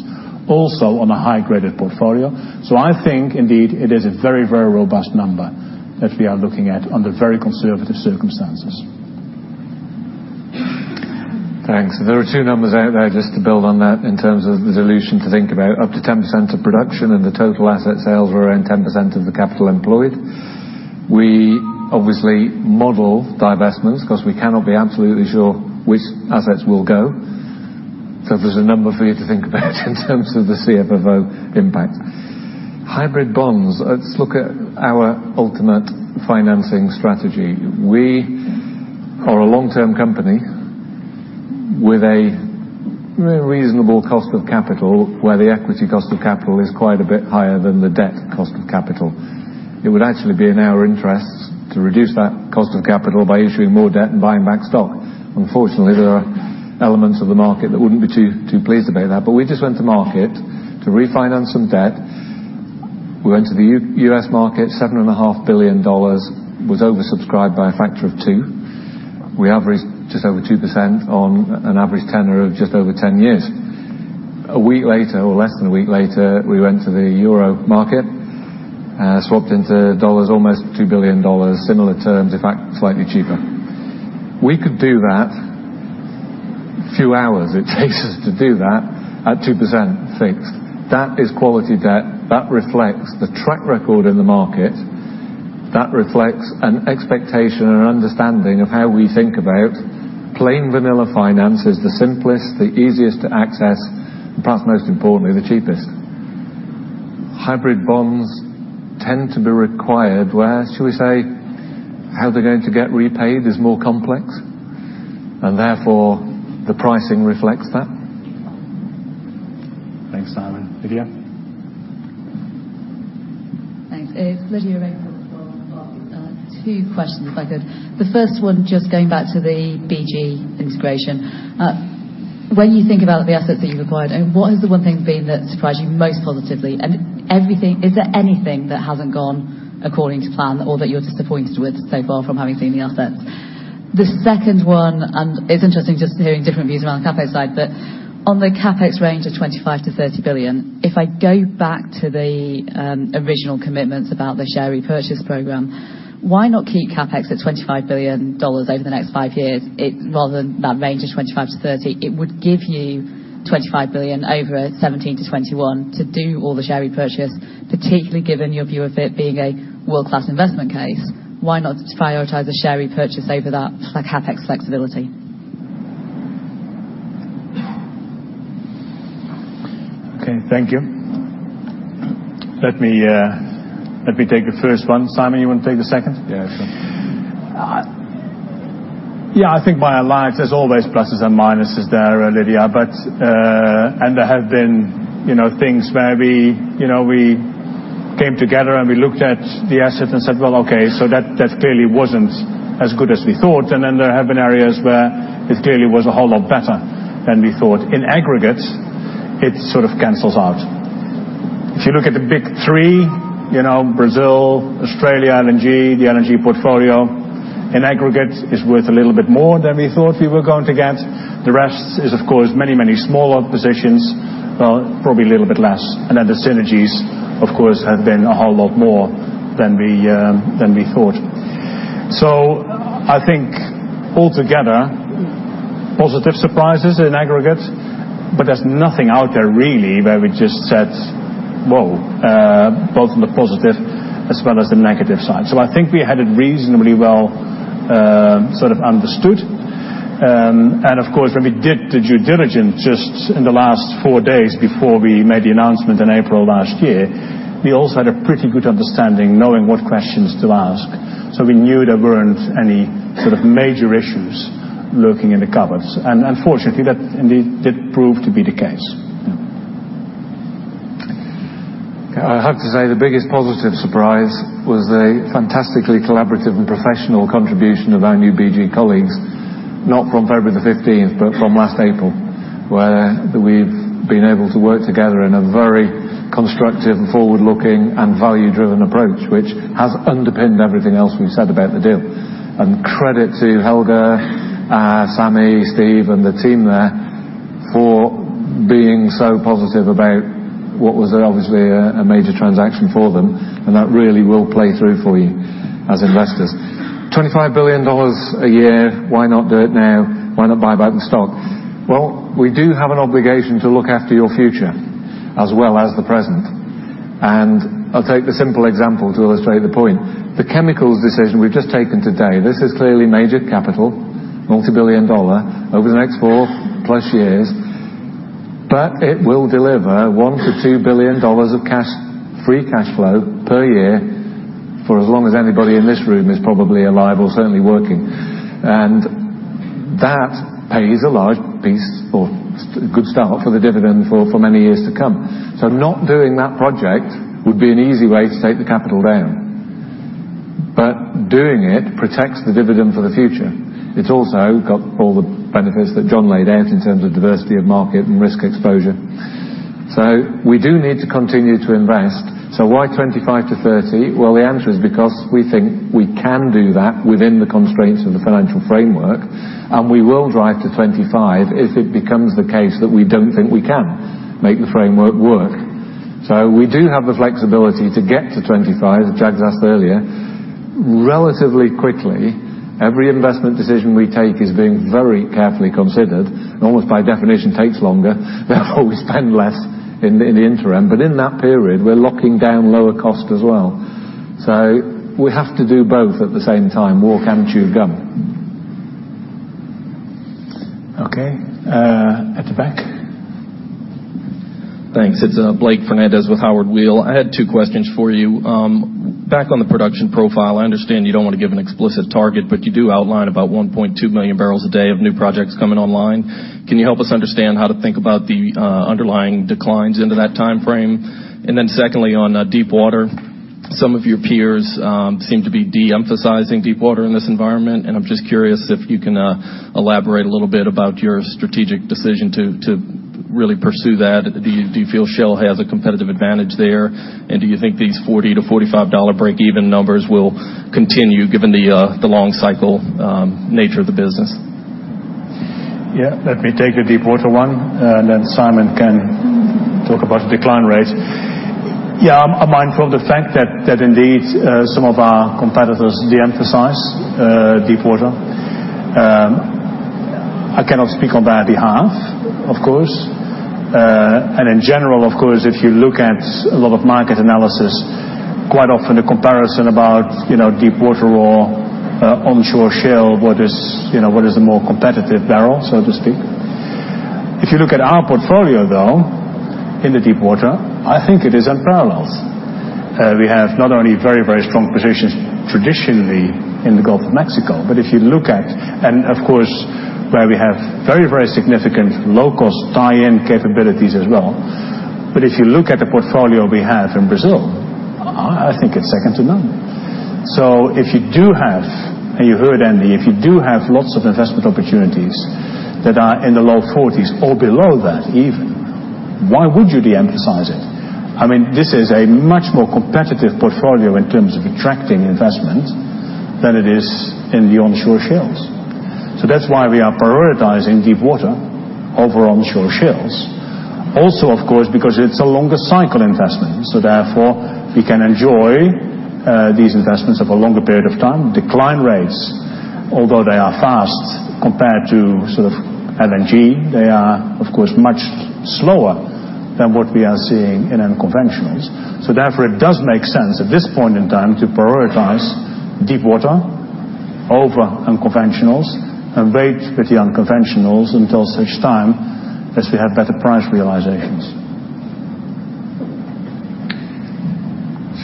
also on a high-graded portfolio. I think indeed it is a very, very robust number that we are looking at under very conservative circumstances. Thanks. There are two numbers out there just to build on that in terms of the dilution to think about. Up to 10% of production and the total asset sales were around 10% of the capital employed. We obviously model divestments because we cannot be absolutely sure which assets will go. If there's a number for you to think about in terms of the CFFO impact. Hybrid bonds. Let's look at our ultimate financing strategy. We are a long-term company with a reasonable cost of capital, where the equity cost of capital is quite a bit higher than the debt cost of capital. It would actually be in our interest to reduce that cost of capital by issuing more debt and buying back stock. Unfortunately, there are elements of the market that wouldn't be too pleased about that. We just went to market to refinance some debt. We went to the U.S. market, $7.5 billion was oversubscribed by a factor of two. We averaged just over 2% on an average tenor of just over 10 years. A week later, or less than a week later, we went to the euro market, swapped into dollars, almost $2 billion, similar terms, in fact, slightly cheaper. We could do that, few hours it takes us to do that, at 2% fixed. That is quality debt. That reflects the track record in the market. That reflects an expectation and an understanding of how we think about plain vanilla finance is the simplest, the easiest to access, and perhaps most importantly, the cheapest. Hybrid bonds tend to be required where, shall we say, how they're going to get repaid is more complex, and therefore the pricing reflects that. Thanks, Simon. Lydia? Thanks. It's Lydia Rainforth from Barclays. Two questions, if I could. The first one, just going back to the BG integration. When you think about the assets that you've acquired, what has the one thing been that surprised you most positively? Is there anything that hasn't gone according to plan, or that you're disappointed with so far from having seen the assets? The second one, it's interesting just hearing different views around the CapEx side, but on the CapEx range of $25 billion-$30 billion, if I go back to the original commitments about the share repurchase program, why not keep CapEx at $25 billion over the next five years, rather than that range of 25-30? It would give you $25 billion over 2017-2021 to do all the share repurchase, particularly given your view of it being a world-class investment case. Why not prioritize the share repurchase over that CapEx flexibility? Okay, thank you. Let me take the first one. Simon, you want to take the second? Yeah, sure. I think by and large, there's always pluses and minuses there, Lydia. There have been things where we came together, we looked at the asset and said, "Well, okay, that clearly wasn't as good as we thought." Then there have been areas where it clearly was a whole lot better than we thought. In aggregate, it sort of cancels out. If you look at the big three, Brazil, Australia, LNG, the LNG portfolio, in aggregate is worth a little bit more than we thought we were going to get. The rest is, of course, many, many smaller positions, probably a little bit less. Then the synergies, of course, have been a whole lot more than we thought. I think altogether, positive surprises in aggregate, but there's nothing out there really where we just said, whoa, both on the positive as well as the negative side. I think we had it reasonably well understood. Of course, when we did the due diligence just in the last four days before we made the announcement in April last year, we also had a pretty good understanding, knowing what questions to ask. We knew there weren't any sort of major issues lurking in the cupboards. Fortunately, that indeed did prove to be the case. I have to say the biggest positive surprise was the fantastically collaborative and professional contribution of our new BG colleagues, not from February the 15th, but from last April, where we've been able to work together in a very constructive and forward-looking and value-driven approach, which has underpinned everything else we've said about the deal. Credit to Helge, Sammy, Steve, and the team there for being so positive about what was obviously a major transaction for them, and that really will play through for you as investors. $25 billion a year. Why not do it now? Why not buy back the stock? We do have an obligation to look after your future as well as the present. I'll take the simple example to illustrate the point. The chemicals decision we've just taken today, this is clearly major capital, multibillion dollar, over the next 4+ years. It will deliver $1 billion to $2 billion of free cash flow per year for as long as anybody in this room is probably alive or certainly working. That pays a large piece or a good start for the dividend for many years to come. Not doing that project would be an easy way to take the capital down. Doing it protects the dividend for the future. It's also got all the benefits that John laid out in terms of diversity of market and risk exposure. We do need to continue to invest. Why $25 billion to $30 billion? The answer is because we think we can do that within the constraints of the financial framework, we will drive to 25 if it becomes the case that we don't think we can make the framework work. We do have the flexibility to get to 25, as Jacks asked earlier, relatively quickly. Every investment decision we take is being very carefully considered, almost by definition, takes longer. Therefore, we spend less in the interim. In that period, we're locking down lower cost as well. We have to do both at the same time, walk and chew gum. Okay, at the back. Thanks. It's Blake Fernandez with Howard Weil. I had two questions for you. Back on the production profile, I understand you don't want to give an explicit target, but you do outline about 1.2 million barrels a day of new projects coming online. Can you help us understand how to think about the underlying declines into that timeframe? Then secondly, on deepwater, some of your peers seem to be de-emphasizing deepwater in this environment, I'm just curious if you can elaborate a little bit about your strategic decision to really pursue that. Do you feel Shell has a competitive advantage there? Do you think these $40-$45 break even numbers will continue given the long cycle nature of the business? Let me take the deepwater one, and then Simon can talk about the decline rate. I'm mindful of the fact that indeed, some of our competitors de-emphasize deepwater. I cannot speak on their behalf, of course. In general, of course, if you look at a lot of market analysis, quite often the comparison about deepwater or onshore Shell, what is the more competitive barrel, so to speak. If you look at our portfolio, though, in the deepwater, I think it is unparalleled. We have not only very strong positions traditionally in the Gulf of Mexico, and of course, where we have very significant low-cost tie-in capabilities as well. If you look at the portfolio we have in Brazil, I think it's second to none. If you do have, and you heard Andy, if you do have lots of investment opportunities that are in the low 40s or below that even, why would you de-emphasize it? This is a much more competitive portfolio in terms of attracting investment than it is in the onshore shales. That's why we are prioritizing deepwater over onshore shales. Also, of course, because it's a longer cycle investment, so therefore, we can enjoy these investments over a longer period of time. Decline rates, although they are fast compared to LNG, they are of course much slower than what we are seeing in unconventionals. Therefore, it does make sense at this point in time to prioritize deepwater over unconventionals and wait with the unconventionals until such time as we have better price realizations.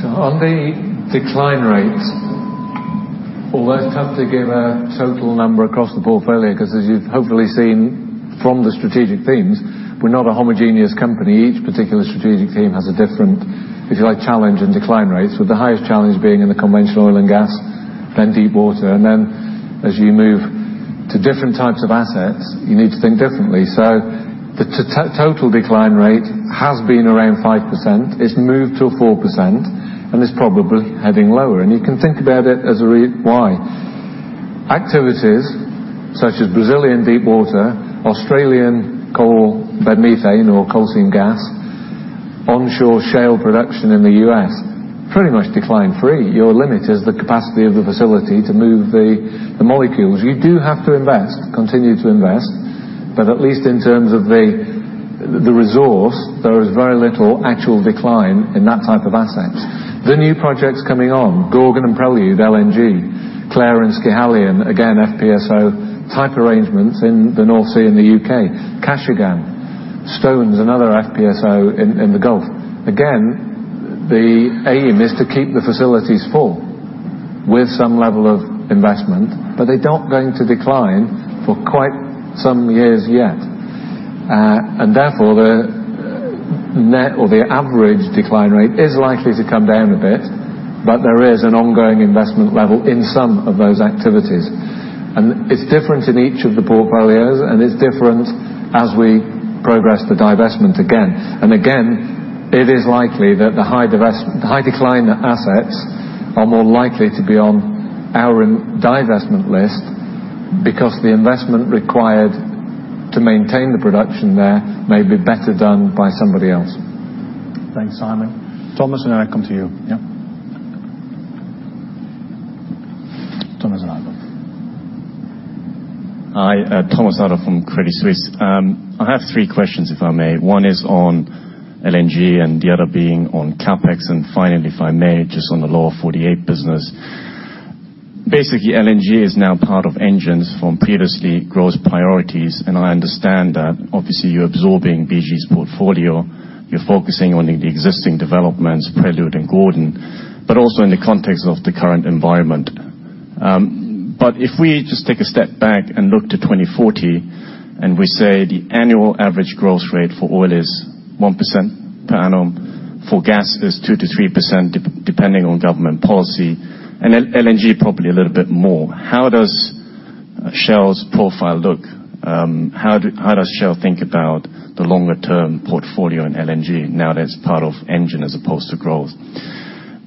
On the decline rates, although it's tough to give a total number across the portfolio, because as you've hopefully seen from the strategic themes, we're not a homogeneous company. Each particular strategic theme has a different, if you like, challenge and decline rates, with the highest challenge being in the conventional oil and gas, then deepwater, and then as you move to different types of assets, you need to think differently. The total decline rate has been around 5%. It's moved to 4%, and it's probably heading lower. You can think about it as a why. Activities such as Brazilian deepwater, Australian coal bed methane or coal seam gas, onshore shale production in the U.S., pretty much decline free. Your limit is the capacity of the facility to move the molecules. You do have to invest, continue to invest, at least in terms of the resource, there is very little actual decline in that type of assets. The new projects coming on, Gorgon and Prelude, LNG, Clair and Schiehallion, again, FPSO type arrangements in the North Sea and the U.K. Kashagan, Stones, another FPSO in the Gulf. Again, the aim is to keep the facilities full With some level of investment, they're not going to decline for quite some years yet. Therefore, the net or the average decline rate is likely to come down a bit, there is an ongoing investment level in some of those activities. It's different in each of the portfolios, and it's different as we progress the divestment again. Again, it is likely that the high decline assets are more likely to be on our divestment list because the investment required to maintain the production there may be better done by somebody else. Thanks, Simon. Thomas, and then I come to you. Yeah. Thomas Otter. Hi, Thomas Adolff from Credit Suisse. I have three questions, if I may. One is on LNG, the other being on CapEx, finally, if I may, just on the Lower 48 business. LNG is now part of engines from previously growth priorities, and I understand that obviously you're absorbing BG's portfolio, you're focusing on the existing developments, Prelude and Gorgon, also in the context of the current environment. If we just take a step back and look to 2040, and we say the annual average growth rate for oil is 1% per annum, for gas is 2%-3% depending on government policy, and then LNG probably a little bit more. How does Shell's profile look? How does Shell think about the longer term portfolio in LNG now that it's part of engine as opposed to growth?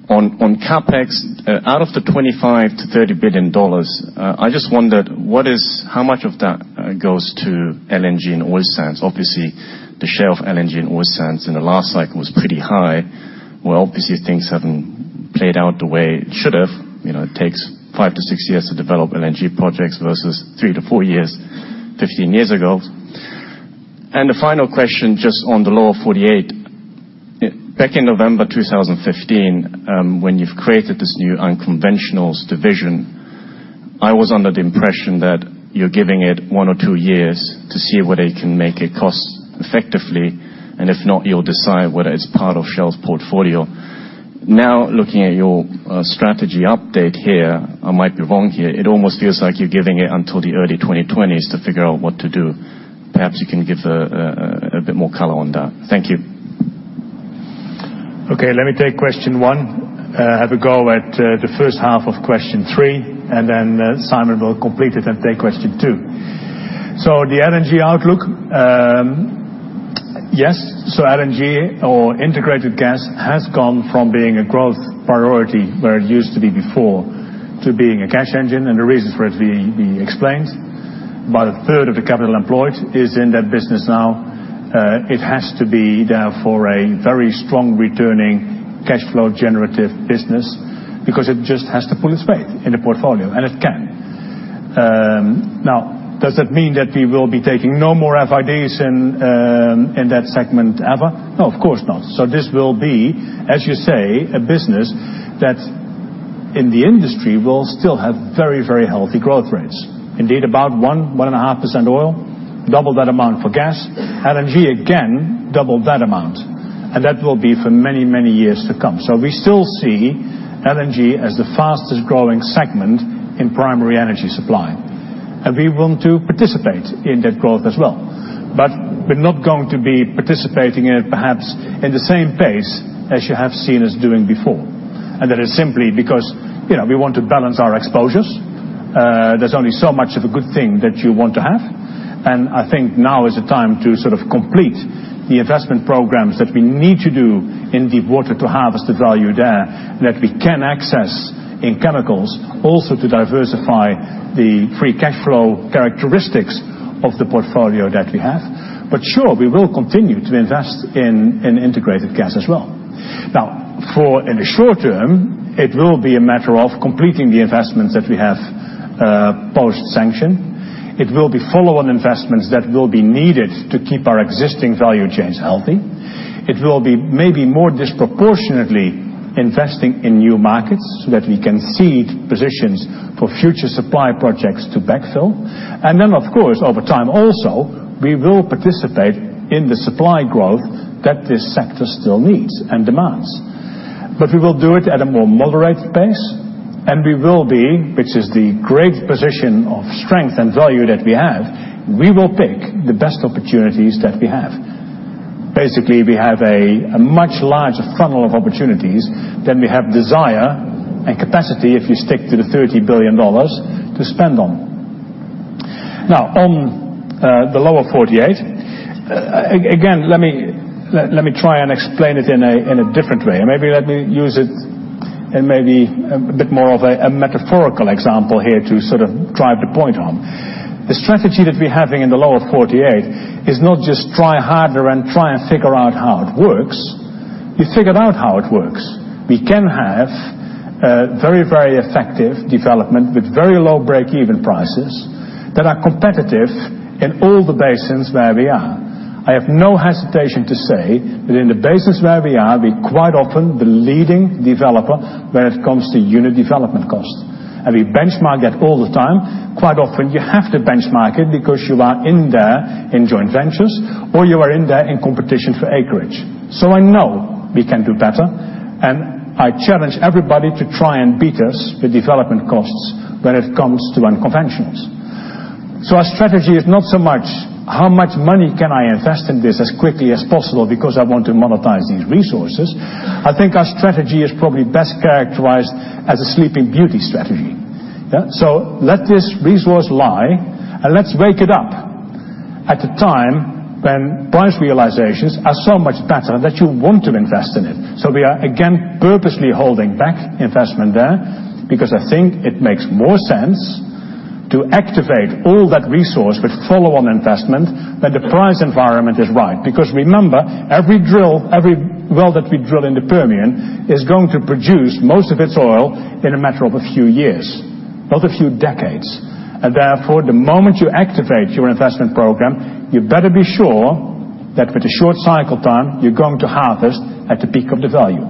On CapEx, out of the $25 billion-$30 billion, I just wondered how much of that goes to LNG and oil sands? Obviously, the share of LNG and oil sands in the last cycle was pretty high, where obviously things haven't played out the way it should have. It takes five to six years to develop LNG projects versus three to four years, 15 years ago. The final question, just on the Lower 48. Back in November 2015, when you've created this new unconventionals division, I was under the impression that you're giving it one or two years to see whether it can make it cost effectively, and if not, you'll decide whether it's part of Shell's portfolio. Looking at your strategy update here, I might be wrong here, it almost feels like you're giving it until the early 2020s to figure out what to do. Perhaps you can give a bit more color on that. Thank you. Let me take question one, have a go at the first half of question three, and then Simon will complete it and take question two. The LNG outlook, yes, LNG or Integrated Gas has gone from being a growth priority, where it used to be before, to being a cash engine, and the reason for it being explained. About a third of the capital employed is in that business now. It has to be, therefore, a very strong returning cash flow generative business because it just has to pull its weight in the portfolio, and it can. Does that mean that we will be taking no more FIDs in that segment ever? No, of course not. This will be, as you say, a business that in the industry will still have very healthy growth rates. Indeed, about 1%, 1.5% oil, double that amount for gas. LNG, again, double that amount. That will be for many years to come. We still see LNG as the fastest growing segment in primary energy supply. We want to participate in that growth as well. We're not going to be participating in it, perhaps, in the same pace as you have seen us doing before. That is simply because we want to balance our exposures. There's only so much of a good thing that you want to have. I think now is the time to sort of complete the investment programs that we need to do in deep water to harvest the value there that we can access in chemicals, also to diversify the free cash flow characteristics of the portfolio that we have. Sure, we will continue to invest in Integrated Gas as well. For in the short term, it will be a matter of completing the investments that we have post sanction. It will be follow-on investments that will be needed to keep our existing value chains healthy. It will be maybe more disproportionately investing in new markets so that we can seed positions for future supply projects to backfill. Of course, over time also, we will participate in the supply growth that this sector still needs and demands. We will do it at a more moderate pace, and we will be, which is the great position of strength and value that we have, we will pick the best opportunities that we have. Basically, we have a much larger funnel of opportunities than we have desire and capacity if you stick to the $30 billion to spend on. On the Lower 48, again, let me try and explain it in a different way, and maybe let me use it in maybe a bit more of a metaphorical example here to sort of drive the point home. The strategy that we're having in the Lower 48 is not just try harder and try and figure out how it works. We figured out how it works. We can have a very effective development with very low break-even prices that are competitive in all the basins where we are. I have no hesitation to say that in the basins where we are, we quite often the leading developer when it comes to unit development costs. We benchmark that all the time. Quite often, you have to benchmark it because you are in there in joint ventures, or you are in there in competition for acreage. I know we can do better, and I challenge everybody to try and beat us with development costs when it comes to unconventionals. Our strategy is not so much how much money can I invest in this as quickly as possible because I want to monetize these resources. I think our strategy is probably best characterized as a sleeping beauty strategy. Let this resource lie, and let's wake it up at the time when price realizations are so much better that you want to invest in it. We are, again, purposely holding back investment there because I think it makes more sense to activate all that resource with follow-on investment when the price environment is right. Remember, every well that we drill in the Permian is going to produce most of its oil in a matter of a few years, not a few decades. Therefore, the moment you activate your investment program, you better be sure that with the short cycle time, you're going to harvest at the peak of the value.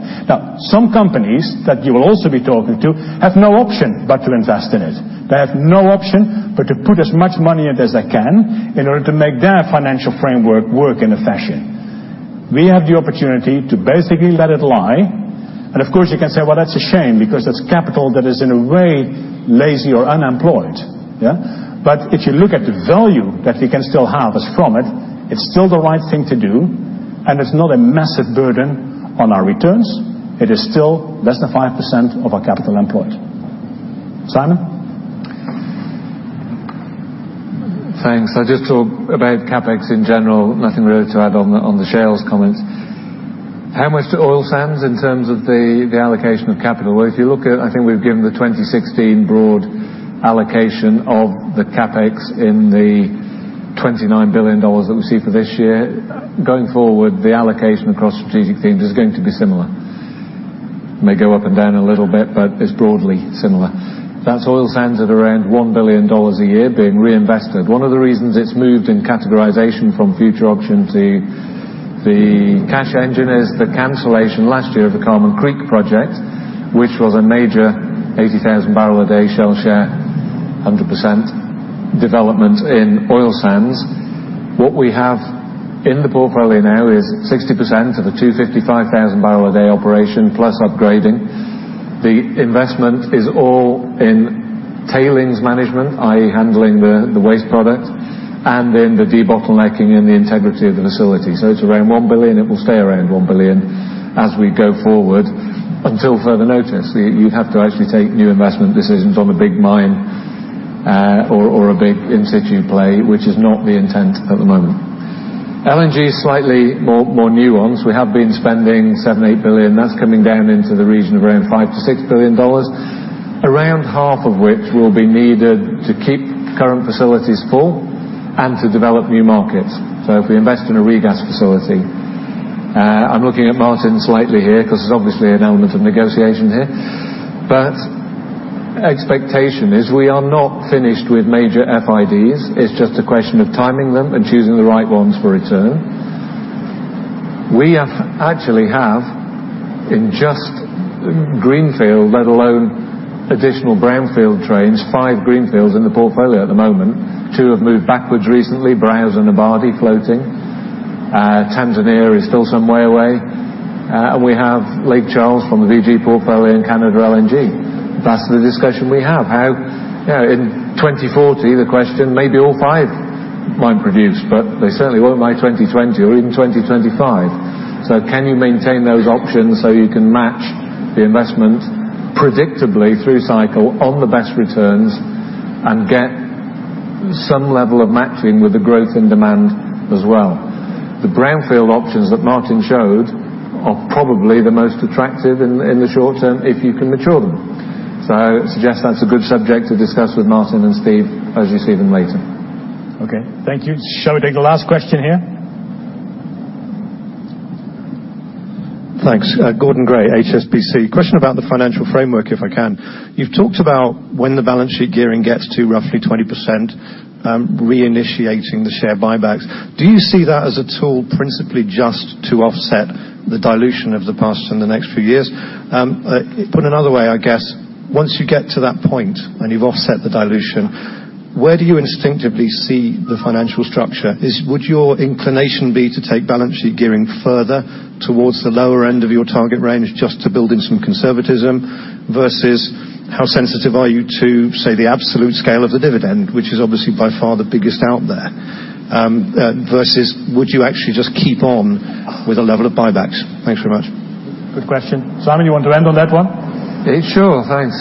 Some companies that you will also be talking to have no option but to invest in it. They have no option but to put as much money in as they can in order to make their financial framework work in a fashion. We have the opportunity to basically let it lie. Of course, you can say, well, that's a shame because that's capital that is in a way lazy or unemployed. If you look at the value that we can still harvest from it's still the right thing to do, and it's not a massive burden on our returns. It is still less than 5% of our capital employed. Simon? Thanks. I'll just talk about CapEx in general. Nothing really to add on the shares comments. How much to oil sands in terms of the allocation of capital? Well, if you look at, I think we've given the 2016 broad allocation of the CapEx in the $29 billion that we see for this year. Going forward, the allocation across strategic themes is going to be similar. May go up and down a little bit, but it's broadly similar. That's oil sands at around $1 billion a year being reinvested. One of the reasons it's moved in categorization from future option to the cash engine is the cancellation last year of the Carmon Creek project, which was a major 80,000 barrel a day Shell share, 100% development in oil sands. What we have in the portfolio now is 60% of a 255,000 barrel a day operation, plus upgrading. The investment is all in tailings management, i.e. handling the waste product, and in the debottlenecking and the integrity of the facility. It's around $1 billion. It will stay around $1 billion as we go forward until further notice. You'd have to actually take new investment decisions on a big mine or a big in-situ play, which is not the intent at the moment. LNG is slightly more nuanced. We have been spending $7 billion, $8 billion. That's coming down into the region of around $5 billion to $6 billion. Around half of which will be needed to keep current facilities full and to develop new markets. If we invest in a regasification facility, I'm looking at Maarten slightly here because there's obviously an element of negotiation here. Expectation is we are not finished with major FIDs. It's just a question of timing them and choosing the right ones for return. We actually have in just greenfield, let alone additional brownfield trains, five greenfields in the portfolio at the moment. Two have moved backwards recently, Browse and Abadi floating. Tanzania is still some way away. We have Lake Charles from the BG portfolio and LNG Canada. That's the discussion we have. How in 2040, the question may be all five might produce, but they certainly won't by 2020 or even 2025. Can you maintain those options so you can match the investment predictably through cycle on the best returns and get some level of matching with the growth in demand as well? The brownfield options that Maarten showed are probably the most attractive in the short term if you can mature them. I suggest that's a good subject to discuss with Maarten and Steve as you see them later. Okay. Thank you. Shall we take the last question here? Thanks. Gordon Gray, HSBC. Question about the financial framework, if I can. You've talked about when the balance sheet gearing gets to roughly 20%, reinitiating the share buybacks. Do you see that as a tool principally just to offset the dilution of the past and the next few years? Put another way, I guess, once you get to that point and you've offset the dilution, where do you instinctively see the financial structure? Would your inclination be to take balance sheet gearing further towards the lower end of your target range just to build in some conservatism versus how sensitive are you to, say, the absolute scale of the dividend, which is obviously by far the biggest out there, versus would you actually just keep on with a level of buybacks? Thanks very much. Good question. Simon, you want to end on that one? Sure. Thanks.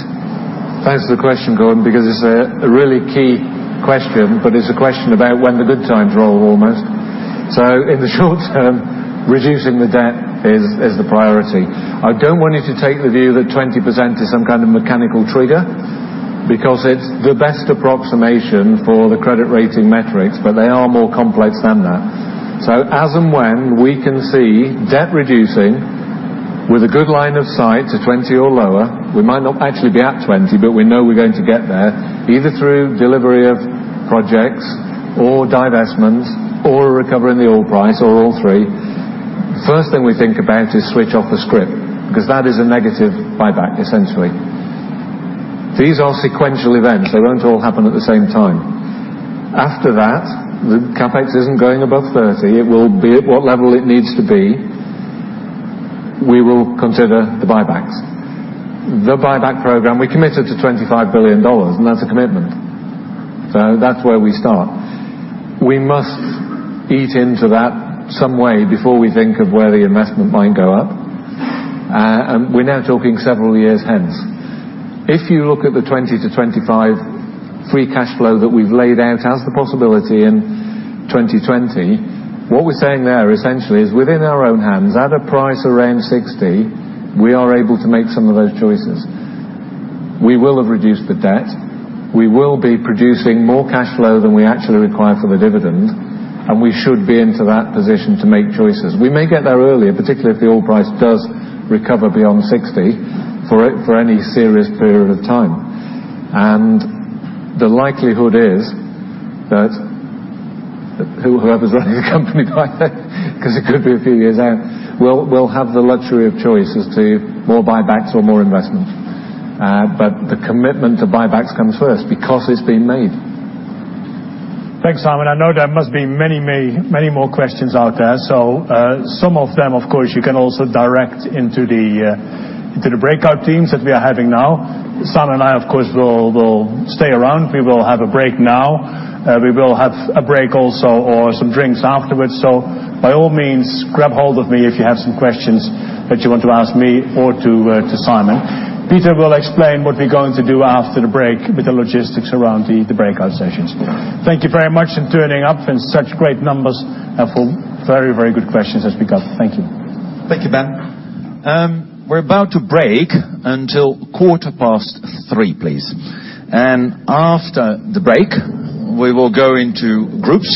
Thanks for the question, Gordon, because it's a really key question, but it's a question about when the good times roll almost. In the short term, reducing the debt is the priority. I don't want you to take the view that 20% is some kind of mechanical trigger because it's the best approximation for the credit rating metrics, but they are more complex than that. As and when we can see debt reducing with a good line of sight to 20 or lower, we might not actually be at 20, but we know we're going to get there, either through delivery of projects or divestments or a recovery in the oil price or all three. The first thing we think about is switch off the scrip, because that is a negative buyback, essentially. These are sequential events. They won't all happen at the same time. After that, the CapEx isn't going above $30. It will be at what level it needs to be. We will consider the buybacks. The buyback program, we committed to $25 billion, and that's a commitment. That's where we start. We must eat into that some way before we think of where the investment might go up. We're now talking several years hence. If you look at the $20-$25 free cash flow that we've laid out as the possibility in 2020, what we're saying there essentially is within our own hands, at a price around $60, we are able to make some of those choices. We will have reduced the debt, we will be producing more cash flow than we actually require for the dividend, and we should be into that position to make choices. We may get there earlier, particularly if the oil price does recover beyond $60 for any serious period of time. The likelihood is that whoever's running the company by then, because it could be a few years out, will have the luxury of choice as to more buybacks or more investment. The commitment to buybacks comes first because it's been made. Thanks, Simon. I know there must be many more questions out there. Some of them, of course, you can also direct into the breakout teams that we are having now. Simon and I, of course, will stay around. We will have a break now. We will have a break also, or some drinks afterwards. By all means, grab hold of me if you have some questions that you want to ask me or to Simon. Peter will explain what we're going to do after the break with the logistics around the breakout sessions. Thank you very much for turning up in such great numbers and for very good questions as we go. Thank you. Thank you, Ben. We're about to break until 3:15 P.M., please. After the break, we will go into groups.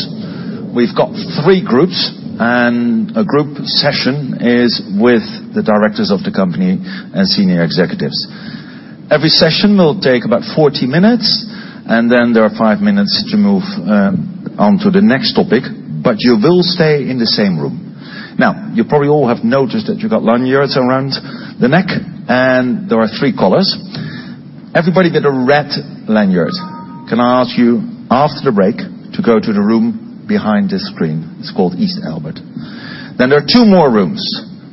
We've got three groups, and a group session is with the directors of the company and senior executives. Every session will take about 40 minutes, and then there are five minutes to move on to the next topic, but you will stay in the same room. You probably all have noticed that you got lanyards around the neck, and there are three colors. Everybody with a red lanyard, can I ask you, after the break, to go to the room behind this screen. It's called East Albert. Then there are two more rooms,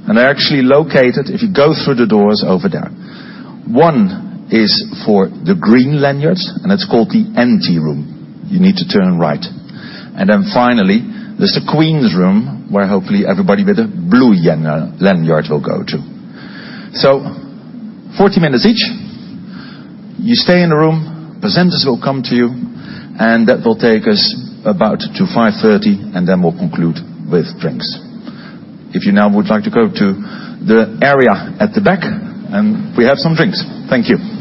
and they're actually located if you go through the doors over there. One is for the green lanyards, and it's called the NT room. You need to turn right. Finally, there's the Queens Room, where hopefully everybody with a blue lanyard will go to. 40 minutes each. You stay in a room. Presenters will come to you, and that will take us about to 5:30 P.M., and then we'll conclude with drinks. If you now would like to go to the area at the back, and we have some drinks. Thank you.